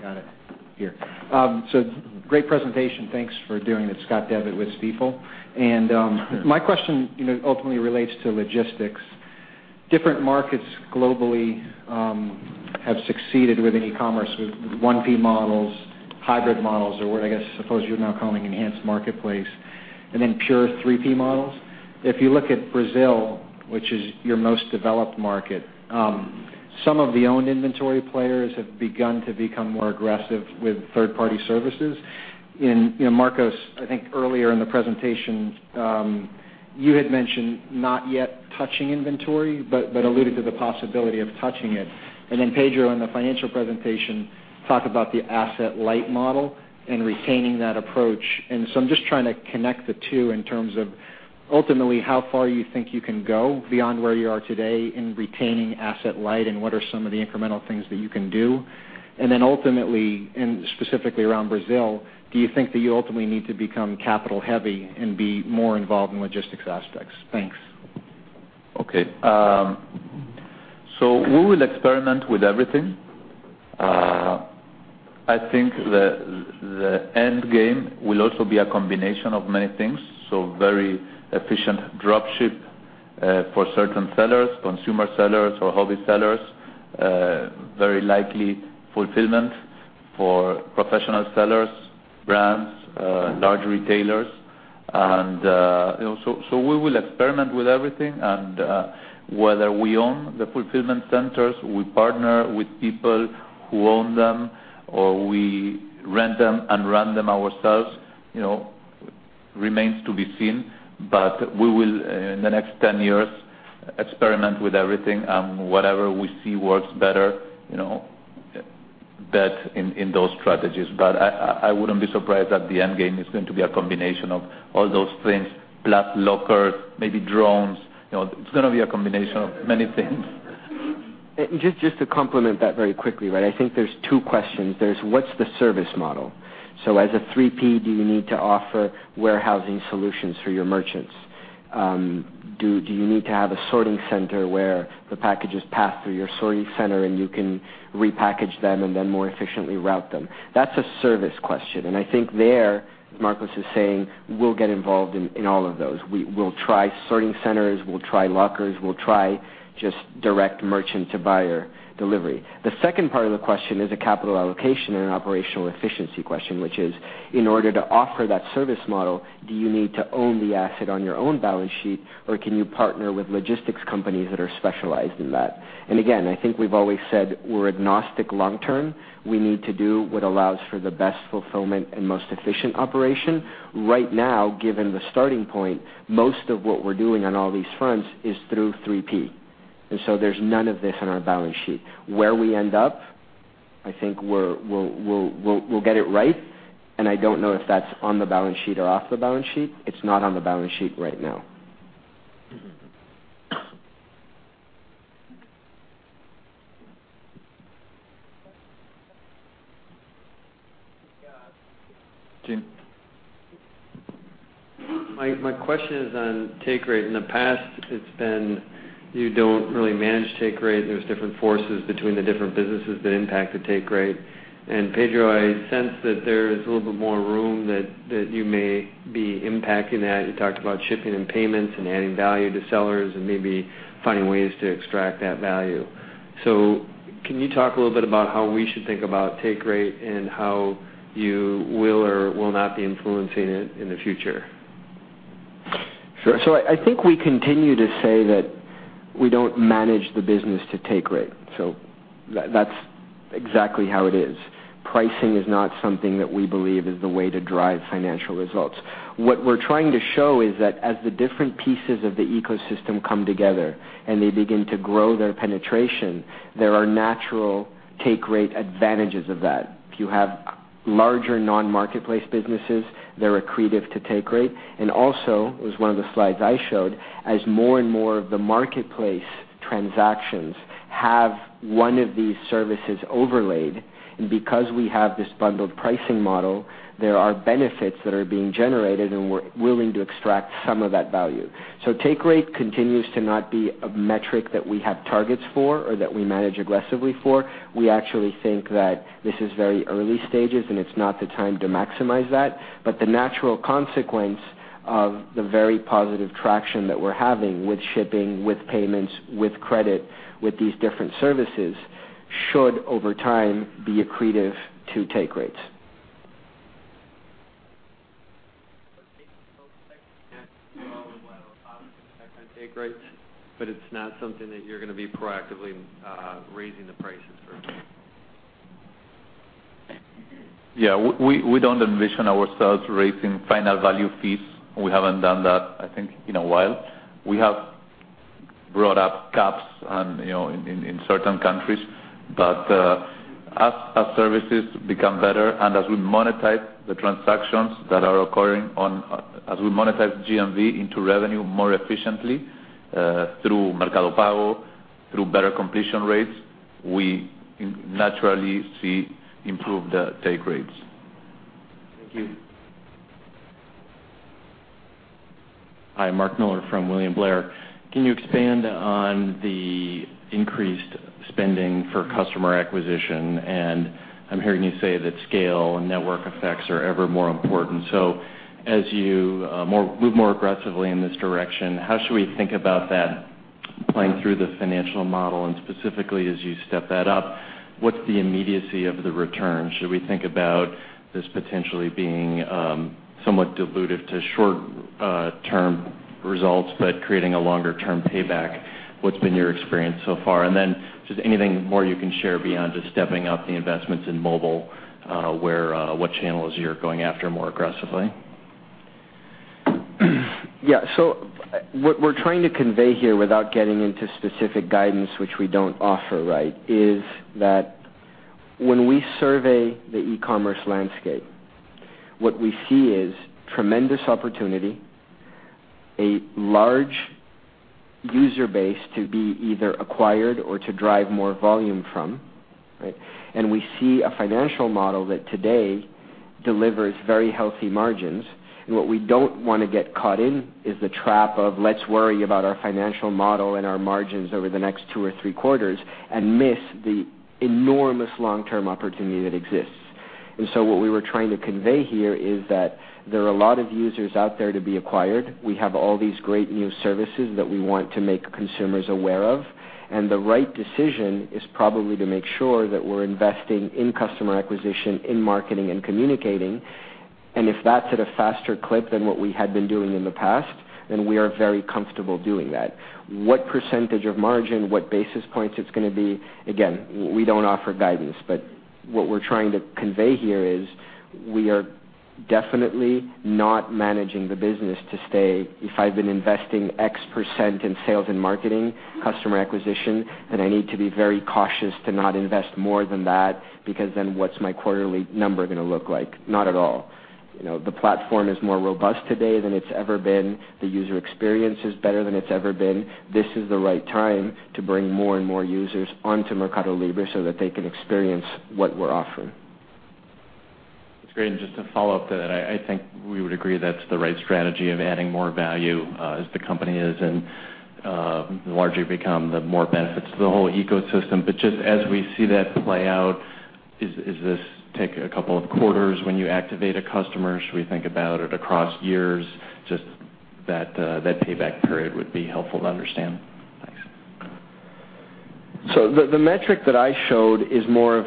Got it. Here. Great presentation. Thanks for doing it. Scott Devitt with Stifel. My question ultimately relates to logistics. Different markets globally have succeeded with e-commerce, with one P models, hybrid models, or what I guess suppose you're now calling enhanced marketplace, then pure three P models. If you look at Brazil, which is your most developed market, some of the owned inventory players have begun to become more aggressive with third-party services. Marcos, I think earlier in the presentation, you had mentioned not yet touching inventory, but alluded to the possibility of touching it. Pedro, in the financial presentation, talked about the asset light model and retaining that approach. I'm just trying to connect the two in terms of ultimately how far you think you can go beyond where you are today in retaining asset light, and what are some of the incremental things that you can do. Ultimately, and specifically around Brazil, do you think that you ultimately need to become capital-heavy and be more involved in logistics aspects? Thanks.
Okay. We will experiment with everything. I think the end game will also be a combination of many things. Very efficient drop ship for certain sellers, consumer sellers or hobby sellers, very likely fulfillment for professional sellers, brands, large retailers. We will experiment with everything and whether we own the fulfillment centers, we partner with people who own them, or we rent them and run them ourselves, remains to be seen. We will, in the next 10 years, experiment with everything and whatever we see works better in those strategies. I wouldn't be surprised that the end game is going to be a combination of all those things, plus lockers, maybe drones. It's going to be a combination of many things.
Just to complement that very quickly, I think there's two questions. There's, what's the service model? As a three P, do you need to offer warehousing solutions for your merchants? Do you need to have a sorting center where the packages pass through your sorting center and you can repackage them and then more efficiently route them? That's a service question, and I think there, as Marcos is saying, we'll get involved in all of those. We'll try sorting centers. We'll try lockers. We'll try just direct merchant to buyer delivery. The second part of the question is a capital allocation and an operational efficiency question, which is, in order to offer that service model, do you need to own the asset on your own balance sheet, or can you partner with logistics companies that are specialized in that? I think we've always said we're agnostic long term. We need to do what allows for the best fulfillment and most efficient operation. Right now, given the starting point, most of what we're doing on all these fronts is through 3P. There's none of this on our balance sheet. Where we end up, I think we'll get it right, and I don't know if that's on the balance sheet or off the balance sheet. It's not on the balance sheet right now.
Scott.
Jim.
My question is on take rate. In the past, it's been you don't really manage take rate. There's different forces between the different businesses that impact the take rate. Pedro, I sense that there is a little bit more room that you may be impacting that. You talked about shipping and payments and adding value to sellers and maybe finding ways to extract that value. Can you talk a little bit about how we should think about take rate and how you will or will not be influencing it in the future?
Sure. I think we continue to say that we don't manage the business to take rate. That's exactly how it is. Pricing is not something that we believe is the way to drive financial results. What we're trying to show is that as the different pieces of the ecosystem come together and they begin to grow their penetration, there are natural take rate advantages of that. If you have larger non-marketplace businesses, they're accretive to take rate. Also, it was one of the slides I showed, as more and more of the marketplace transactions have one of these services overlaid, and because we have this bundled pricing model, there are benefits that are being generated, and we're willing to extract some of that value. Take rate continues to not be a metric that we have targets for or that we manage aggressively for. We actually think that this is very early stages, and it's not the time to maximize that. The natural consequence of the very positive traction that we're having with shipping, with payments, with credit, with these different services, should, over time, be accretive to take rates.
While positive impact on take rates, it's not something that you're going to be proactively raising the prices for.
Yeah. We don't envision ourselves raising final value fees. We haven't done that, I think, in a while. We have brought up caps in certain countries. As our services become better, as we monetize the transactions that are occurring as we monetize GMV into revenue more efficiently through Mercado Pago, through better completion rates, we naturally see improved take rates.
Thank you.
Hi, Mark Miller from William Blair. Can you expand on the increased spending for customer acquisition? I'm hearing you say that scale and network effects are ever more important. As you move more aggressively in this direction, how should we think about that playing through the financial model? Specifically, as you step that up, what's the immediacy of the return? Should we think about this potentially being somewhat dilutive to short-term results but creating a longer-term payback? What's been your experience so far? Then, just anything more you can share beyond just stepping up the investments in mobile, what channels you're going after more aggressively?
Yeah. What we're trying to convey here without getting into specific guidance, which we don't offer, is that when we survey the e-commerce landscape, what we see is tremendous opportunity, a large user base to be either acquired or to drive more volume from. We see a financial model that today delivers very healthy margins. What we don't want to get caught in is the trap of let's worry about our financial model and our margins over the next two or three quarters and miss the enormous long-term opportunity that exists. What we were trying to convey here is that there are a lot of users out there to be acquired. We have all these great new services that we want to make consumers aware of, and the right decision is probably to make sure that we're investing in customer acquisition, in marketing, and communicating. If that's at a faster clip than what we had been doing in the past, we are very comfortable doing that. What percentage of margin, what basis points it's going to be? Again, we don't offer guidance, what we're trying to convey here is we are definitely not managing the business to stay. If I've been investing X percent in sales and marketing, customer acquisition, I need to be very cautious to not invest more than that, because then what's my quarterly number going to look like? Not at all. The platform is more robust today than it's ever been. The user experience is better than it's ever been. This is the right time to bring more and more users onto MercadoLibre so that they can experience what we're offering.
That's great. Just to follow up to that, I think we would agree that's the right strategy of adding more value as the company is and the larger you become, the more benefits to the whole ecosystem. Just as we see that play out, does this take a couple of quarters when you activate a customer? Should we think about it across years? Just that payback period would be helpful to understand. Thanks.
The metric that I showed is more of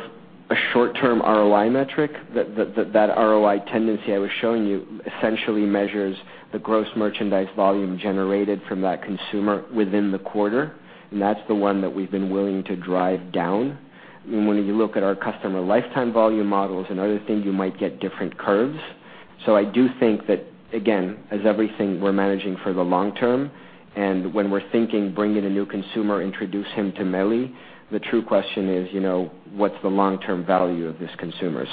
a short-term ROI metric. That ROI tendency I was showing you essentially measures the gross merchandise volume generated from that consumer within the quarter, that's the one that we've been willing to drive down. When you look at our customer lifetime volume models and other things, you might get different curves. I do think that, again, as everything we're managing for the long term, and when we're thinking, bring in a new consumer, introduce him to MELI, the true question is, what's the long-term value of this consumer?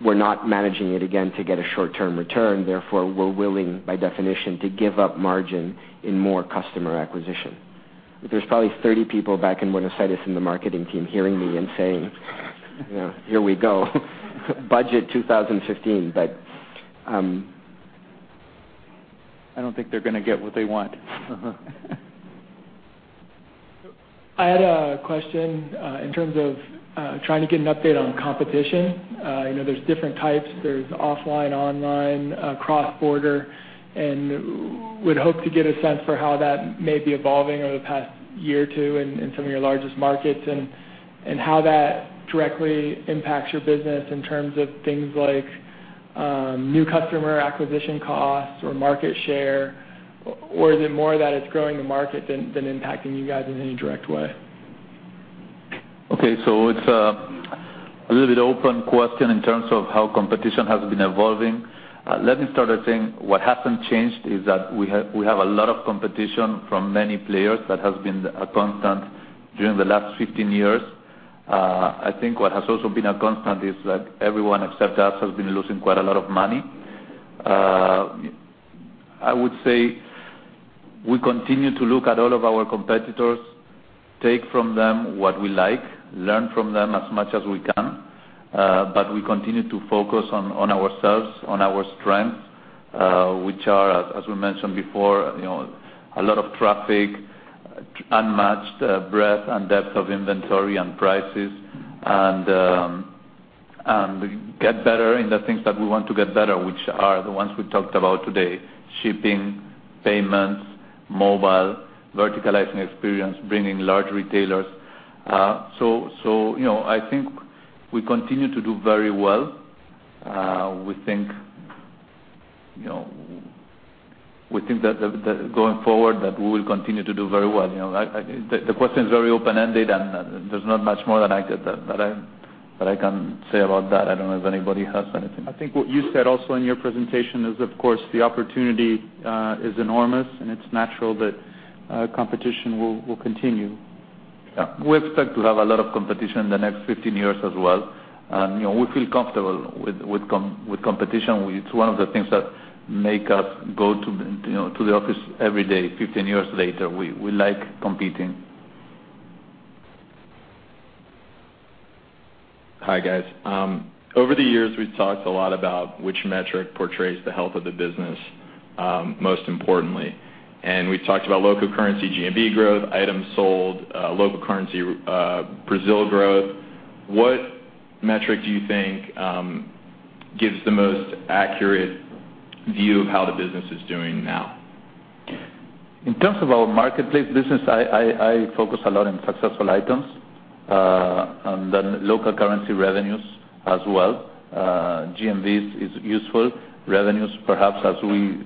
We're not managing it, again, to get a short-term return. Therefore, we're willing, by definition, to give up margin in more customer acquisition. There's probably 30 people back in Buenos Aires in the marketing team hearing me and saying, "Here we go. Budget 2015.
I don't think they're going to get what they want.
I had a question in terms of trying to get an update on competition. There's different types. There's offline, online, cross-border, would hope to get a sense for how that may be evolving over the past year or two in some of your largest markets, how that directly impacts your business in terms of things like new customer acquisition costs or market share. Is it more that it's growing the market than impacting you guys in any direct way?
Okay. It's a little bit open question in terms of how competition has been evolving. Let me start by saying what hasn't changed is that we have a lot of competition from many players that has been a constant during the last 15 years. I think what has also been a constant is that everyone except us has been losing quite a lot of money. I would say we continue to look at all of our competitors, take from them what we like, learn from them as much as we can. We continue to focus on ourselves, on our strengths, which are, as we mentioned before, a lot of traffic, unmatched breadth and depth of inventory and prices, get better in the things that we want to get better, which are the ones we talked about today, shipping, payments, mobile, verticalizing experience, bringing large retailers. I think we continue to do very well. We think that going forward that we will continue to do very well. The question is very open-ended, there's not much more that I can say about that. I don't know if anybody has anything.
I think what you said also in your presentation is, of course, the opportunity is enormous, and it's natural that competition will continue.
Yeah. We expect to have a lot of competition in the next 15 years as well. We feel comfortable with competition. It's one of the things that make us go to the office every day, 15 years later. We like competing.
Hi, guys. Over the years, we've talked a lot about which metric portrays the health of the business, most importantly. We've talked about local currency GMV growth, items sold, local currency Brazil growth. What metric do you think gives the most accurate view of how the business is doing now?
In terms of our marketplace business, I focus a lot on successful items, and then local currency revenues as well. GMV is useful. Revenues, perhaps as we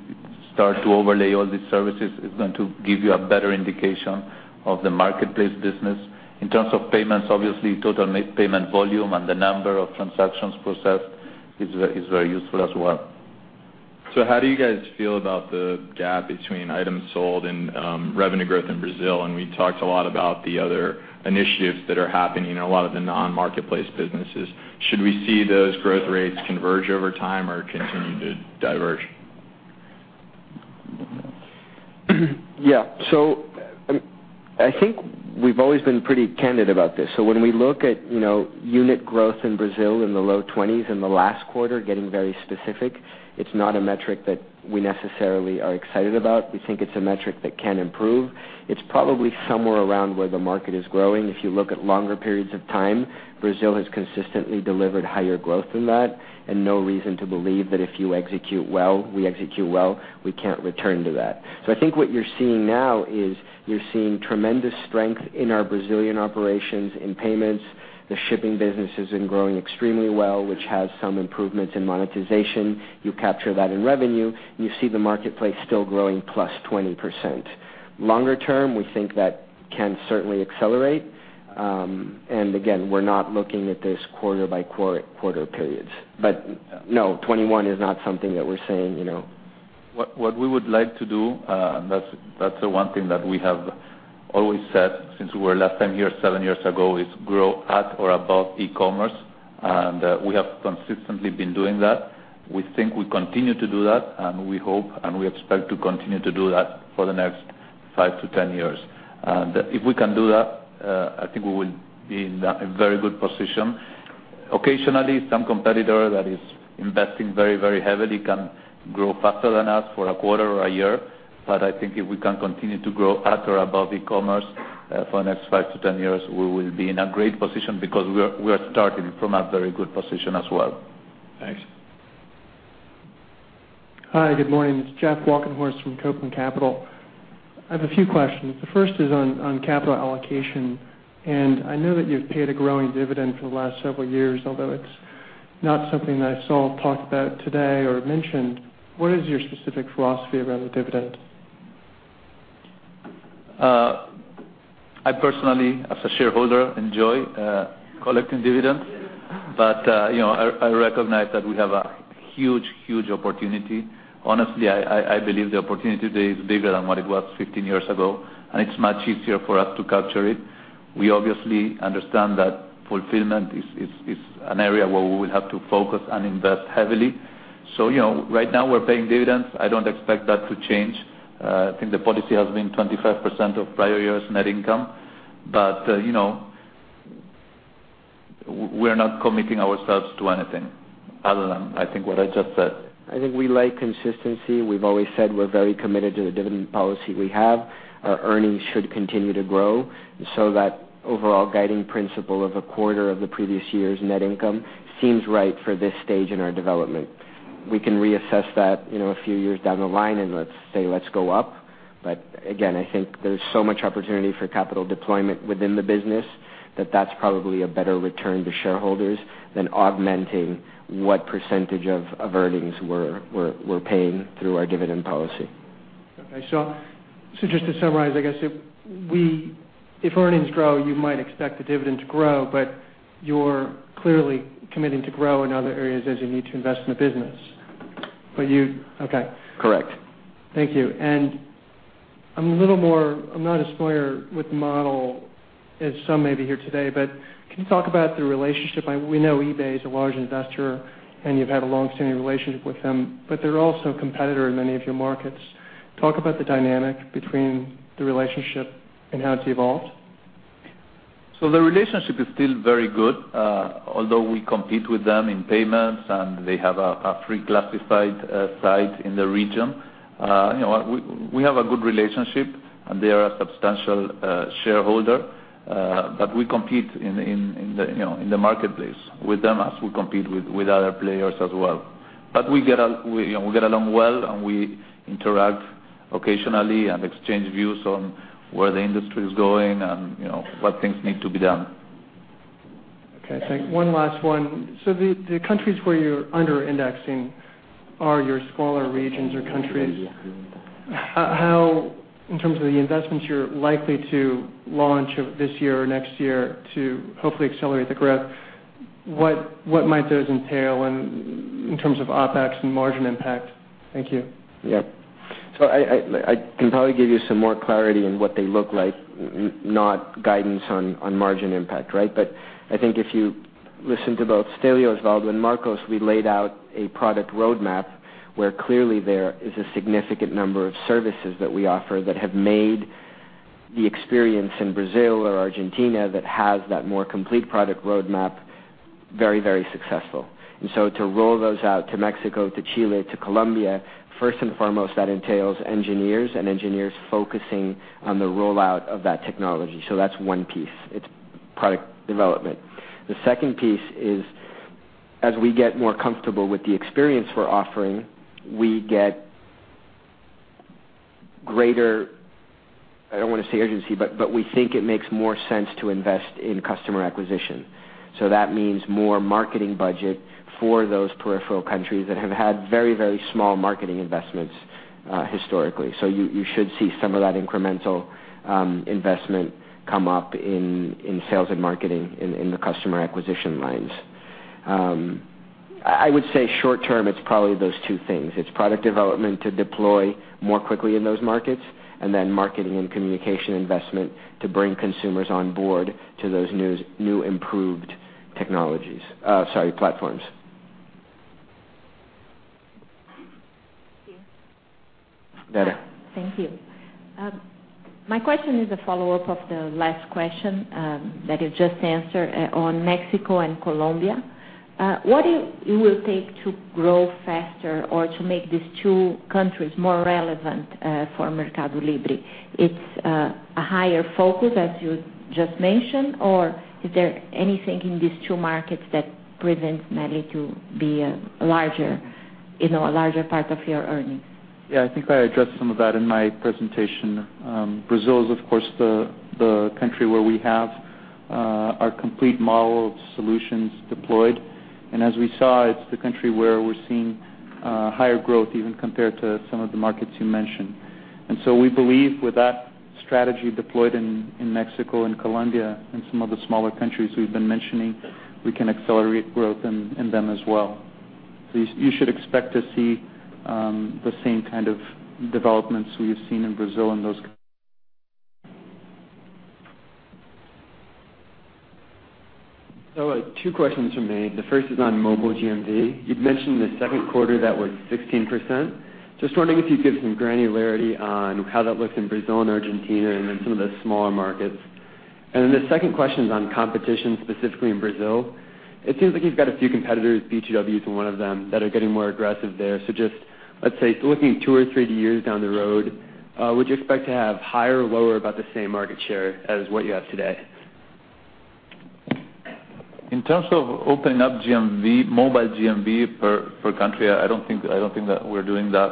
start to overlay all these services, is going to give you a better indication of the marketplace business. In terms of payments, obviously, total payment volume and the number of transactions processed is very useful as well.
How do you guys feel about the gap between items sold and revenue growth in Brazil? We talked a lot about the other initiatives that are happening in a lot of the non-marketplace businesses. Should we see those growth rates converge over time or continue to diverge?
I think we've always been pretty candid about this. When we look at unit growth in Brazil in the low 20s in the last quarter, getting very specific, it's not a metric that we necessarily are excited about. We think it's a metric that can improve. It's probably somewhere around where the market is growing. If you look at longer periods of time, Brazil has consistently delivered higher growth than that, no reason to believe that if you execute well, we execute well, we can't return to that. I think what you're seeing now is you're seeing tremendous strength in our Brazilian operations in payments. The shipping business has been growing extremely well, which has some improvements in monetization. You capture that in revenue, you see the marketplace still growing +20%. Longer term, we think that can certainly accelerate. Again, we're not looking at this quarter by quarter periods. No, 21 is not something that we're saying
What we would like to do, that's the one thing that we have always said since we were last time here seven years ago, is grow at or above e-commerce. We have consistently been doing that. We think we continue to do that, we hope, we expect to continue to do that for the next 5-10 years. If we can do that, I think we will be in a very good position. Occasionally, some competitor that is investing very heavily can grow faster than us for a quarter or a year. I think if we can continue to grow at or above e-commerce for the next 5-10 years, we will be in a great position because we are starting from a very good position as well.
Thanks.
Hi, good morning. It's Jeffrey Walkenhorst from Copeland Capital. I have a few questions. The first is on capital allocation. I know that you've paid a growing dividend for the last several years, although it's not something that I saw talked about today or mentioned. What is your specific philosophy around the dividend?
I personally, as a shareholder, enjoy collecting dividends. I recognize that we have a huge opportunity. Honestly, I believe the opportunity today is bigger than what it was 15 years ago, and it's much easier for us to capture it. We obviously understand that fulfillment is an area where we will have to focus and invest heavily. Right now we're paying dividends. I don't expect that to change. I think the policy has been 25% of prior year's net income. We're not committing ourselves to anything other than I think what I just said.
I think we like consistency. We've always said we're very committed to the dividend policy we have. Our earnings should continue to grow. That overall guiding principle of a quarter of the previous year's net income seems right for this stage in our development. We can reassess that a few years down the line and let's say let's go up. Again, I think there's so much opportunity for capital deployment within the business that that's probably a better return to shareholders than augmenting what percentage of earnings we're paying through our dividend policy.
Okay. Just to summarize, I guess, if earnings grow, you might expect the dividend to grow, but you're clearly committing to grow in other areas as you need to invest in the business. Okay.
Correct.
Thank you. I'm not as familiar with the model as some may be here today, can you talk about the relationship? We know eBay is a large investor, and you've had a long-standing relationship with them, they're also a competitor in many of your markets. Talk about the dynamic between the relationship and how it's evolved.
The relationship is still very good. Although we compete with them in payments, they have a free classified site in the region. We have a good relationship, they are a substantial shareholder, we compete in the marketplace with them as we compete with other players as well. We get along well, we interact occasionally and exchange views on where the industry is going and what things need to be done.
Okay, thanks. One last one. The countries where you're under-indexing are your smaller regions or countries. How, in terms of the investments you're likely to launch this year or next year to hopefully accelerate the growth, what might those entail in terms of OpEx and margin impact? Thank you.
Yep. I can probably give you some more clarity on what they look like, not guidance on margin impact, right? I think if you listen to both Stelleo, Osvaldo, and Marcos, we laid out a product roadmap where clearly there is a significant number of services that we offer that have made the experience in Brazil or Argentina that has that more complete product roadmap very successful. To roll those out to Mexico, to Chile, to Colombia, first and foremost, that entails engineers and engineers focusing on the rollout of that technology. That's one piece. It's product development. The second piece is, as we get more comfortable with the experience we're offering, we get greater, I don't want to say urgency, we think it makes more sense to invest in customer acquisition. That means more marketing budget for those peripheral countries that have had very small marketing investments historically. You should see some of that incremental investment come up in sales and marketing in the customer acquisition lines. I would say short term, it's probably those two things. It's product development to deploy more quickly in those markets, and then marketing and communication investment to bring consumers on board to those new improved platforms.
Thank you. My question is a follow-up of the last question that you just answered on Mexico and Colombia. What will it take to grow faster or to make these two countries more relevant for MercadoLibre? It's a higher focus, as you just mentioned, or is there anything in these two markets that prevents money to be a larger part of your earnings?
Yeah, I think I addressed some of that in my presentation. Brazil is, of course, the country where we have our complete model of solutions deployed. As we saw, it's the country where we're seeing higher growth even compared to some of the markets you mentioned. We believe with that strategy deployed in Mexico and Colombia and some of the smaller countries we've been mentioning, we can accelerate growth in them as well. You should expect to see the same kind of developments we've seen in Brazil in those.
Two questions from me. The first is on mobile GMV. You'd mentioned the 2Q that was 16%. Just wondering if you'd give some granularity on how that looks in Brazil and Argentina and then some of the smaller markets. The second question is on competition, specifically in Brazil. It seems like you've got a few competitors, B2W is one of them, that are getting more aggressive there. Just, let's say, looking two or three years down the road, would you expect to have higher or lower, about the same market share as what you have today?
In terms of opening up mobile GMV per country, I don't think that we're doing that.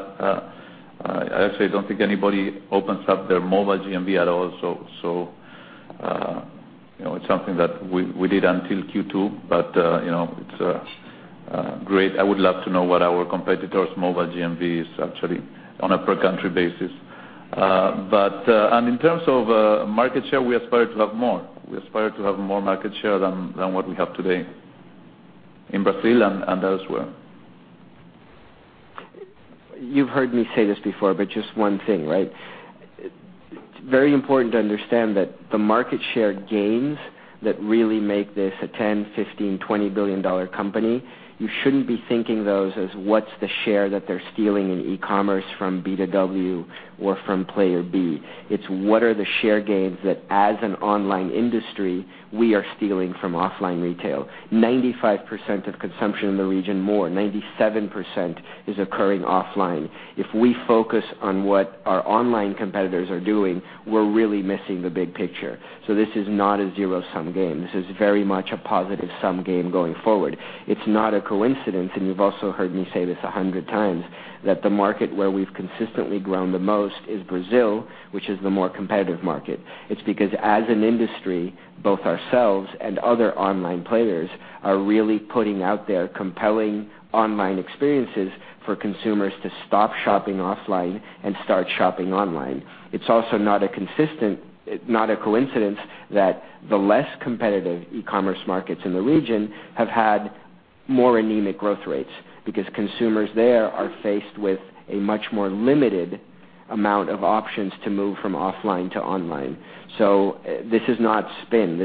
Actually, I don't think anybody opens up their mobile GMV at all. It's something that we did until Q2, but it's great. I would love to know what our competitor's mobile GMV is actually on a per country basis. In terms of market share, we aspire to have more. We aspire to have more market share than what we have today in Brazil and elsewhere.
You've heard me say this before, just one thing, right? It's very important to understand that the market share gains that really make this a 10, 15, $20 billion company, you shouldn't be thinking those as what's the share that they're stealing in e-commerce from B2W or from player B. It's what are the share gains that as an online industry, we are stealing from offline retail. 95% of consumption in the region, more, 97%, is occurring offline. If we focus on what our online competitors are doing, we're really missing the big picture. This is not a zero-sum game. This is very much a positive-sum game going forward. It's not a coincidence, you've also heard me say this 100 times, that the market where we've consistently grown the most is Brazil, which is the more competitive market. It's because as an industry, both ourselves and other online players are really putting out there compelling online experiences for consumers to stop shopping offline and start shopping online. It's also not a coincidence that the less competitive e-commerce markets in the region have had more anemic growth rates because consumers there are faced with a much more limited amount of options to move from offline to online. This is not spin.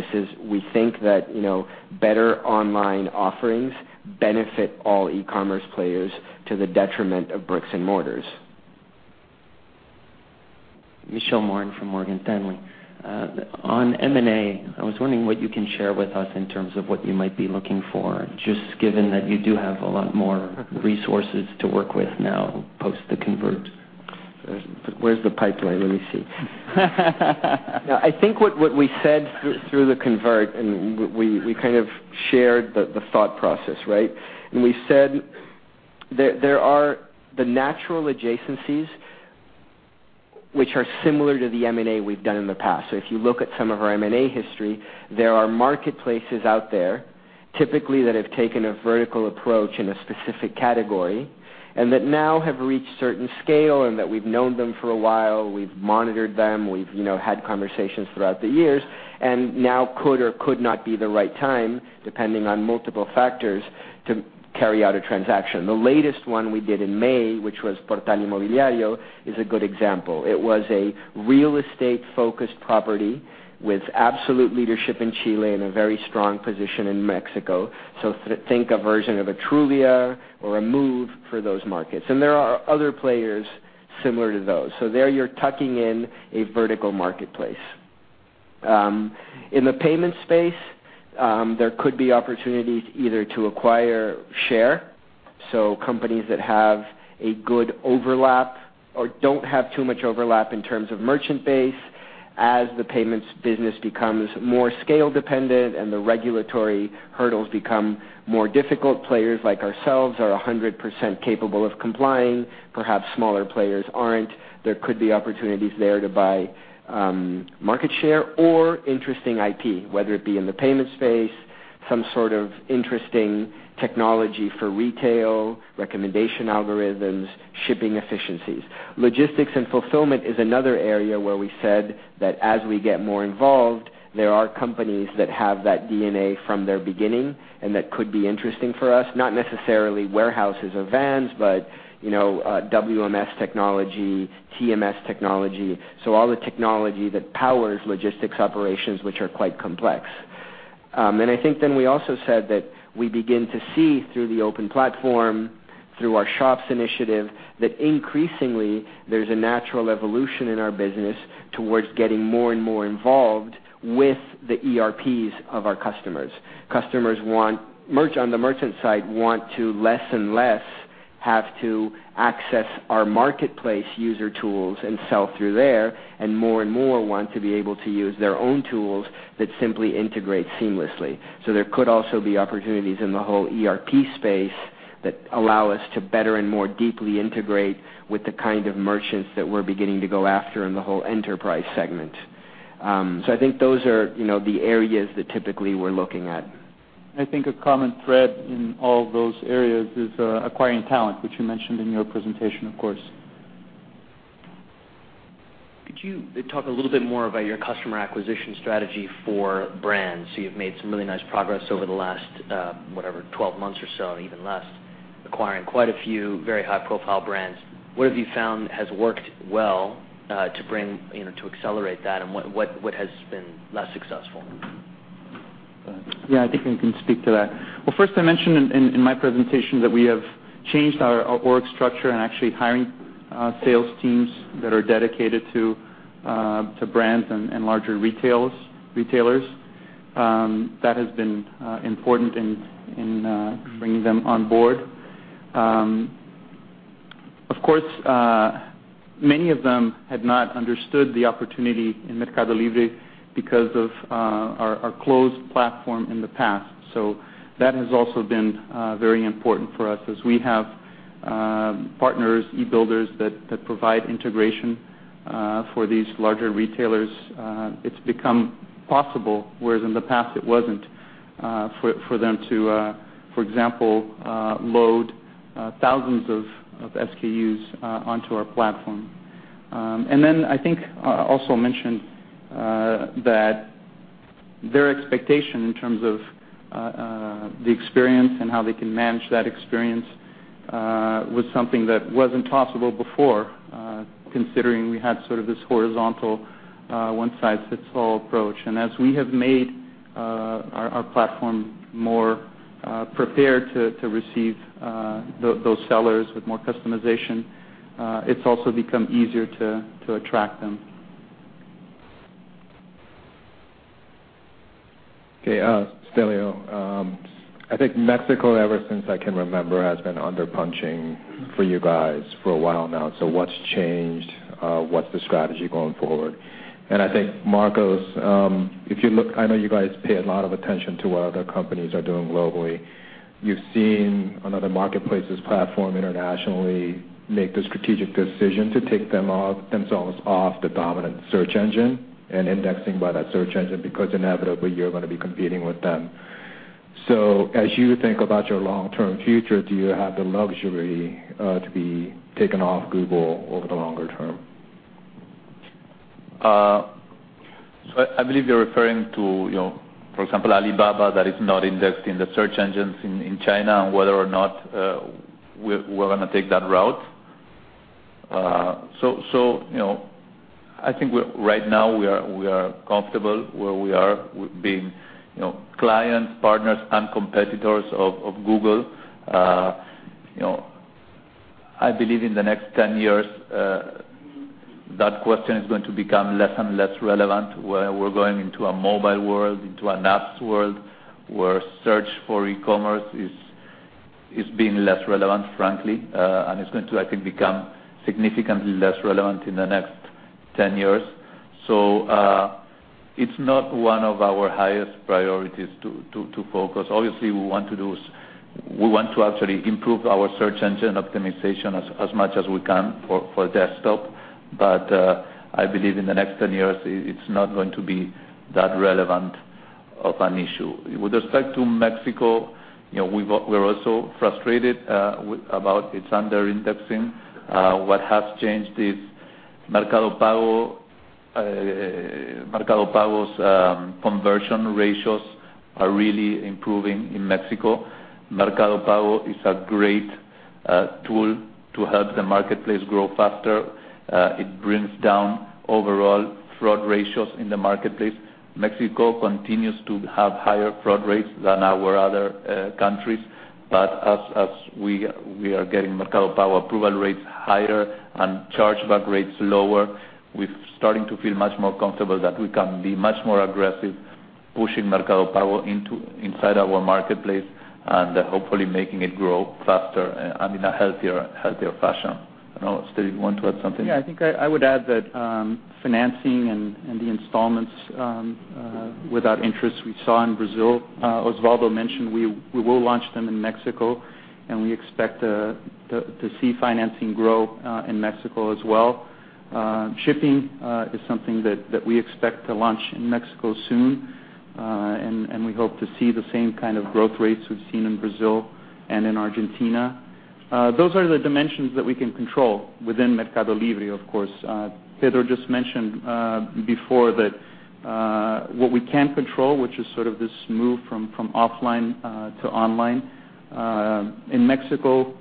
We think that better online offerings benefit all e-commerce players to the detriment of bricks and mortars.
Michelle Moran from Morgan Stanley. On M&A, I was wondering what you can share with us in terms of what you might be looking for, just given that you do have a lot more resources to work with now post the convert.
Where's the pipeline? Let me see. I think what we said through the convert, and we kind of shared the thought process, right? We said there are the natural adjacencies which are similar to the M&A we've done in the past. If you look at some of our M&A history, there are marketplaces out there typically that have taken a vertical approach in a specific category, and that now have reached a certain scale and that we've known them for a while, we've monitored them, we've had conversations throughout the years, and now could or could not be the right time, depending on multiple factors, to carry out a transaction. The latest one we did in May, which was Portal Inmobiliario, is a good example. It was a real estate-focused property with absolute leadership in Chile and a very strong position in Mexico. Think a version of a Trulia or a Move for those markets. There are other players similar to those. There you're tucking in a vertical marketplace. In the payment space, there could be opportunities either to acquire share, so companies that have a good overlap or don't have too much overlap in terms of merchant base as the payments business becomes more scale-dependent and the regulatory hurdles become more difficult. Players like ourselves are 100% capable of complying. Perhaps smaller players aren't. There could be opportunities there to buy market share or interesting IP, whether it be in the payment space, some sort of interesting technology for retail, recommendation algorithms, shipping efficiencies. Logistics and fulfillment is another area where we said that as we get more involved, there are companies that have that DNA from their beginning and that could be interesting for us. Not necessarily warehouses or vans, but WMS technology, TMS technology. All the technology that powers logistics operations, which are quite complex. I think then we also said that we begin to see through the open platform, through our Mercado Shops initiative, that increasingly there's a natural evolution in our business towards getting more and more involved with the ERPs of our customers. Customers on the merchant side want to less and less have to access our marketplace user tools and sell through there, and more and more want to be able to use their own tools that simply integrate seamlessly. There could also be opportunities in the whole ERP space that allow us to better and more deeply integrate with the kind of merchants that we're beginning to go after in the whole enterprise segment. I think those are the areas that typically we're looking at.
I think a common thread in all those areas is acquiring talent, which you mentioned in your presentation, of course.
Could you talk a little bit more about your customer acquisition strategy for brands? You've made some really nice progress over the last, whatever, 12 months or so, and even less, acquiring quite a few very high-profile brands. What have you found has worked well to accelerate that, and what has been less successful?
I think I can speak to that. First, I mentioned in my presentation that we have changed our org structure and actually hiring sales teams that are dedicated to brands and larger retailers. That has been important in bringing them on board. Of course, many of them had not understood the opportunity in MercadoLibre because of our closed platform in the past. That has also been very important for us as we have partners, e-builders that provide integration for these larger retailers. It's become possible, whereas in the past it wasn't, for them to, for example, load thousands of SKUs onto our platform. I think I also mentioned that their expectation in terms of the experience and how they can manage that experience was something that wasn't possible before considering we had sort of this horizontal, one-size-fits-all approach. As we have made our platform more prepared to receive those sellers with more customization, it's also become easier to attract them.
Okay, Stelleo. I think Mexico, ever since I can remember, has been under-punching for you guys for a while now. What's changed? What's the strategy going forward? I think, Marcos, I know you guys pay a lot of attention to what other companies are doing globally. You've seen another marketplace's platform internationally make the strategic decision to take themselves off the dominant search engine and indexing by that search engine because inevitably you're going to be competing with them. As you think about your long-term future, do you have the luxury to be taken off Google over the longer term?
I believe you're referring to, for example, Alibaba, that is not indexed in the search engines in China and whether or not we're going to take that route. I think right now we are comfortable where we are with being client partners and competitors of Google. I believe in the next 10 years, that question is going to become less and less relevant where we're going into a mobile world, into an apps world where search for e-commerce is It's been less relevant, frankly, and it's going to, I think, become significantly less relevant in the next 10 years. It's not one of our highest priorities to focus. Obviously, we want to actually improve our search engine optimization as much as we can for desktop. I believe in the next 10 years, it's not going to be that relevant of an issue. With respect to Mexico, we're also frustrated about its under-indexing. What has changed is Mercado Pago's conversion ratios are really improving in Mexico. Mercado Pago is a great tool to help the marketplace grow faster. It brings down overall fraud ratios in the marketplace. Mexico continues to have higher fraud rates than our other countries. As we are getting Mercado Pago approval rates higher and chargeback rates lower, we're starting to feel much more comfortable that we can be much more aggressive pushing Mercado Pago inside our marketplace, and hopefully making it grow faster and in a healthier fashion. I don't know, Stelleo, you want to add something?
I think I would add that financing and the installments without interest we saw in Brazil. Osvaldo mentioned we will launch them in Mexico, and we expect to see financing grow in Mexico as well. Shipping is something that we expect to launch in Mexico soon. We hope to see the same kind of growth rates we've seen in Brazil and in Argentina. Those are the dimensions that we can control within MercadoLibre, of course. Pedro just mentioned before that what we can control, which is sort of this move from offline to online. In Mexico,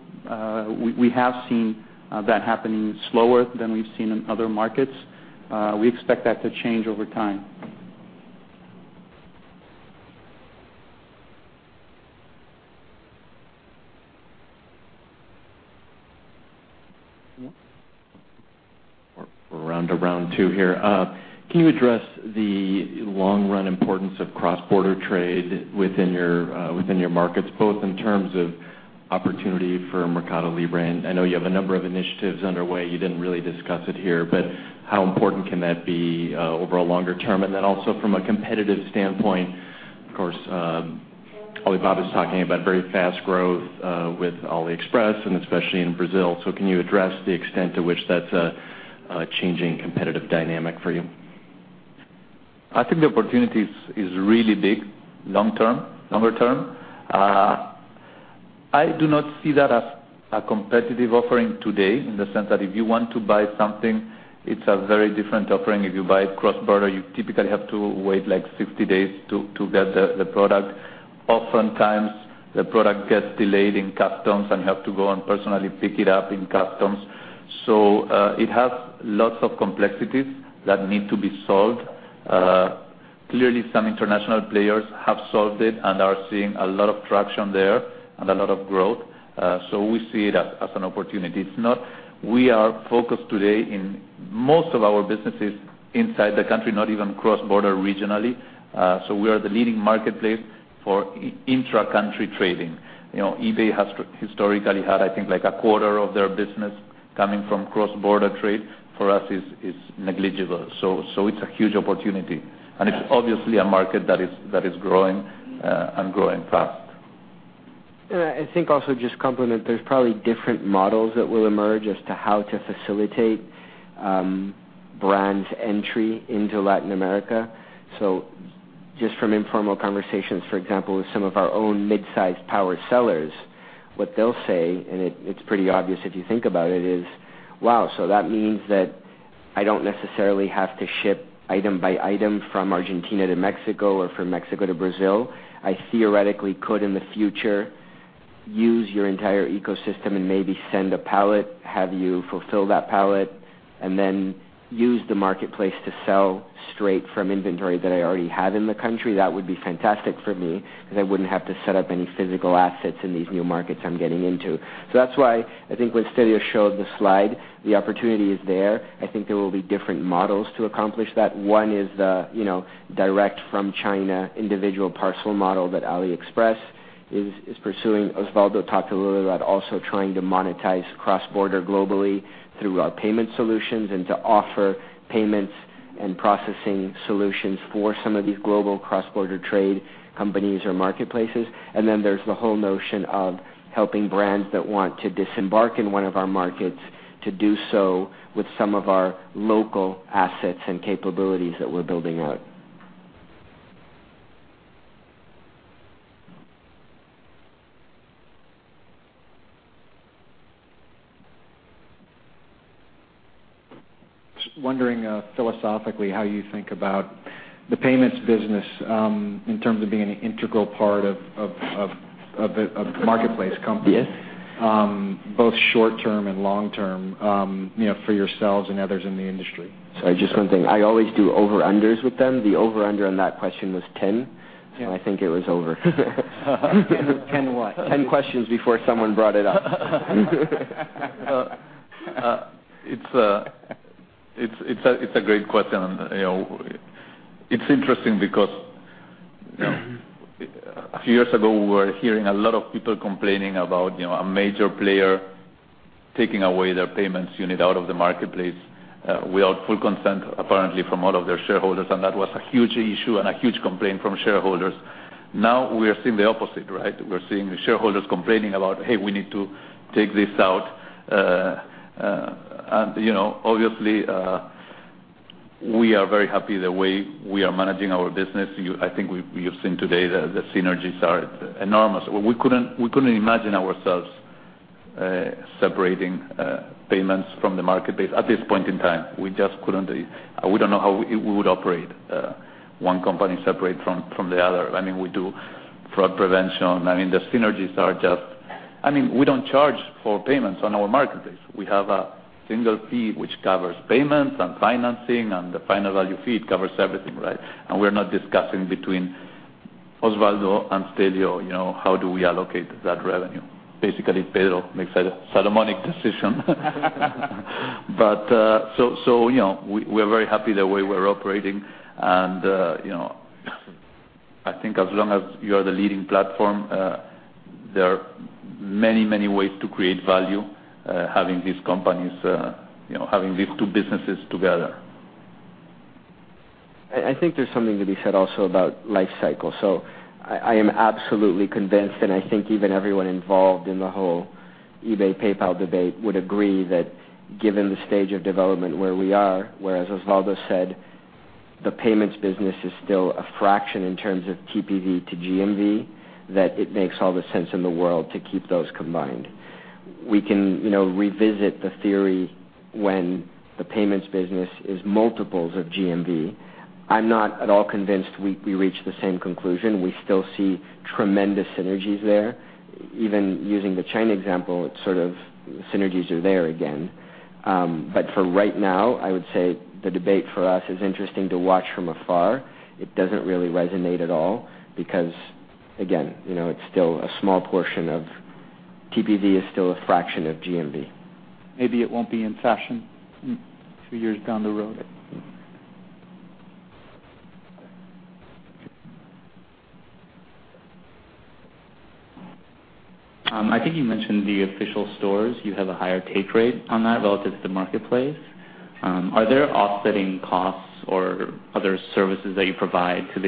we have seen that happening slower than we've seen in other markets. We expect that to change over time.
We're on to round 2 here. Can you address the long-run importance of cross-border trade within your markets, both in terms of opportunity for MercadoLibre, and I know you have a number of initiatives underway. You didn't really discuss it here, but how important can that be over a longer term? Also from a competitive standpoint, of course, Alibaba's talking about very fast growth with AliExpress, and especially in Brazil. Can you address the extent to which that's a changing competitive dynamic for you?
I think the opportunity is really big longer term. I do not see that as a competitive offering today in the sense that if you want to buy something, it's a very different offering. If you buy cross-border, you typically have to wait 60 days to get the product. Oftentimes, the product gets delayed in customs, and you have to go and personally pick it up in customs. It has lots of complexities that need to be solved. Clearly, some international players have solved it and are seeing a lot of traction there and a lot of growth. We see it as an opportunity. We are focused today in most of our businesses inside the country, not even cross-border regionally. We are the leading marketplace for intra-country trading. eBay has historically had, I think, a quarter of their business coming from cross-border trade. For us, it's negligible. It's a huge opportunity, and it's obviously a market that is growing, and growing fast.
I think also just compliment, there's probably different models that will emerge as to how to facilitate brands' entry into Latin America. Just from informal conversations, for example, with some of our own mid-sized power sellers, what they'll say, and it's pretty obvious if you think about it, is, "Wow, so that means that I don't necessarily have to ship item by item from Argentina to Mexico or from Mexico to Brazil. I theoretically could, in the future, use your entire ecosystem and maybe send a pallet, have you fulfill that pallet, and then use the marketplace to sell straight from inventory that I already have in the country. That would be fantastic for me because I wouldn't have to set up any physical assets in these new markets I'm getting into." That's why I think when Stelleo showed the slide, the opportunity is there. I think there will be different models to accomplish that. One is the direct-from-China individual parcel model that AliExpress is pursuing. Osvaldo talked a little about also trying to monetize cross-border globally through our payment solutions and to offer payments and processing solutions for some of these global cross-border trade companies or marketplaces. There's the whole notion of helping brands that want to disembark in one of our markets to do so with some of our local assets and capabilities that we're building out.
Just wondering, philosophically, how you think about the payments business, in terms of being an integral part of the marketplace company. Yes. Both short-term and long-term, for yourselves and others in the industry.
Sorry, just one thing. I always do over-unders with them. The over-under on that question was 10.
Yeah.
I think it was over.
10 what?
10 questions before someone brought it up.
It's a great question. It's interesting because a few years ago, we were hearing a lot of people complaining about a major player taking away their payments unit out of the marketplace without full consent, apparently from all of their shareholders, and that was a huge issue and a huge complaint from shareholders. Now we are seeing the opposite, right? We're seeing shareholders complaining about, "Hey, we need to take this out." Obviously, we are very happy the way we are managing our business. I think you've seen today that the synergies are enormous. We couldn't imagine ourselves separating payments from the marketplace at this point in time. We just couldn't. We don't know how it would operate, one company separate from the other. We do fraud prevention. We don't charge for payments on our marketplace. We have a single fee which covers payments and financing. The final value fee covers everything, right? We're not discussing between Osvaldo and Stelleo, how do we allocate that revenue. Basically, Pedro makes a Solomonic decision. We're very happy the way we're operating. I think as long as you are the leading platform, there are many, many ways to create value having these two businesses together.
I think there's something to be said also about life cycle. I am absolutely convinced, and I think even everyone involved in the whole eBay, PayPal debate would agree that given the stage of development where we are, whereas Osvaldo said the payments business is still a fraction in terms of TPV to GMV, that it makes all the sense in the world to keep those combined. We can revisit the theory when the payments business is multiples of GMV. I'm not at all convinced we reach the same conclusion. We still see tremendous synergies there. Even using the China example, synergies are there again. For right now, I would say the debate for us is interesting to watch from afar. It doesn't really resonate at all because, again, it's still a small portion of TPV, is still a fraction of GMV.
Maybe it won't be in fashion a few years down the road.
I think you mentioned the official stores. You have a higher take rate on that relative to the marketplace. Are there offsetting costs or other services that you provide to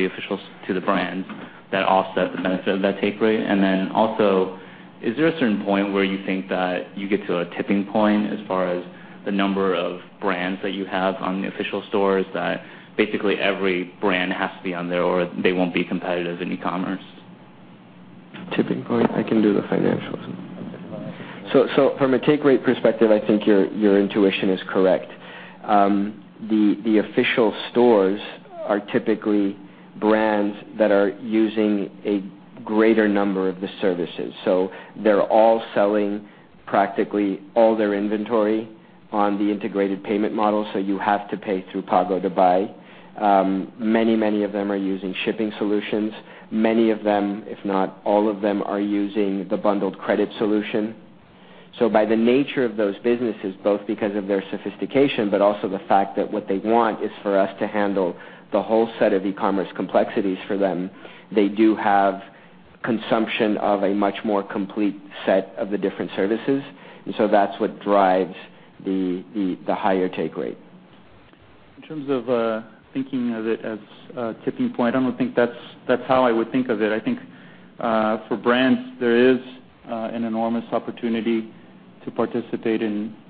the brands that offset the benefit of that take rate? Also, is there a certain point where you think that you get to a tipping point as far as the number of brands that you have on the official stores, that basically every brand has to be on there or they won't be competitive in e-commerce?
Tipping point. I can do the financials.
Okay.
From a take rate perspective, I think your intuition is correct. The official stores are typically brands that are using a greater number of the services. They're all selling practically all their inventory on the integrated payment model, you have to pay through Pago to buy. Many of them are using shipping solutions. Many of them, if not all of them, are using the bundled credit solution. By the nature of those businesses, both because of their sophistication but also the fact that what they want is for us to handle the whole set of e-commerce complexities for them, they do have consumption of a much more complete set of the different services. That's what drives the higher take rate.
In terms of thinking of it as a tipping point, I don't think that's how I would think of it. I think for brands, there is an enormous opportunity to participate in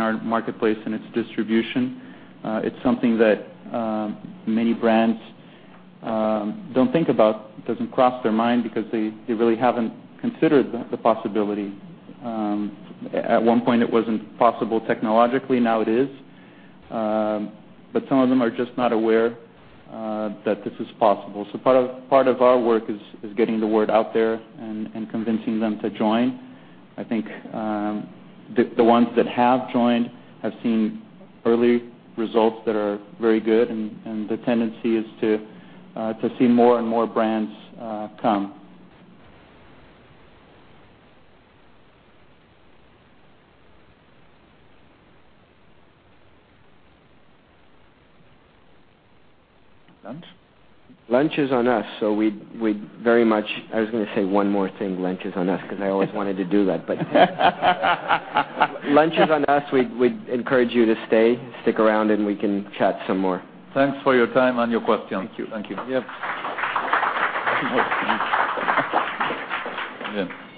our marketplace and its distribution. It's something that many brands don't think about. It doesn't cross their mind because they really haven't considered the possibility. At one point, it wasn't possible technologically. Now it is. Some of them are just not aware that this is possible. Part of our work is getting the word out there and convincing them to join. I think the ones that have joined have seen early results that are very good, the tendency is to see more and more brands come.
Lunch?
Lunch is on us. I was going to say one more thing, lunch is on us, because I always wanted to do that. Lunch is on us. We'd encourage you to stay, stick around, and we can chat some more.
Thanks for your time and your questions.
Thank you.
Thank you.
Yep.
Yeah.